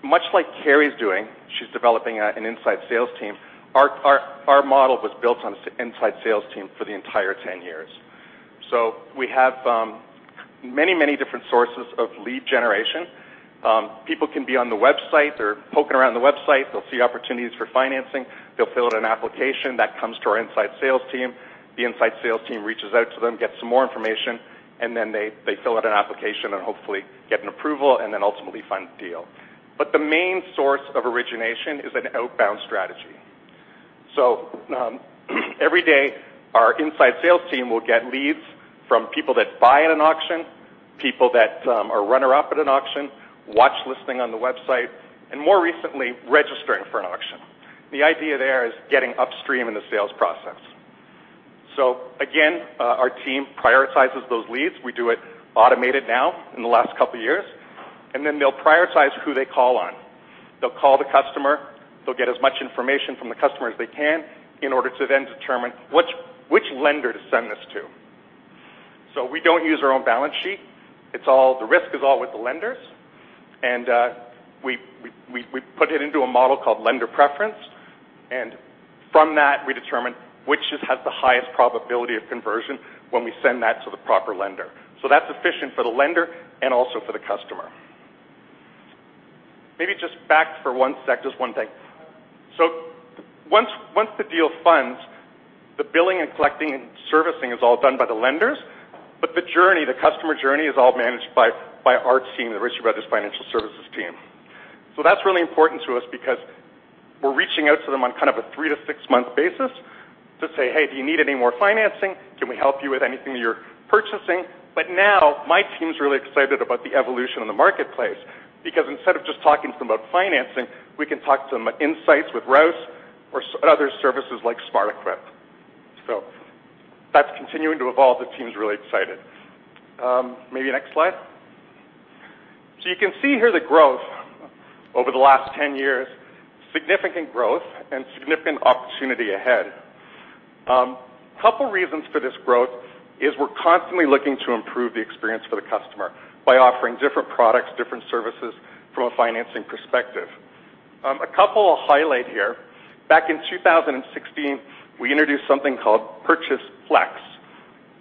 S16: Much like Kari is doing, she's developing an inside sales team. Our model was built on this inside sales team for the entire 10 years. We have many different sources of lead generation. People can be on the website. They're poking around the website. They'll see opportunities for financing. They'll fill out an application that comes to our inside sales team. The inside sales team reaches out to them, gets some more information, and then they fill out an application and hopefully get an approval and then ultimately fund the deal. The main source of origination is an outbound strategy. Every day, our inside sales team will get leads from people that buy at an auction, people that are runner-up at an auction, watch listing on the website, and more recently, registering for an auction. The idea there is getting upstream in the sales process. Our team prioritizes those leads. We do it automated now in the last couple of years, and then they'll prioritize who they call on. They'll call the customer. They'll get as much information from the customer as they can in order to then determine which lender to send this to. We don't use our own balance sheet. It's all. The risk is all with the lenders. We put it into a model called lender preference. From that, we determine which just has the highest probability of conversion when we send that to the proper lender. That's efficient for the lender and also for the customer. Maybe just back for one sec, just one thing. Once the deal funds, the billing and collecting and servicing is all done by the lenders, but the journey, the customer journey is all managed by our team, the Ritchie Brothers Financial Services team. That's really important to us because we're reaching out to them on kind of a three-to-six-month basis to say, "Hey, do you need any more financing? Can we help you with anything you're purchasing?" Now my team's really excited about the evolution in the marketplace because instead of just talking to them about financing, we can talk to them about insights with Rouse or other services like SmartEquip. That's continuing to evolve. The team's really excited. Maybe next slide. You can see here the growth over the last 10 years, significant growth and significant opportunity ahead. Couple reasons for this growth is we're constantly looking to improve the experience for the customer by offering different products, different services from a financing perspective. A couple I'll highlight here. Back in 2016, we introduced something called PurchaseFlex,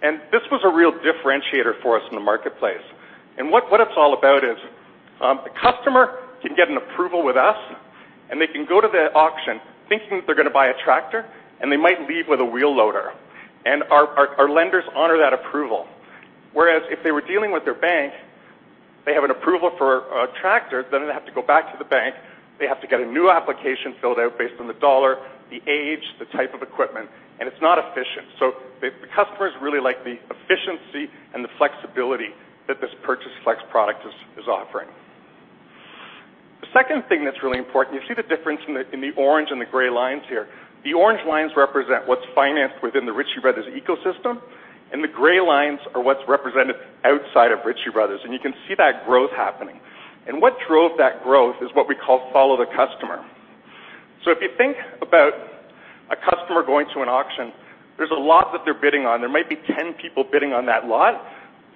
S16: and this was a real differentiator for us in the marketplace. What it's all about is, the customer can get an approval with us, and they can go to the auction thinking that they're gonna buy a tractor, and they might leave with a wheel loader. Our lenders honor that approval, whereas if they were dealing with their bank, they have an approval for a tractor, then they have to go back to the bank. They have to get a new application filled out based on the dollar, the age, the type of equipment, and it's not efficient. The customers really like the efficiency and the flexibility that this PurchaseFlex product is offering. The second thing that's really important, you see the difference in the orange and the gray lines here. The orange lines represent what's financed within the Ritchie Brothers ecosystem. The gray lines are what's represented outside of Ritchie Brothers. You can see that growth happening. What drove that growth is what we call Follow the Customer. If you think about a customer going to an auction, there's a lot that they're bidding on. There might be 10 people bidding on that lot.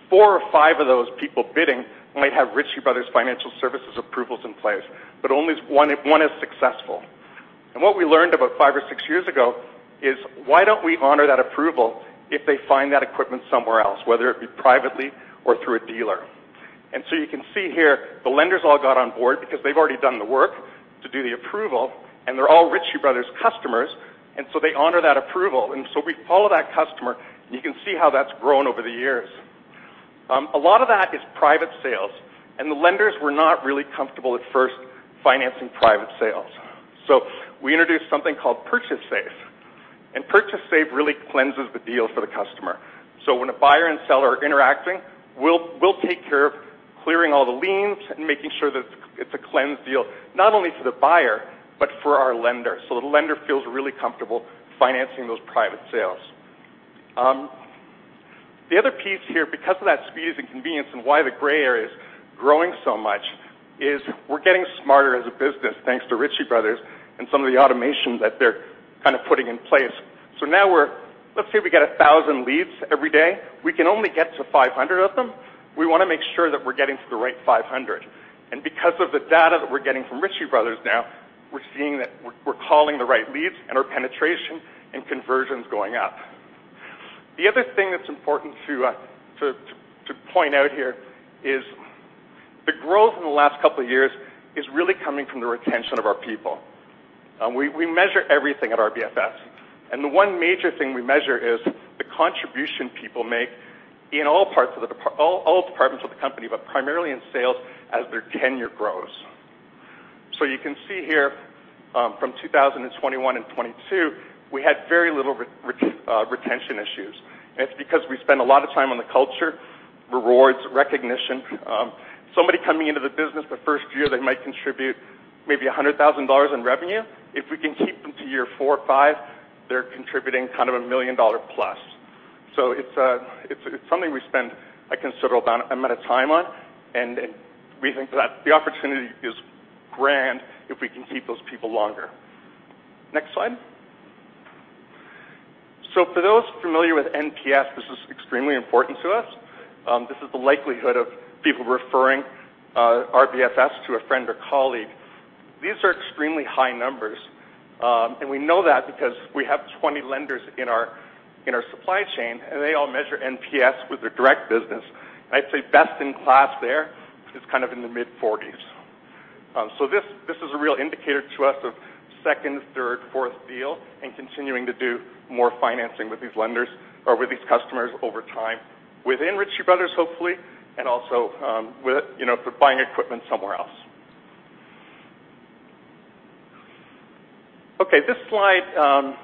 S16: Four or five of those people bidding might have Ritchie Brothers financial services approvals in place, but only one is successful. What we learned about five or six years ago is why don't we honor that approval if they find that equipment somewhere else, whether it be privately or through a dealer. You can see here, the lenders all got on board because they've already done the work to do the approval, and they're all Ritchie Bros. customers, and they honor that approval. We follow that customer, and you can see how that's grown over the years. A lot of that is private sales, and the lenders were not really comfortable at first financing private sales. We introduced something called PurchaseSafe. PurchaseSafe really cleanses the deal for the customer. When a buyer and seller are interacting, we'll take care of clearing all the liens and making sure that it's a cleansed deal, not only for the buyer but for our lender. The lender feels really comfortable financing those private sales. The other piece here, because of that speed and convenience and why the gray area is growing so much, is we're getting smarter as a business, thanks to Ritchie Brothers and some of the automation that they're kind of putting in place. Now, let's say we get 1,000 leads every day. We can only get to 500 of them. We wanna make sure that we're getting to the right 500. Because of the data that we're getting from Ritchie Brothers now, we're seeing that we're calling the right leads and our penetration and conversion is going up. The other thing that's important to point out here is the growth in the last couple of years is really coming from the retention of our people. We measure everything at RBFS, and the one major thing we measure is the contribution people make in all parts of all departments of the company, but primarily in sales as their tenure grows. You can see here, from 2021 and 2022, we had very little retention issues. It's because we spend a lot of time on the culture, rewards, recognition. Somebody coming into the business the first year, they might contribute maybe $100,000 in revenue. If we can keep them to year four or five, they're contributing kind of $1 million plus. It's something we spend a considerable amount of time on, and we think that the opportunity is grand if we can keep those people longer. Next slide. For those familiar with NPS, this is extremely important to us. This is the likelihood of people referring RBFS to a friend or colleague. These are extremely high numbers, and we know that because we have 20 lenders in our supply chain, and they all measure NPS with their direct business. I'd say best in class there is kind of in the mid-40s. This is a real indicator to us of second, third, fourth deal and continuing to do more financing with these lenders or with these customers over time, within Ritchie Brothers, hopefully, and also with you know for buying equipment somewhere else. Okay, this slide,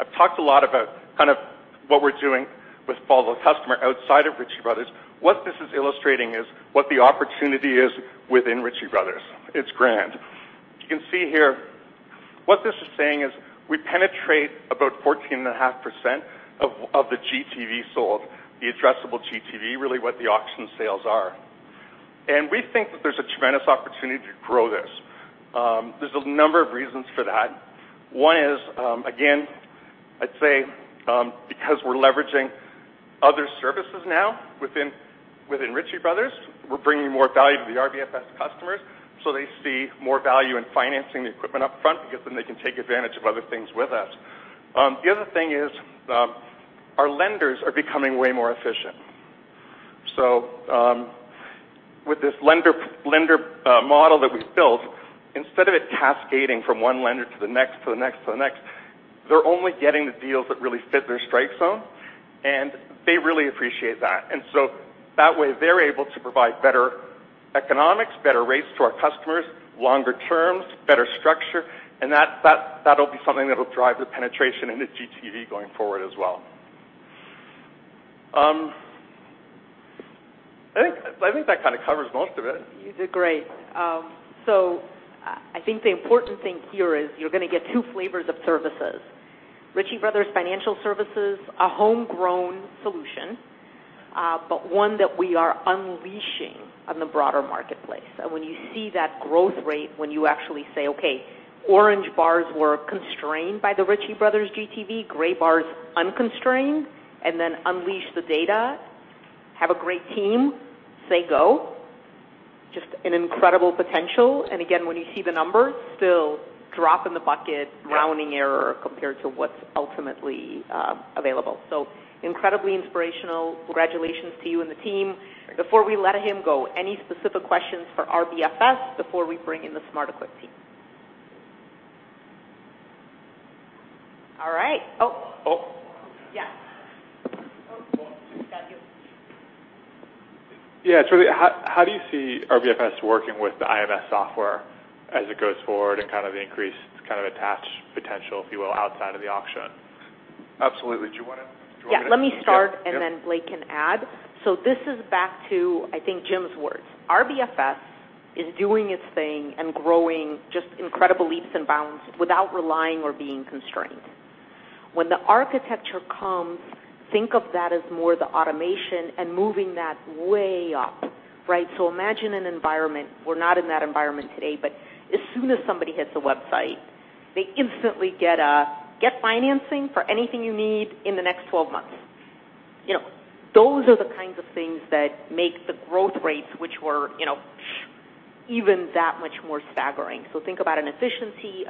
S16: I've talked a lot about kind of what we're doing with Follow the Customer outside of Ritchie Brothers. What this is illustrating is what the opportunity is within Ritchie Brothers. It's grand. You can see here, what this is saying is we penetrate about 14.5% of the GTV sold, the addressable GTV, really what the auction sales are. We think that there's a tremendous opportunity to grow this. There's a number of reasons for that. One is, again, I'd say, because we're leveraging other services now within Ritchie Brothers, we're bringing more value to the RBFS customers, so they see more value in financing the equipment up front because then they can take advantage of other things with us. The other thing is, our lenders are becoming way more efficient. With this lender model that we've built, instead of it cascading from one lender to the next, they're only getting the deals that really fit their strike zone, and they really appreciate that. That way, they're able to provide better economics, better rates to our customers, longer terms, better structure, and that'll be something that'll drive the penetration in the GTV going forward as well. I think that kind of covers most of it.
S2: You did great. So I think the important thing here is you're gonna get two flavors of services. Ritchie Bros. Financial Services are homegrown solution, but one that we are unleashing on the broader marketplace. When you see that growth rate, when you actually say, "Okay, orange bars were constrained by the Ritchie Brothers, GTV, gray bars unconstrained, and then unleash the data, have a great team, say go," just an incredible potential. When you see the numbers, still drop in the bucket.
S16: Yeah.
S2: Rounding error compared to what's ultimately available. Incredibly inspirational. Congratulations to you and the team.
S16: Thank you.
S2: Before we let him go, any specific questions for RBFS before we bring in the SmartEquip team? All right. Oh.
S16: Oh.
S2: Yeah. Got you.
S17: How do you see RBFS working with the IMS software as it goes forward and kind of the increased kind of attached potential, if you will, outside of the auction?
S16: Absolutely. Do you wanna-
S2: Yeah, let me start.
S16: Yeah.
S2: Blake can add. This is back to, I think Jim's words. RBFS is doing its thing and growing just incredible leaps and bounds without relying or being constrained. When the architecture comes, think of that as more the automation and moving that way up, right? Imagine an environment, we're not in that environment today, but as soon as somebody hits the website, they instantly get a, "Get financing for anything you need in the next 12 months." You know, those are the kinds of things that make the growth rates, which were, you know, even that much more staggering. Think about an efficiency,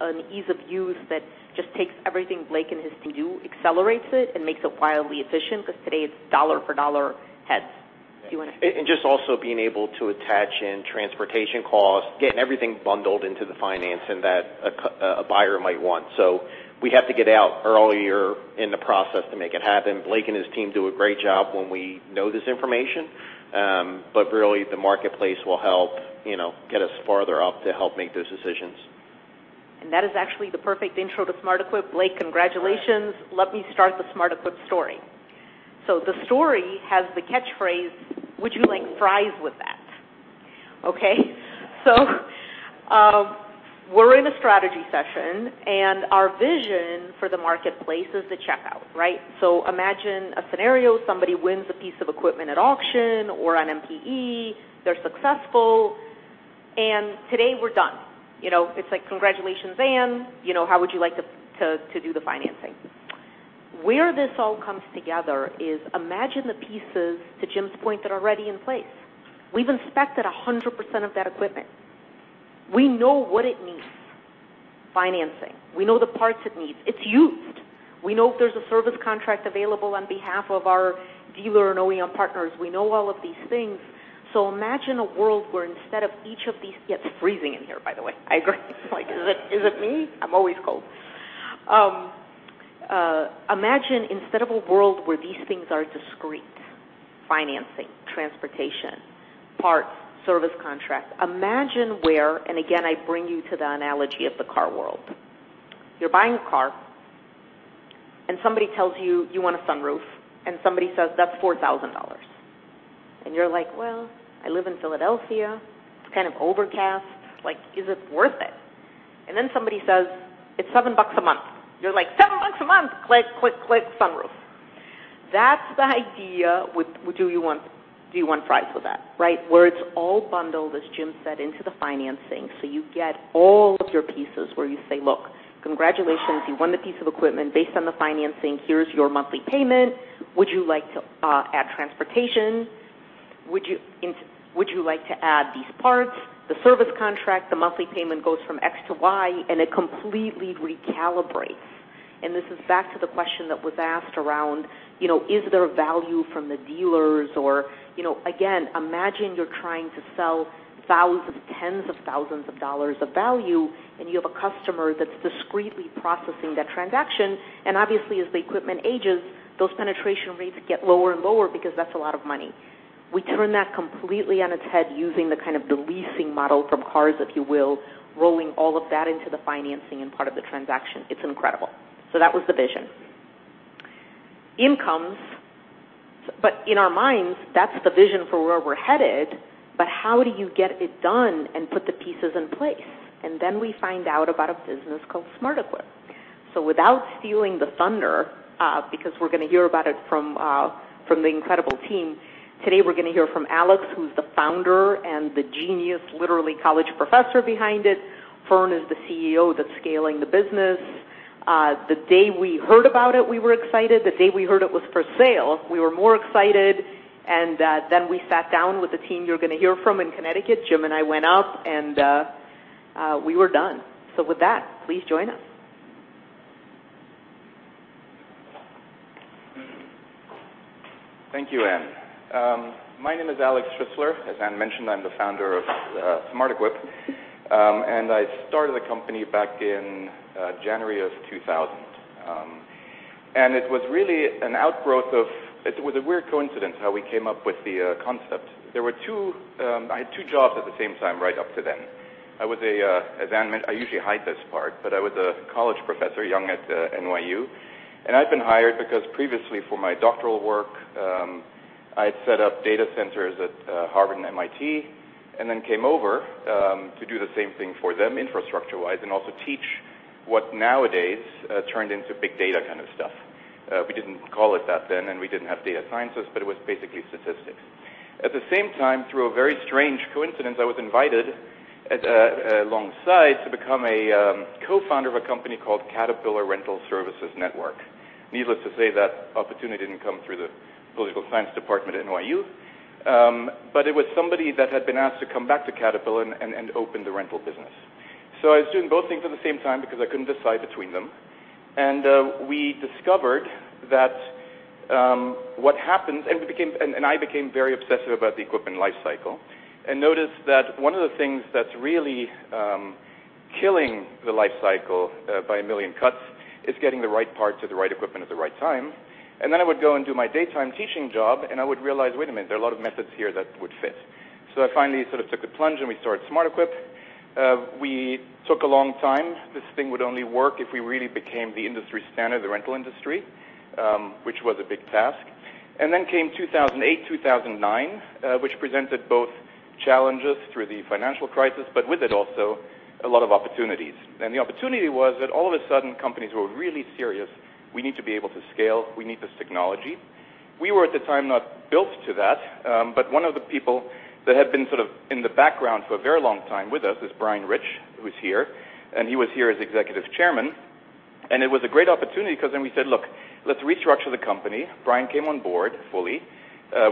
S2: an ease of use that just takes everything Blake and his team do, accelerates it, and makes it wildly efficient, because today it's dollar for dollar heads. Do you wanna-
S16: Just also being able to attach in transportation costs, getting everything bundled into the finance and that a buyer might want. We have to get out earlier in the process to make it happen. Blake and his team do a great job when we know this information, but really, the marketplace will help, you know, get us farther up to help make those decisions.
S2: That is actually the perfect intro to SmartEquip. Blake, congratulations. Let me start the SmartEquip story. The story has the catchphrase, "Would you like fries with that?" Okay. We're in a strategy session, and our vision for the marketplace is the checkout, right? Imagine a scenario, somebody wins a piece of equipment at auction or on MP-E, they're successful, and today we're done. You know, it's like, congratulations, Anne. You know, how would you like to do the financing? Where this all comes together is imagine the pieces, to Jim's point, that are already in place. We've inspected 100% of that equipment. We know what it needs. Financing. We know the parts it needs. It's used. We know if there's a service contract available on behalf of our dealer and OEM partners, we know all of these things. Imagine a world where instead of each of these. It's freezing in here, by the way. I agree. Like, is it me? I'm always cold. Imagine instead of a world where these things are discrete, financing, transportation, parts, service contracts. Imagine where, and again, I bring you to the analogy of the car world. You're buying a car and somebody tells you, "You want a sunroof," and somebody says, "That's $4,000." You're like, "Well, I live in Philadelphia. It's kind of overcast. Like, is it worth it?" Then somebody says, "It's $7 a month." You're like, "$7 a month?" Click, click, sunroof. That's the idea with do you want fries with that, right? Where it's all bundled, as Jim said, into the financing, so you get all of your pieces where you say, "Look, congratulations, you won the piece of equipment. Based on the financing, here's your monthly payment. Would you like to add transportation? Would you like to add these parts? The service contract, the monthly payment goes from X to Y," and it completely recalibrates. This is back to the question that was asked around, you know, is there value from the dealers or. You know, again, imagine you're trying to sell thousands, tens of thousands of dollars of value, and you have a customer that's discreetly processing that transaction, and obviously as the equipment ages, those penetration rates get lower and lower because that's a lot of money. We turn that completely on its head using the kind of the leasing model from cars, if you will, rolling all of that into the financing and part of the transaction. It's incredible. That was the vision. In our minds, that's the vision for where we're headed, but how do you get it done and put the pieces in place? Then we find out about a business called SmartEquip. Without stealing the thunder, because we're gonna hear about it from the incredible team, today we're gonna hear from Alex, who's the founder and the genius, literally college professor behind it. Fern is the CEO that's scaling the business. The day we heard about it, we were excited. The day we heard it was for sale, we were more excited. Then we sat down with the team you're gonna hear from in Connecticut. Jim and I went up and we were done. With that, please join us.
S18: Thank you, Ann. My name is Alex Schuessler. As Ann mentioned, I'm the founder of SmartEquip, and I started the company back in January of 2000. It was a weird coincidence how we came up with the concept. I had two jobs at the same time right up to then. As Ann mentioned, I usually hide this part, but I was a college professor, young, at NYU, and I'd been hired because previously for my doctoral work, I'd set up data centers at Harvard and MIT and then came over to do the same thing for them infrastructure-wise and also teach what nowadays turned into big data kind of stuff. We didn't call it that then, and we didn't have data scientists, but it was basically statistics. At the same time, through a very strange coincidence, I was invited alongside to become a co-founder of a company called Caterpillar Rental Services Network. Needless to say, that opportunity didn't come through the political science department at NYU, but it was somebody that had been asked to come back to Caterpillar and opened the rental business. I was doing both things at the same time because I couldn't decide between them. We discovered that what happens. I became very obsessive about the equipment life cycle and noticed that one of the things that's really killing the life cycle by a million cuts is getting the right part to the right equipment at the right time. I would go and do my daytime teaching job, and I would realize, wait a minute, there are a lot of methods here that would fit. I finally sort of took the plunge, and we started SmartEquip. We took a long time. This thing would only work if we really became the industry standard, the rental industry, which was a big task. Then came 2008, 2009, which presented both challenges through the financial crisis, but with it also a lot of opportunities. The opportunity was that all of sudden companies were really serious. We need to be able to scale. We need this technology. We were at the time, not built to that. One of the people that had been sort of in the background for a very long time with us is Brian Rich, who is here, and he was here as Executive Chairman. It was a great opportunity cause then we said, "Look, let's restructure the company." Brian came on board fully.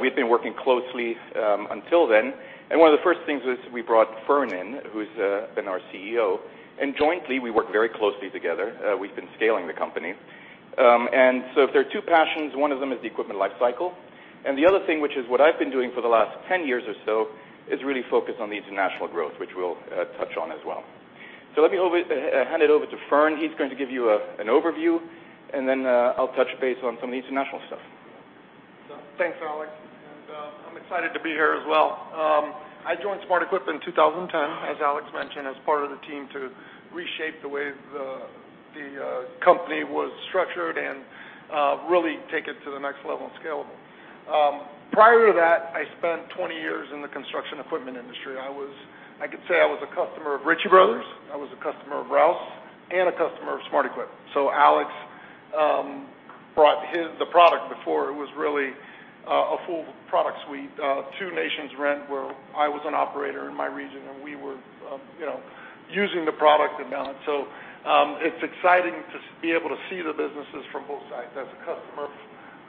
S18: We've been working closely until then, and one of the first things is we brought Fern in, who's been our CEO. Jointly, we work very closely together. We've been scaling the company. If there are two passions, one of them is the equipment life cycle, and the other thing, which is what I've been doing for the last 10 years or so, is really focused on the international growth, which we'll touch on as well. Let me hand it over to Fern. He's going to give you an overview, and then I'll touch base on some of the international stuff.
S19: Thanks, Alex, and I'm excited to be here as well. I joined SmartEquip in 2010, as Alex mentioned, as part of the team to reshape the way the company was structured and really take it to the next level and scalable. Prior to that, I spent 20 years in the construction equipment industry. I could say I was a customer of Ritchie Bros., I was a customer of Rouse, and a customer of SmartEquip. Alex brought the product before it was really a full product suite. Sunbelt Rentals, where I was an operator in my region and we were, you know, using the product and balance. It's exciting to be able to see the businesses from both sides, as a customer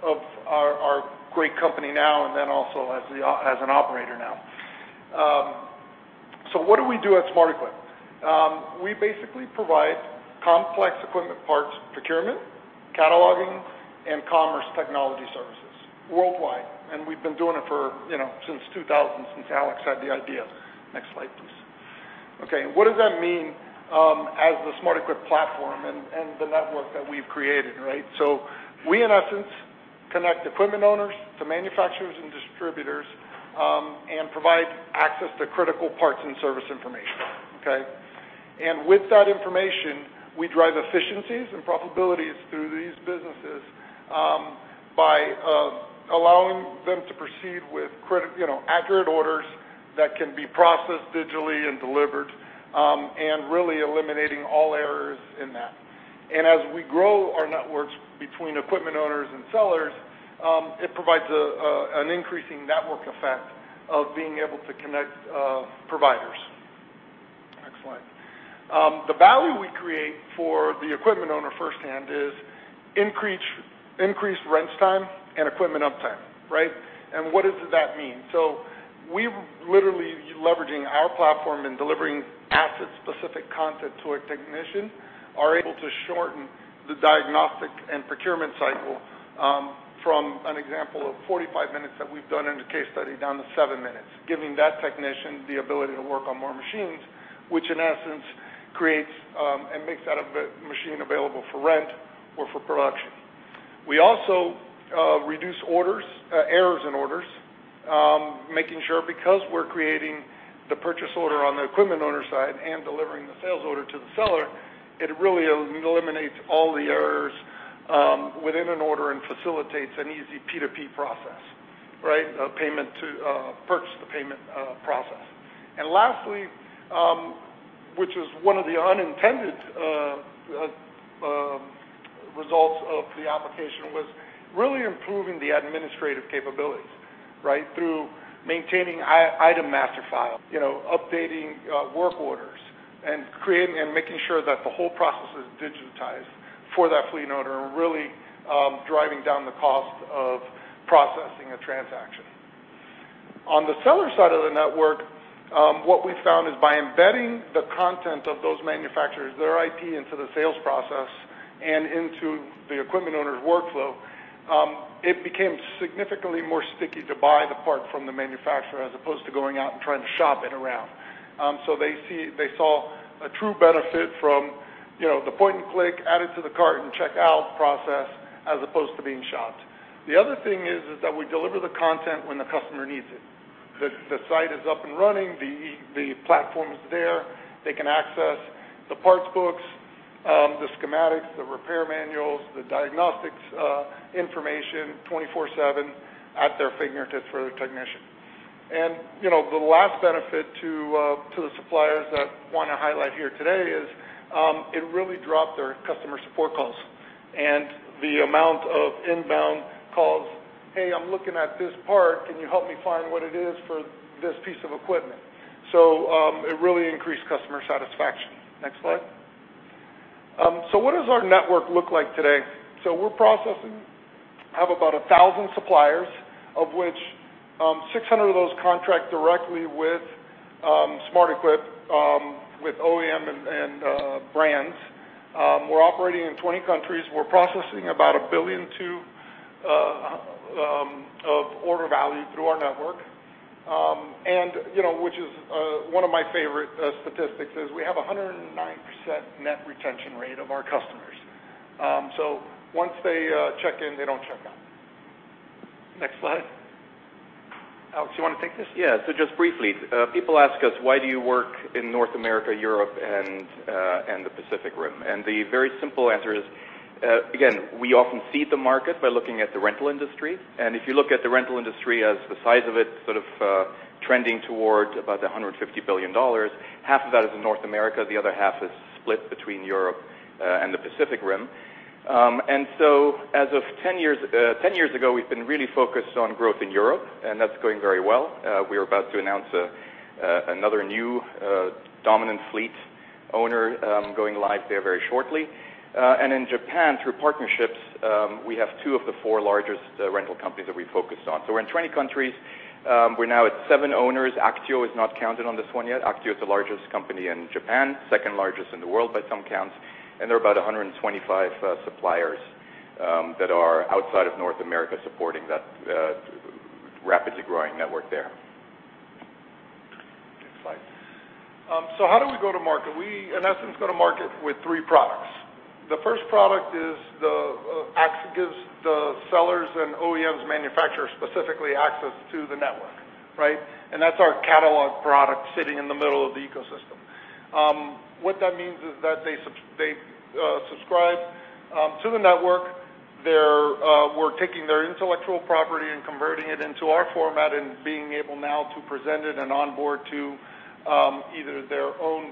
S19: of our great company now and then also as an operator now. What do we do at SmartEquip? We basically provide complex equipment parts procurement, cataloging, and commerce technology services worldwide. We've been doing it for, you know, since 2000, since Alex had the idea. Next slide, please. Okay, what does that mean, as the SmartEquip platform and the network that we've created, right? We in essence connect equipment owners to manufacturers and distributors, and provide access to critical parts and service information. Okay? With that information, we drive efficiencies and probabilities through these businesses, by allowing them to proceed with you know, accurate orders that can be processed digitally and delivered, and really eliminating all errors in that. As we grow our networks between equipment owners and sellers, it provides an increasing network effect of being able to connect providers. Next slide. The value we create for the equipment owner firsthand is increased wrench time and equipment uptime, right? What does that mean? We literally leveraging our platform and delivering asset-specific content to a technician are able to shorten the diagnostic and procurement cycle, from an example of 45 minutes that we've done in the case study down to seven minutes, giving that technician the ability to work on more machines, which in essence creates and makes that a machine available for rent or for production. We also reduce order errors in orders, making sure because we're creating the purchase order on the equipment owner side and delivering the sales order to the seller, it really eliminates all the errors within an order and facilitates an easy P2P process, right? Procure-to-pay process. Lastly, which is one of the unintended results of the application was really improving the administrative capabilities, right? Through maintaining item master files, you know, updating work orders and creating and making sure that the whole process is digitized for that fleet owner and really driving down the cost of processing a transaction. On the seller side of the network, what we found is by embedding the content of those manufacturers, their IT into the sales process and into the equipment owner's workflow, it became significantly more sticky to buy the part from the manufacturer as opposed to going out and trying to shop it around. They saw a true benefit from, you know, the point and click, add it to the cart and check out process as opposed to being shopped. The other thing is that we deliver the content when the customer needs it. The site is up and running, the platform is there. They can access the parts books, the schematics, the repair manuals, the diagnostics, information 24/7 at their fingertips for the technician. The last benefit to the suppliers that wanna highlight here today is, it really dropped their customer support calls and the amount of inbound calls, "Hey, I'm looking at this part. Can you help me find what it is for this piece of equipment?" It really increased customer satisfaction. Next slide. What does our network look like today? We have about 1,000 suppliers, of which, 600 of those contract directly with SmartEquip, with OEM and brands. We're operating in 20 countries. We're processing about $1.2 billion of order value through our network. You know, which is one of my favorite statistics is we have 109% net retention rate of our customers. Once they check in, they don't check out. Next slide. Alex, you wanna take this?
S18: Yeah. Just briefly, people ask us, why do you work in North America, Europe, and the Pacific Rim? The very simple answer is, again, we often see the market by looking at the rental industry, and if you look at the rental industry as the size of it sort of trending towards about $150 billion, half of that is in North America, the other half is split between Europe and the Pacific Rim. As of 10 years ago, we've been really focused on growth in Europe, and that's going very well. We're about to announce another new dominant fleet owner going live there very shortly. In Japan, through partnerships, we have two of the four largest rental companies that we focus on. We're in 20 countries. We're now at seven owners. Aktio is not counted on this one yet. Aktio is the largest company in Japan, second largest in the world by some counts, and there are about 125 suppliers that are outside of North America supporting that rapidly growing network there.
S19: Next slide. How do we go to market? We, in essence, go to market with three products. The first product is the app gives the sellers and OEM manufacturers specifically access to the network, right? That's our catalog product sitting in the middle of the ecosystem. What that means is that they subscribe to the network. We're taking their intellectual property and converting it into our format and being able now to present it and onboard to either their own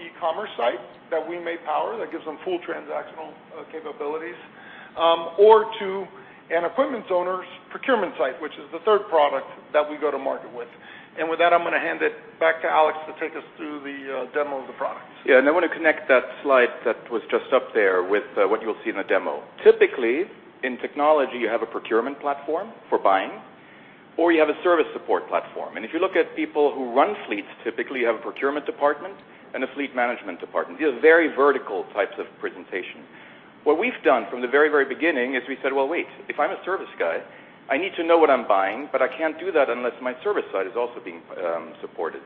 S19: e-commerce site that we may power, that gives them full transactional capabilities or to an equipment owner's procurement site, which is the third product that we go to market with. With that, I'm gonna hand it back to Alex to take us through the demo of the products.
S18: Yeah, I wanna connect that slide that was just up there with what you'll see in the demo. Typically, in technology, you have a procurement platform for buying, or you have a service support platform. If you look at people who run fleets, typically you have a procurement department and a fleet management department. These are very vertical types of presentation. What we've done from the very, very beginning is we said, "Well, wait. If I'm a service guy, I need to know what I'm buying, but I can't do that unless my service side is also being supported."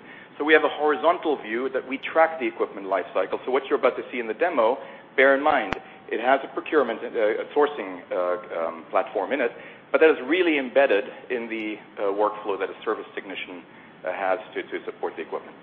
S18: We have a horizontal view that we track the equipment lifecycle. What you're about to see in the demo, bear in mind, it has a procurement, sourcing, platform in it, but that is really embedded in the workflow that a service technician has to support the equipment.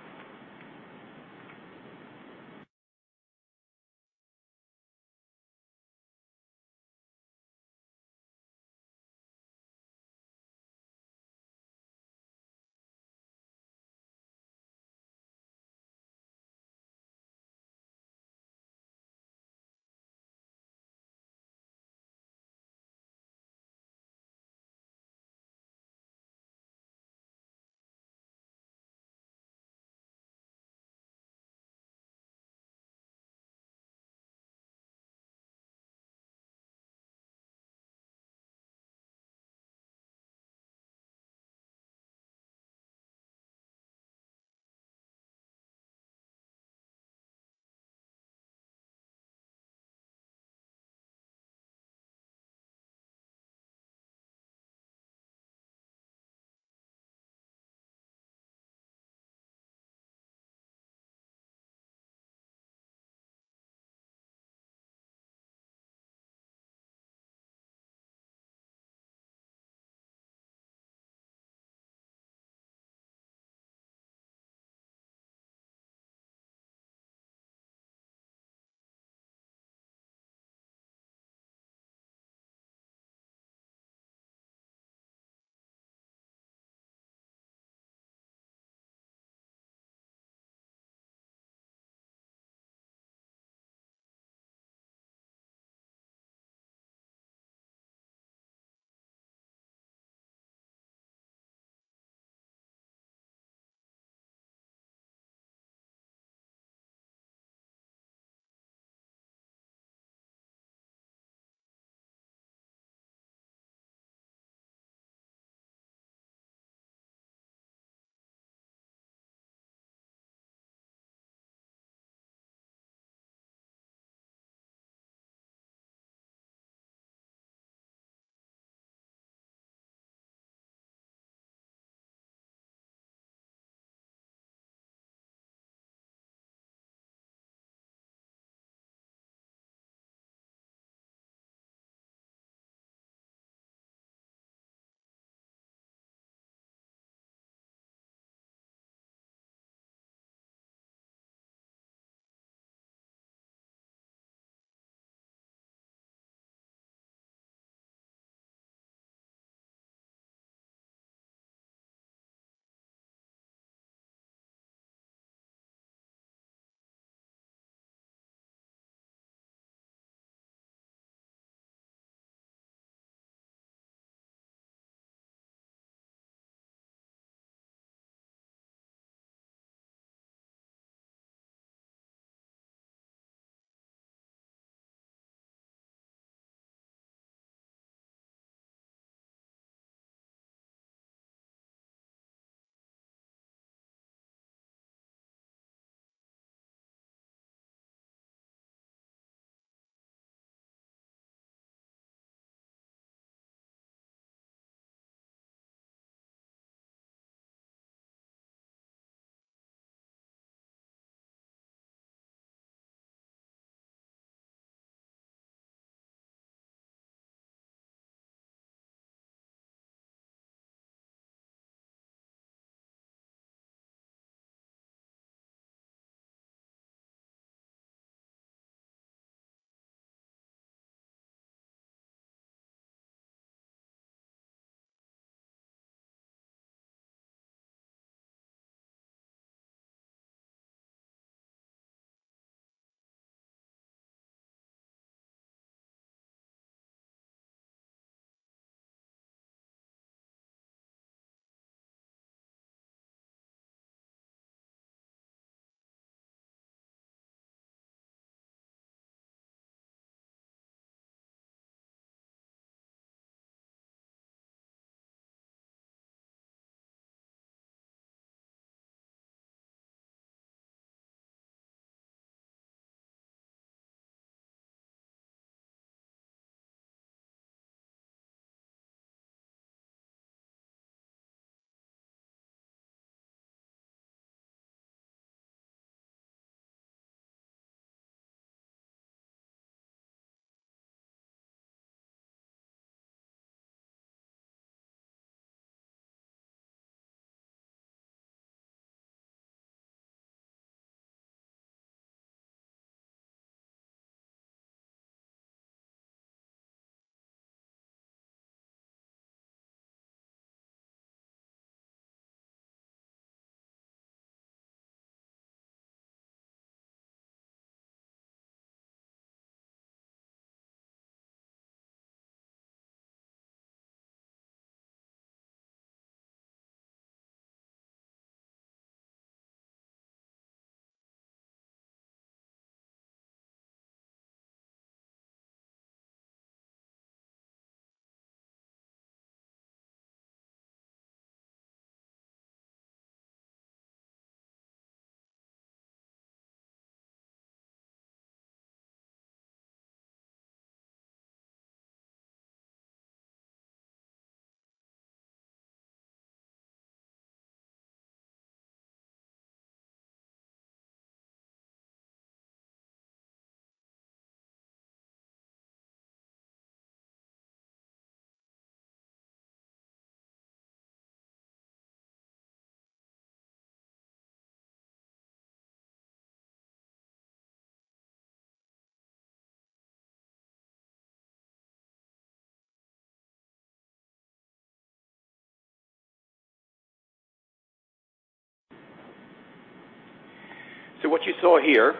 S18: What you saw here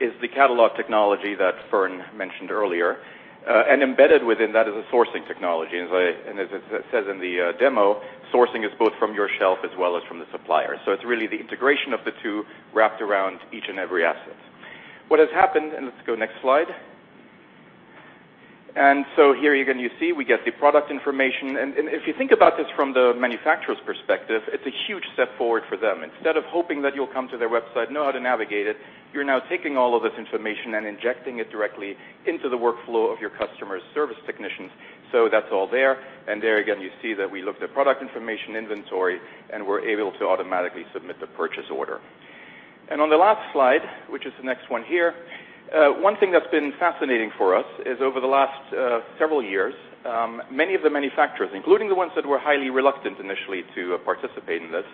S18: is the catalog technology that Fern mentioned earlier, and embedded within that is a sourcing technology. And as it says in the demo, sourcing is both from your shelf as well as from the supplier. It's really the integration of the two wrapped around each and every asset. What has happened. Let's go next slide. Here again you see we get the product information. If you think about this from the manufacturer's perspective, it's a huge step forward for them. Instead of hoping that you'll come to their website and know how to navigate it, you're now taking all of this information and injecting it directly into the workflow of your customer service technicians. That's all there. There again, you see that we looked at product information inventory, and we're able to automatically submit the purchase order. On the last slide, which is the next one here, one thing that's been fascinating for us is over the last several years, many of the manufacturers, including the ones that were highly reluctant initially to participate in this,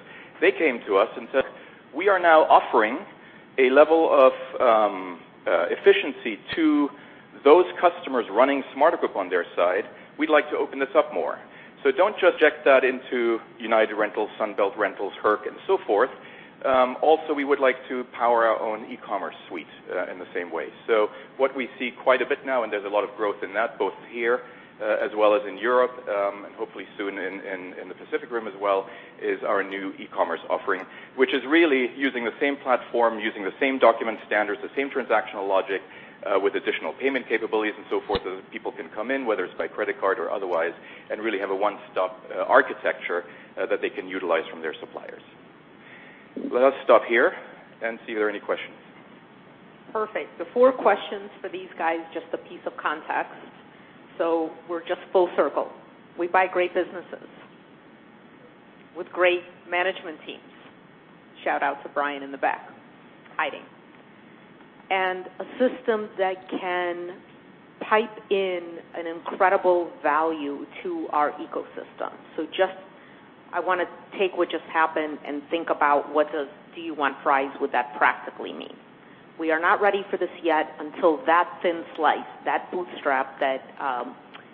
S18: they came to us and said, "We are now offering a level of efficiency to those customers running SmartEquip on their side. We'd like to open this up more. So don't just inject that into United Rentals, Sunbelt Rentals, HERC, and so forth. Also, we would like to power our own e-commerce suite in the same way." What we see quite a bit now, and there's a lot of growth in that, both here as well as in Europe, and hopefully soon in the Pacific Rim as well, is our new e-commerce offering, which is really using the same platform, using the same document standards, the same transactional logic, with additional payment capabilities and so forth, so that people can come in, whether it's by credit card or otherwise, and really have a one-stop architecture that they can utilize from their suppliers. Let us stop here and see if there are any questions.
S2: Perfect. Before questions for these guys, just a piece of context. We're just full circle. We buy great businesses with great management teams. Shout out to Brian in the back, hiding. A system that can pipe in an incredible value to our ecosystem. I wanna take what just happened and think about what does do-one-price would that practically mean. We are not ready for this yet until that thin slice, that bootstrap that,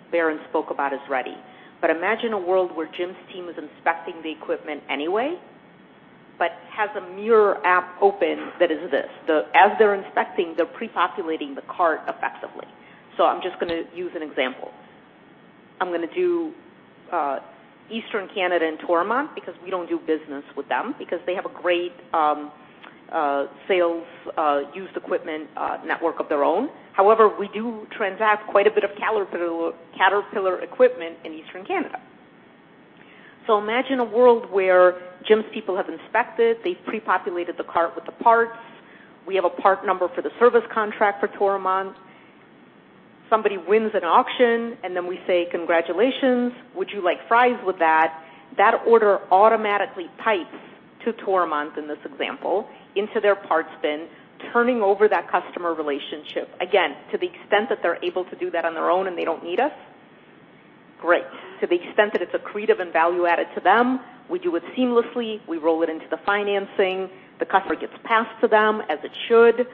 S2: Baron spoke about is ready. Imagine a world where Jim's team is inspecting the equipment anyway, but has a Muir app open that is this. As they're inspecting, they're pre-populating the cart effectively. I'm just gonna use an example. I'm gonna do Eastern Canada and Toromont because we don't do business with them because they have a great sales used equipment network of their own. However, we do transact quite a bit of Caterpillar equipment in Eastern Canada. Imagine a world where Jim's people have inspected, they've pre-populated the cart with the parts. We have a part number for the service contract for Toromont. Somebody wins an auction, and then we say, "Congratulations. Would you like fries with that?" That order automatically pipes to Toromont in this example into their parts bin, turning over that customer relationship. Again, to the extent that they're able to do that on their own and they don't need us, great. To the extent that it's accretive and value-added to them, we do it seamlessly, we roll it into the financing, the customer gets passed to them as it should,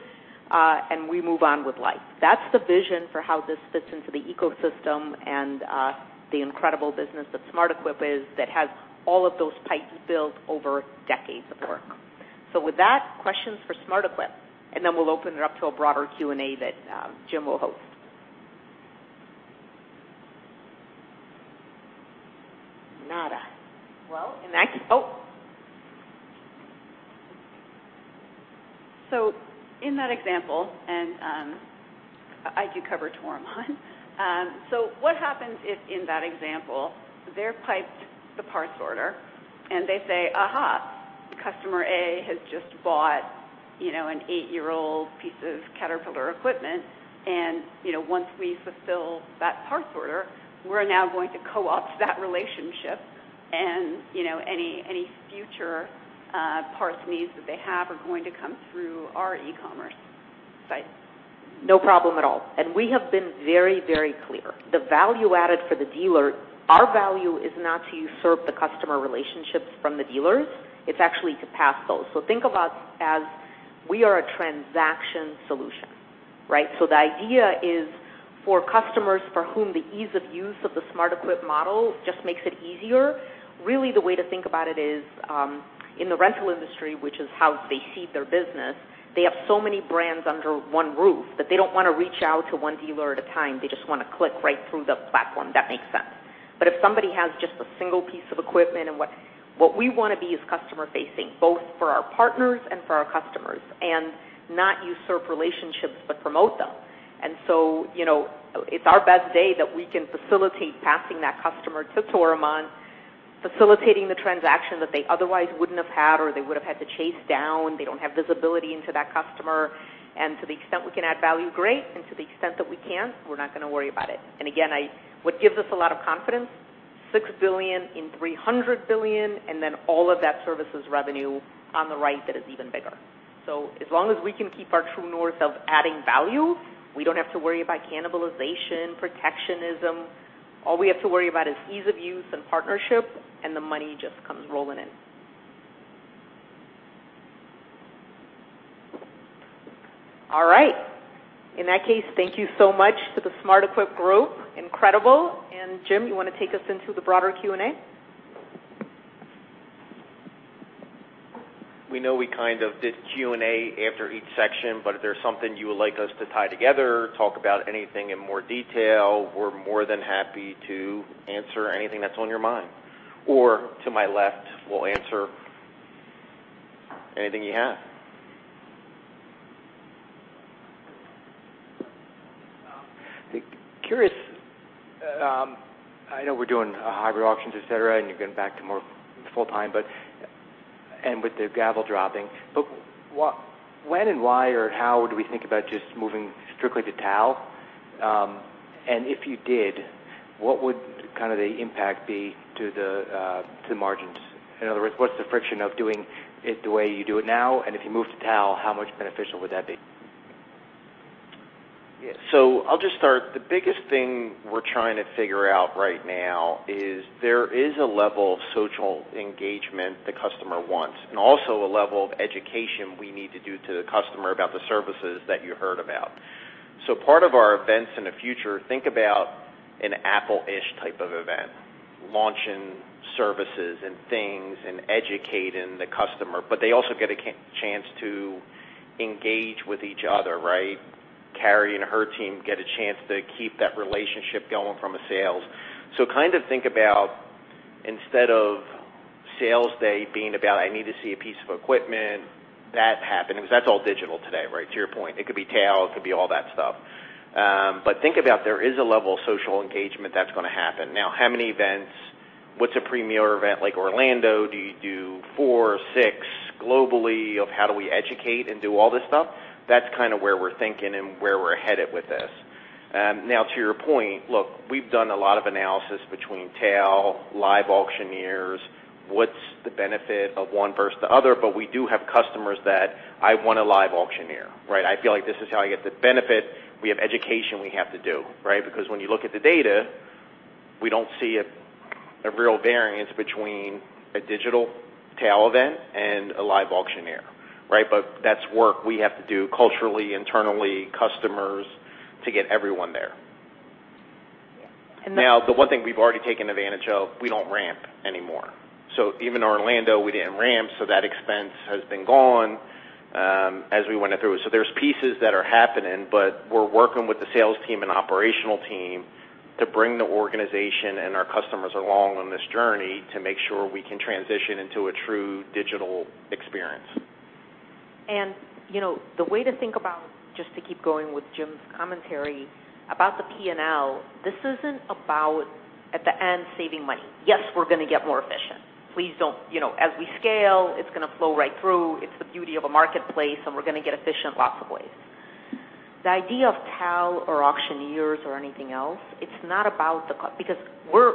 S2: and we move on with life. That's the vision for how this fits into the ecosystem and the incredible business that SmartEquip is that has all of those pipes built over decades of work. With that, questions for SmartEquip, and then we'll open it up to a broader Q&A that Jim will host. Nada.
S6: In that example, I do cover Toromont. What happens if in that example, they place the parts order and they say, "Aha, customer A has just bought, you know, an eight-year-old piece of Caterpillar equipment, and, you know, once we fulfill that parts order, we're now going to co-opt that relationship and, you know, any future parts needs that they have are going to come through our e-commerce site.
S2: No problem at all. We have been very, very clear. The value added for the dealer, our value is not to usurp the customer relationships from the dealers. It's actually to pass those. Think about as we are a transaction solution, right? The idea is for customers for whom the ease of use of the SmartEquip model just makes it easier, really the way to think about it is, in the rental industry, which is how they seed their business, they have so many brands under one roof that they don't wanna reach out to one dealer at a time. They just wanna click right through the platform that makes sense. If somebody has just a single piece of equipment and what we wanna be is customer-facing, both for our partners and for our customers, and not usurp relationships, but promote them. You know, it's our best day that we can facilitate passing that customer to Toromont, facilitating the transaction that they otherwise wouldn't have had or they would have had to chase down. They don't have visibility into that customer. To the extent we can add value, great. To the extent that we can't, we're not gonna worry about it. Again, what gives us a lot of confidence, $6 billion in $300 billion, and then all of that services revenue on the right that is even bigger. As long as we can keep our true north of adding value, we don't have to worry about cannibalization, protectionism. All we have to worry about is ease of use and partnership, and the money just comes rolling in. All right. In that case, thank you so much to the SmartEquip group. Incredible. Jim, you wanna take us into the broader Q&A?
S3: We know we kind of did Q&A after each section, but if there's something you would like us to tie together, talk about anything in more detail, we're more than happy to answer anything that's on your mind. Or to my left, we'll answer anything you have.
S7: Curious, I know we're doing hybrid auctions, et cetera, and you're going back to more full-time, but, and with the gavel dropping. When and why or how would we think about just moving strictly to TAL? And if you did, what would kind of the impact be to the, to the margins? In other words, what's the friction of doing it the way you do it now? And if you move to TAL, how much beneficial would that be?
S3: Yeah. I'll just start. The biggest thing we're trying to figure out right now is a level of social engagement the customer wants, and also a level of education we need to do to the customer about the services that you heard about. Part of our events in the future, think about an Apple-ish type of event, launching services and things and educating the customer. But they also get a chance to engage with each other, right? Kari and her team get a chance to keep that relationship going from a sales. Kind of think about instead of sales day being about I need to see a piece of equipment, that's happening. That's all digital today, right? To your point. It could be TAL, it could be all that stuff. But think about there is a level of social engagement that's gonna happen. Now, how many events? What's a premier event like Orlando? Do you do four or six globally or how do we educate and do all this stuff? That's kinda where we're thinking and where we're headed with this. Now to your point, look, we've done a lot of analysis between TAL, live auctioneers, what's the benefit of one versus the other. But we do have customers that want a live auctioneer, right? I feel like this is how I get the benefit. We have education we have to do, right? Because when you look at the data, we don't see a real variance between a digital TAL event and a live auctioneer, right? But that's work we have to do culturally, internally, customers, to get everyone there.
S2: And that-
S3: Now, the one thing we've already taken advantage of, we don't ramp anymore. Even Orlando, we didn't ramp, so that expense has been gone, as we went through. There's pieces that are happening, but we're working with the sales team and operational team to bring the organization and our customers along on this journey to make sure we can transition into a true digital experience.
S2: You know, the way to think about, just to keep going with Jim's commentary about the P&L, this isn't about, at the end, saving money. Yes, we're gonna get more efficient. Please don't, you know, as we scale, it's gonna flow right through. It's the beauty of a marketplace, and we're gonna get efficient lots of ways. The idea of TAL or auctioneers or anything else, it's not about the, because we're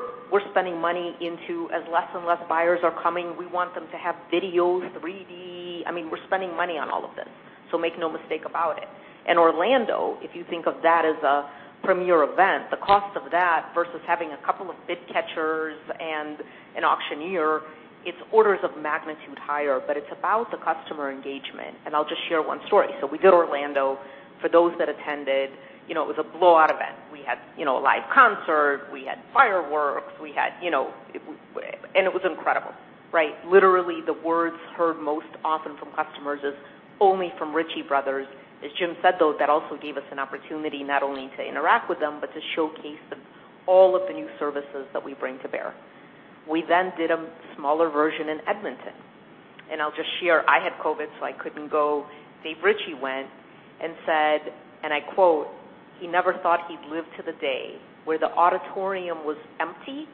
S2: spending money into as less and less buyers are coming, we want them to have videos, 3D. I mean, we're spending money on all of this, so make no mistake about it. In Orlando, if you think of that as a premier event, the cost of that versus having a couple of bid catchers and an auctioneer, it's orders of magnitude higher, but it's about the customer engagement. I'll just share one story. We go to Orlando. For those that attended, you know, it was a blowout event. We had, you know, a live concert, we had fireworks, we had, you know. It was incredible, right? Literally, the words heard most often from customers is only from Ritchie Bros. As Jim said, though, that also gave us an opportunity not only to interact with them, but to showcase them all of the new services that we bring to bear. We then did a smaller version in Edmonton, and I'll just share. I had COVID, so I couldn't go. Dave Ritchie went and said, and I quote, "He never thought he'd live to the day where the auditorium was empty,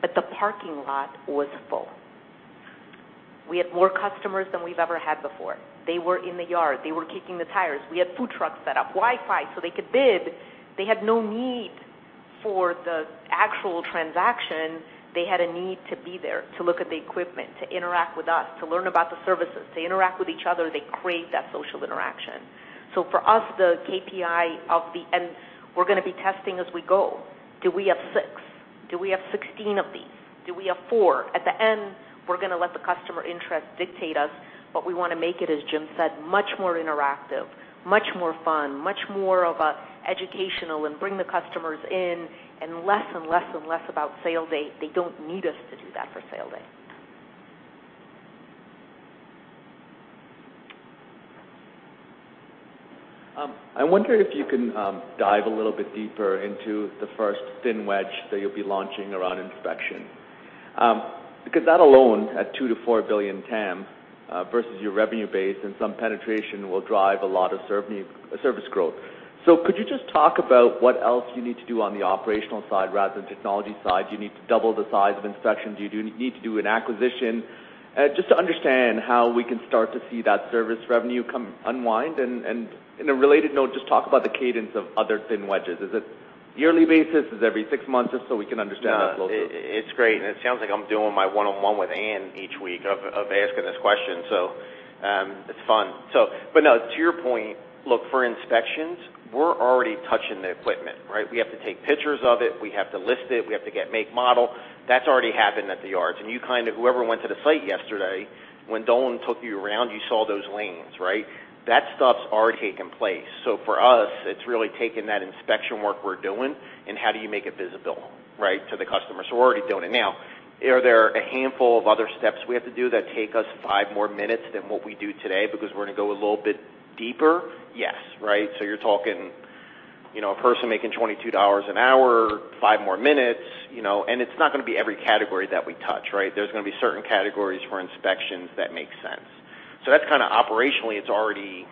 S2: but the parking lot was full." We had more customers than we've ever had before. They were in the yard. They were kicking the tires. We had food trucks set up, Wi-Fi, so they could bid. They had no need for the actual transaction. They had a need to be there, to look at the equipment, to interact with us, to learn about the services, to interact with each other. They crave that social interaction. For us, the KPI of the end, we're gonna be testing as we go. Do we have six? Do we have 16 of these? Do we have four? At the end, we're gonna let the customer interest dictate us, but we wanna make it, as Jim said, much more interactive, much more fun, much more of an educational, and bring the customers in, and less and less and less about sale date. They don't need us to do that for sale date.
S20: I wonder if you can dive a little bit deeper into the first thin wedge that you'll be launching around inspection. Because that alone, at $2-$4 billion TAM, versus your revenue base and some penetration, will drive a lot of service growth. Could you just talk about what else you need to do on the operational side rather than technology side? Do you need to double the size of inspections? Do you need to do an acquisition? Just to understand how we can start to see that service revenue come online. In a related note, just talk about the cadence of other thin wedges. Is it yearly basis? Is it every six months? Just so we can understand that flow through.
S3: Yeah. It's great, and it sounds like I'm doing my one-on-one with Anne each week of asking this question, so it's fun. But no, to your point, look, for inspections, we're already touching the equipment, right? We have to take pictures of it. We have to list it. We have to get make, model. That's already happened at the yards. Whoever went to the site yesterday, when Dolan took you around, you saw those lanes, right? That stuff's already taken place. For us, it's really taking that inspection work we're doing and how do you make it visible, right, to the customer. We're already doing it. Now are there a handful of other steps we have to do that take us five more minutes than what we do today because we're gonna go a little bit deeper? Yes, right? You're talking, you know, a person making $22 an hour, five more minutes, you know, and it's not gonna be every category that we touch, right? There's gonna be certain categories for inspections that make sense. That's kinda operationally, it's already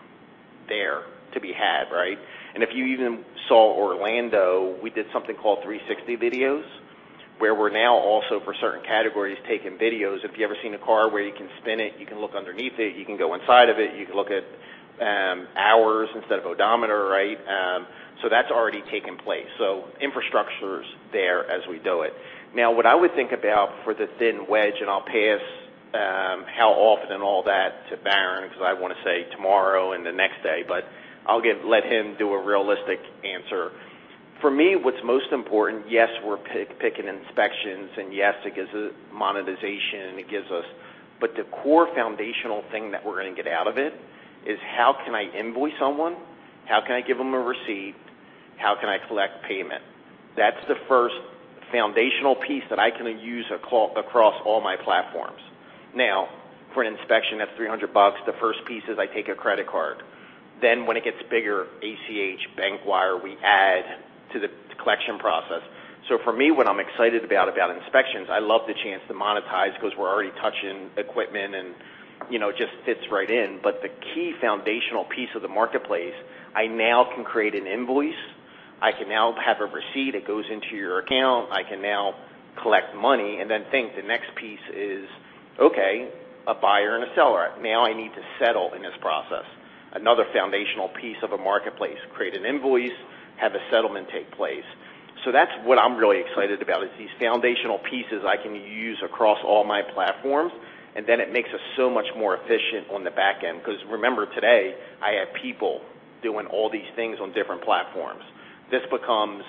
S3: there to be had, right? If you even saw Orlando, we did something called 360 videos, where we're now also, for certain categories, taking videos. If you ever seen a car where you can spin it, you can look underneath it, you can go inside of it, you can look at hours instead of odometer, right? That's already taken place. Infrastructure's there as we do it. Now, what I would think about for the thin wedge, and I'll pass how often and all that to Baron Concors, cause I wanna say tomorrow and the next day, but I'll let him do a realistic answer. For me, what's most important, yes, we're pre-purchase inspections, and yes, it gives us monetization. The core foundational thing that we're gonna get out of it is how can I invoice someone? How can I give them a receipt? How can I collect payment? That's the first foundational piece that I can use across all my platforms. Now, for an inspection, that's $300 the first piece is I take a credit card. Then when it gets bigger, ACH, bank wire, we add to the collection process. For me, what I'm excited about inspections, I love the chance to monetize cause we're already touching equipment and, you know, it just fits right in. The key foundational piece of the marketplace, I now can create an invoice. I can now have a receipt. It goes into your account. I can now collect money. think, the next piece is, okay, a buyer and a seller. Now I need to settle in this process. Another foundational piece of a marketplace, create an invoice, have a settlement take place. That's what I'm really excited about, is these foundational pieces I can use across all my platforms, and then it makes us so much more efficient on the back end. Cause remembers, today, I have people doing all these things on different platforms. This becomes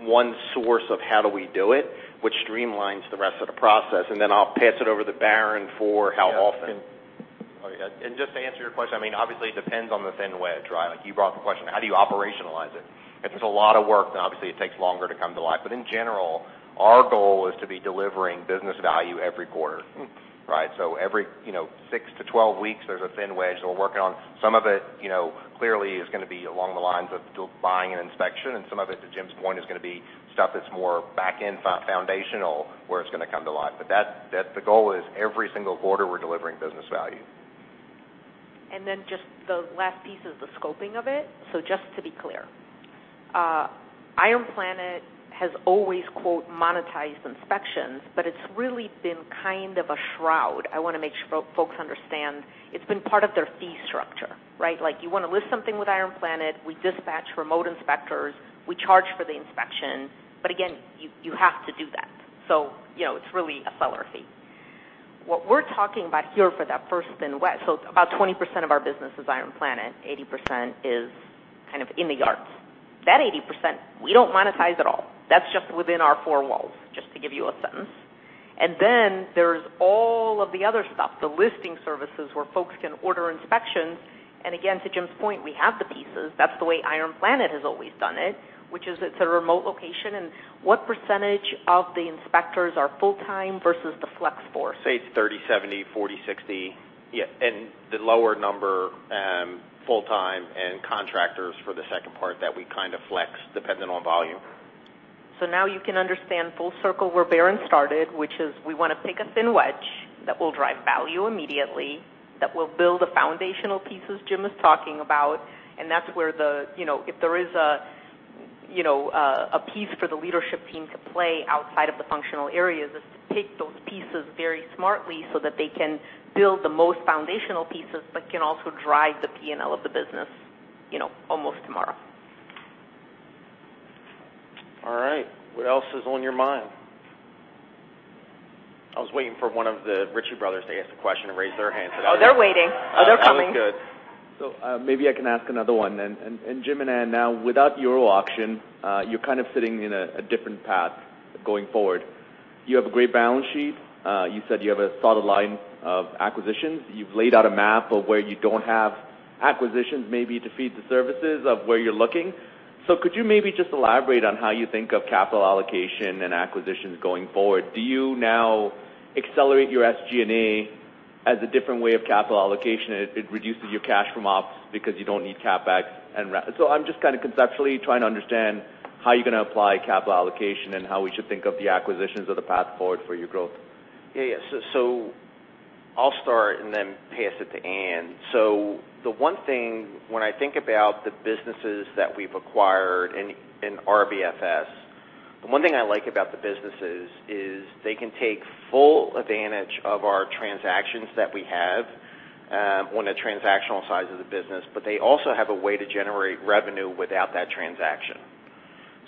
S3: one source of how do we do it, which streamlines the rest of the process. I'll pass it over to Baron for how often.
S20: Yeah.
S3: Oh, yeah. Just to answer your question, I mean, obviously, it depends on the thin wedge, right? Like, you brought up the question, how do you operationalize it? If there's a lot of work, then obviously it takes longer to come to life. In general, our goal is to be delivering business value every quarter, right? Every, you know, six to 12 weeks, there's a thin wedge that we're working on. Some of it, you know, clearly is gonna be along the lines of buying an inspection, and some of it, to Jim's point, is gonna be stuff that's more back end, foundational, where it's gonna come to life. That, that's the goal is every single quarter we're delivering business value.
S2: Just the last piece is the scoping of it. Just to be clear, IronPlanet has always, quote, monetized inspections, but it's really been kind of a shroud. I want to make sure folks understand it's been part of their fee structure, right? Like, you want to list something with IronPlanet, we dispatch remote inspectors, we charge for the inspection. But again, you have to do that. You know, it's really a seller fee. What we're talking about here for that first thing—so about 20% of our business is IronPlanet, 80% is kind of in the yards. That 80%, we don't monetize at all. That's just within our four walls, just to give you a sense. Then there's all of the other stuff, the listing services where folks can order inspections. Again, to Jim's point, we have the pieces. That's the way IronPlanet has always done it, which is it's a remote location. What percentage of the inspectors are full-time versus the flex force?
S3: Say it's 30-70, 40-60. Yeah, and the lower number, full-time and contractors for the second part that we kind of flex dependent on volume.
S2: Now you can understand full circle where Baron started, which is we wanna pick a thin wedge that will drive value immediately, that will build the foundational pieces Jim is talking about. And that's where you know, if there is a, you know, a piece for the leadership team to play outside of the functional areas is to take those pieces very smartly so that they can build the most foundational pieces, but can also drive the P&L of the business, you know, almost tomorrow.
S10: All right. What else is on your mind?
S3: I was waiting for one of the Ritchie Brothers to ask a question and raise their hand, so that was.
S2: They're waiting. They're coming.
S10: Oh, that was good.
S20: Maybe I can ask another one then. And Jim and Ann, now, without Euro Auctions, you're kind of sitting in a different path going forward. You have a great balance sheet. You said you have a solid line of acquisitions. You've laid out a map of where you don't have acquisitions maybe to feed the services of where you're looking. Could you maybe just elaborate on how you think of capital allocation and acquisitions going forward? Do you now accelerate your SG&A as a different way of capital allocation? It reduces your cash from ops because you don't need CapEx and. I'm just kinda conceptually trying to understand how you're gonna apply capital allocation and how we should think of the acquisitions as the path forward for your growth.
S3: Yeah. I'll start and then pass it to Ann. The one thing when I think about the businesses that we've acquired in RBFS, the one thing I like about the businesses is they can take full advantage of our transactions that we have on the transactional side of the business, but they also have a way to generate revenue without that transaction.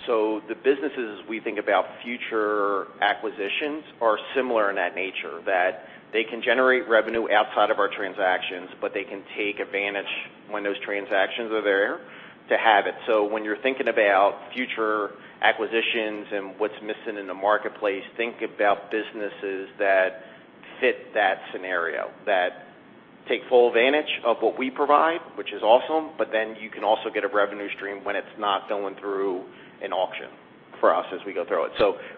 S3: The businesses we think about for future acquisitions are similar in that nature, that they can generate revenue outside of our transactions, but they can take advantage when those transactions are there to have it. When you're thinking about future acquisitions and what's missing in the marketplace, think about businesses that fit that scenario, that take full advantage of what we provide, which is awesome, but then you can also get a revenue stream when it's not going through an auction for us as we go through it.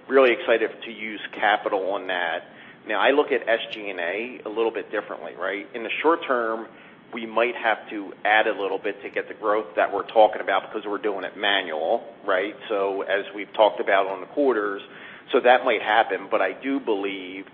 S3: Really excited to use capital on that. Now, I look at SG&A a little bit differently, right? In the short term, we might have to add a little bit to get the growth that we're talking about because we're doing it manually, right? As we've talked about in the quarters, so that might happen. I do believe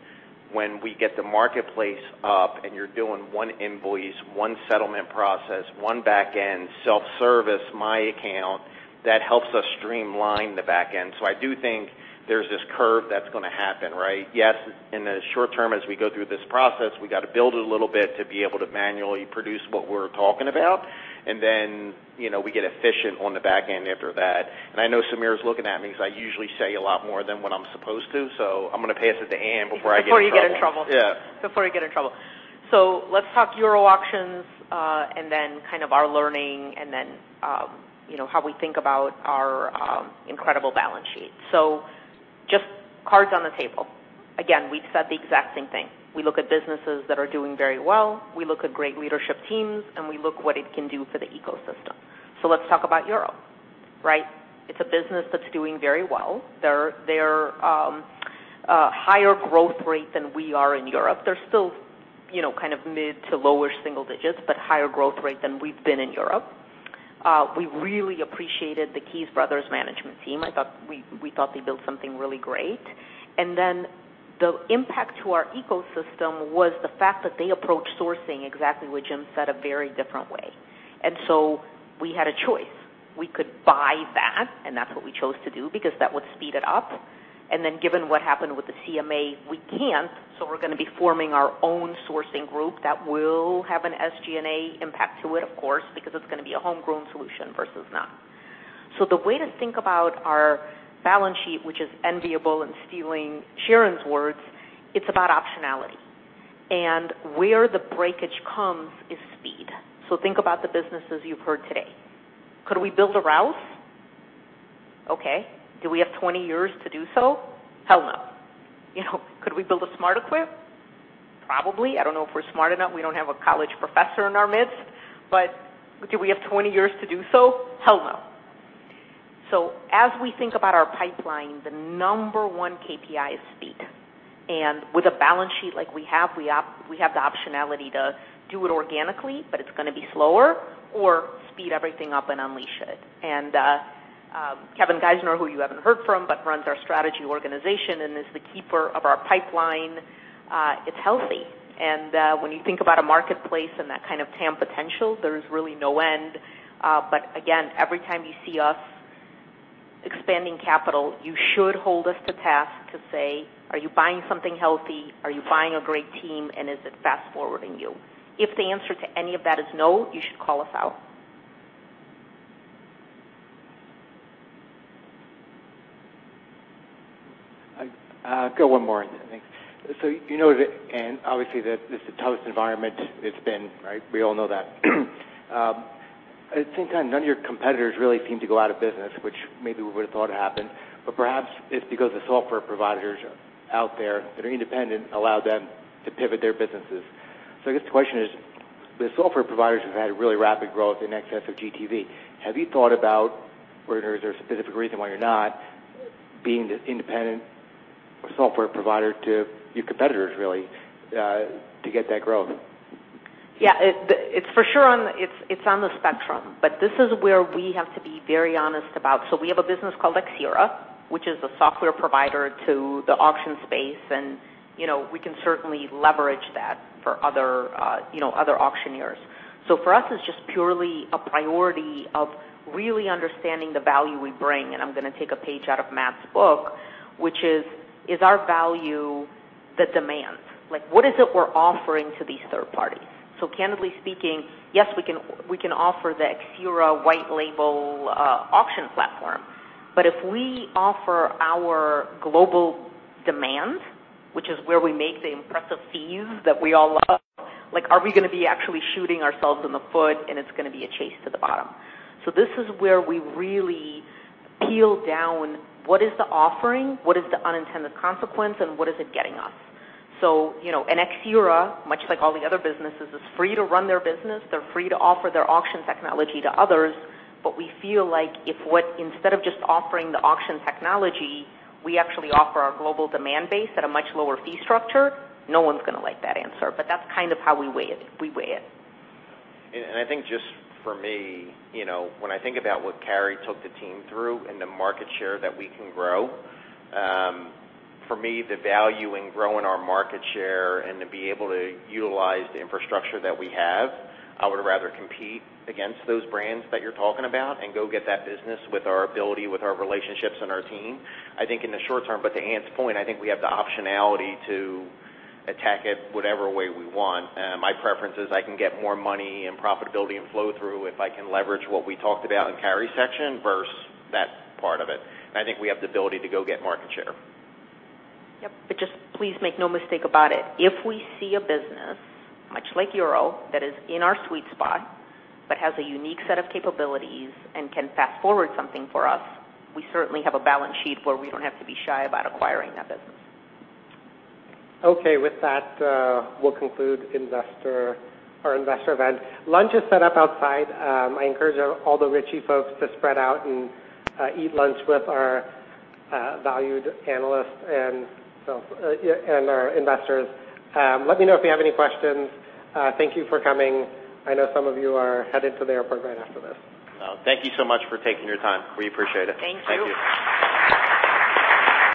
S3: when we get the marketplace up and you're doing one invoice, one settlement process, one back end, self-service, my account, that helps us streamline the back end. I do think there's this curve that's gonna happen, right? Yes, in the short term, as we go through this process, we gotta build it a little bit to be able to manually produce what we're talking about, and then, you know, we get efficient on the back end after that. I know Sameer's looking at me because I usually say a lot more than what I'm supposed to, so I'm gonna pass it to Ann before I get in trouble.
S2: Before you get in trouble.
S3: Yeah.
S2: Before you get in trouble. Let's talk Euro Auctions, and then kind of our learning and then, you know, how we think about our, incredible balance sheet. Just cards on the table. Again, we've said the exact same thing. We look at businesses that are doing very well. We look at great leadership teams, and we look what it can do for the ecosystem. Let's talk about Euro, right? It's a business that's doing very well. They're a higher growth rate than we are in Europe. They're still, you know, kind of mid to low-single digits, but higher growth rate than we've been in Europe. We really appreciated the Keys Brothers management team. We thought they built something really great. The impact to our ecosystem was the fact that they approached sourcing exactly what Jim said, a very different way. We had a choice. We could buy that, and that's what we chose to do because that would speed it up. Given what happened with the CMA, we can't, so we're gonna be forming our own sourcing group that will have an SG&A impact to it, of course, because it's gonna be a homegrown solution versus not. The way to think about our balance sheet, which is enviable and stealing Sharon's words, it's about optionality. Where the breakage comes is speed. Think about the businesses you've heard today. Could we build a Rouse? Okay. Do we have 20 years to do so? Hell, no. You know, could we build a SmartEquip? Probably. I don't know if we're smart enough. We don't have a college professor in our midst. Do we have 20 years to do so? Hell, no. As we think about our pipeline, the number one KPI is speed. With a balance sheet like we have, we have the optionality to do it organically, but it's gonna be slower, or speed everything up and unleash it. Kevin Geisner, who you haven't heard from, but runs our strategy organization and is the keeper of our pipeline, it's healthy. When you think about a marketplace and that kind of TAM potential, there's really no end. Again, every time you see us expanding capital, you should hold us to task to say, "Are you buying something healthy? Are you buying a great team, and is it fast-forwarding you? If the answer to any of that is no, you should call us out.
S20: I go one more, I think. You know that and obviously the toughest environment it's been, right? We all know that. At the same time, none of your competitors really seem to go out of business, which maybe we would have thought happened, but perhaps it's because the software providers out there that are independent allow them to pivot their businesses. I guess the question is, the software providers have had really rapid growth in excess of GTV. Have you thought about, or is there a specific reason why you're not being the independent software provider to your competitors really to get that growth?
S2: Yeah. It's for sure on the spectrum, but this is where we have to be very honest about. We have a business called Xcira, which is a software provider to the auction space. You know, we can certainly leverage that for other, you know, other auctioneers. For us, it's just purely a priority of really understanding the value we bring, and I'm gonna take a page out of Matt's book, which is our value the demand? Like, what is it we're offering to these third parties? Candidly speaking, yes, we can offer the Xcira white label auction platform. If we offer our global demand, which is where we make the impressive fees that we all love, like, are we gonna be actually shooting ourselves in the foot and it's gonna be a chase to the bottom? This is where we really peel down what is the offering, what is the unintended consequence, and what is it getting us? You know, Xcira, much like all the other businesses, is free to run their business. They're free to offer their auction technology to others. We feel like if, instead of just offering the auction technology, we actually offer our global demand base at a much lower fee structure, no one's gonna like that answer. That's kind of how we weigh it. We weigh it.
S3: I think just for me, you know, when I think about what Kari took the team through and the market share that we can grow, for me, the value in growing our market share and to be able to utilize the infrastructure that we have, I would rather compete against those brands that you're talking about and go get that business with our ability, with our relationships, and our team, I think in the short term. To Ann's point, I think we have the optionality to attack it whatever way we want. My preference is I can get more money and profitability and flow through if I can leverage what we talked about in Kari's section versus that part of it. I think we have the ability to go get market share.
S2: Yep. Just please make no mistake about it. If we see a business, much like Euro, that is in our sweet spot, but has a unique set of capabilities and can fast-forward something for us, we certainly have a balance sheet where we don't have to be shy about acquiring that business.
S7: Okay. With that, we'll conclude our investor event. Lunch is set up outside. I encourage all the Ritchie folks to spread out and eat lunch with our valued analysts and our investors. Let me know if you have any questions. Thank you for coming. I know some of you are headed to the airport right after this.
S3: No. Thank you so much for taking your time. We appreciate it.
S2: Thank you.
S3: Thank you.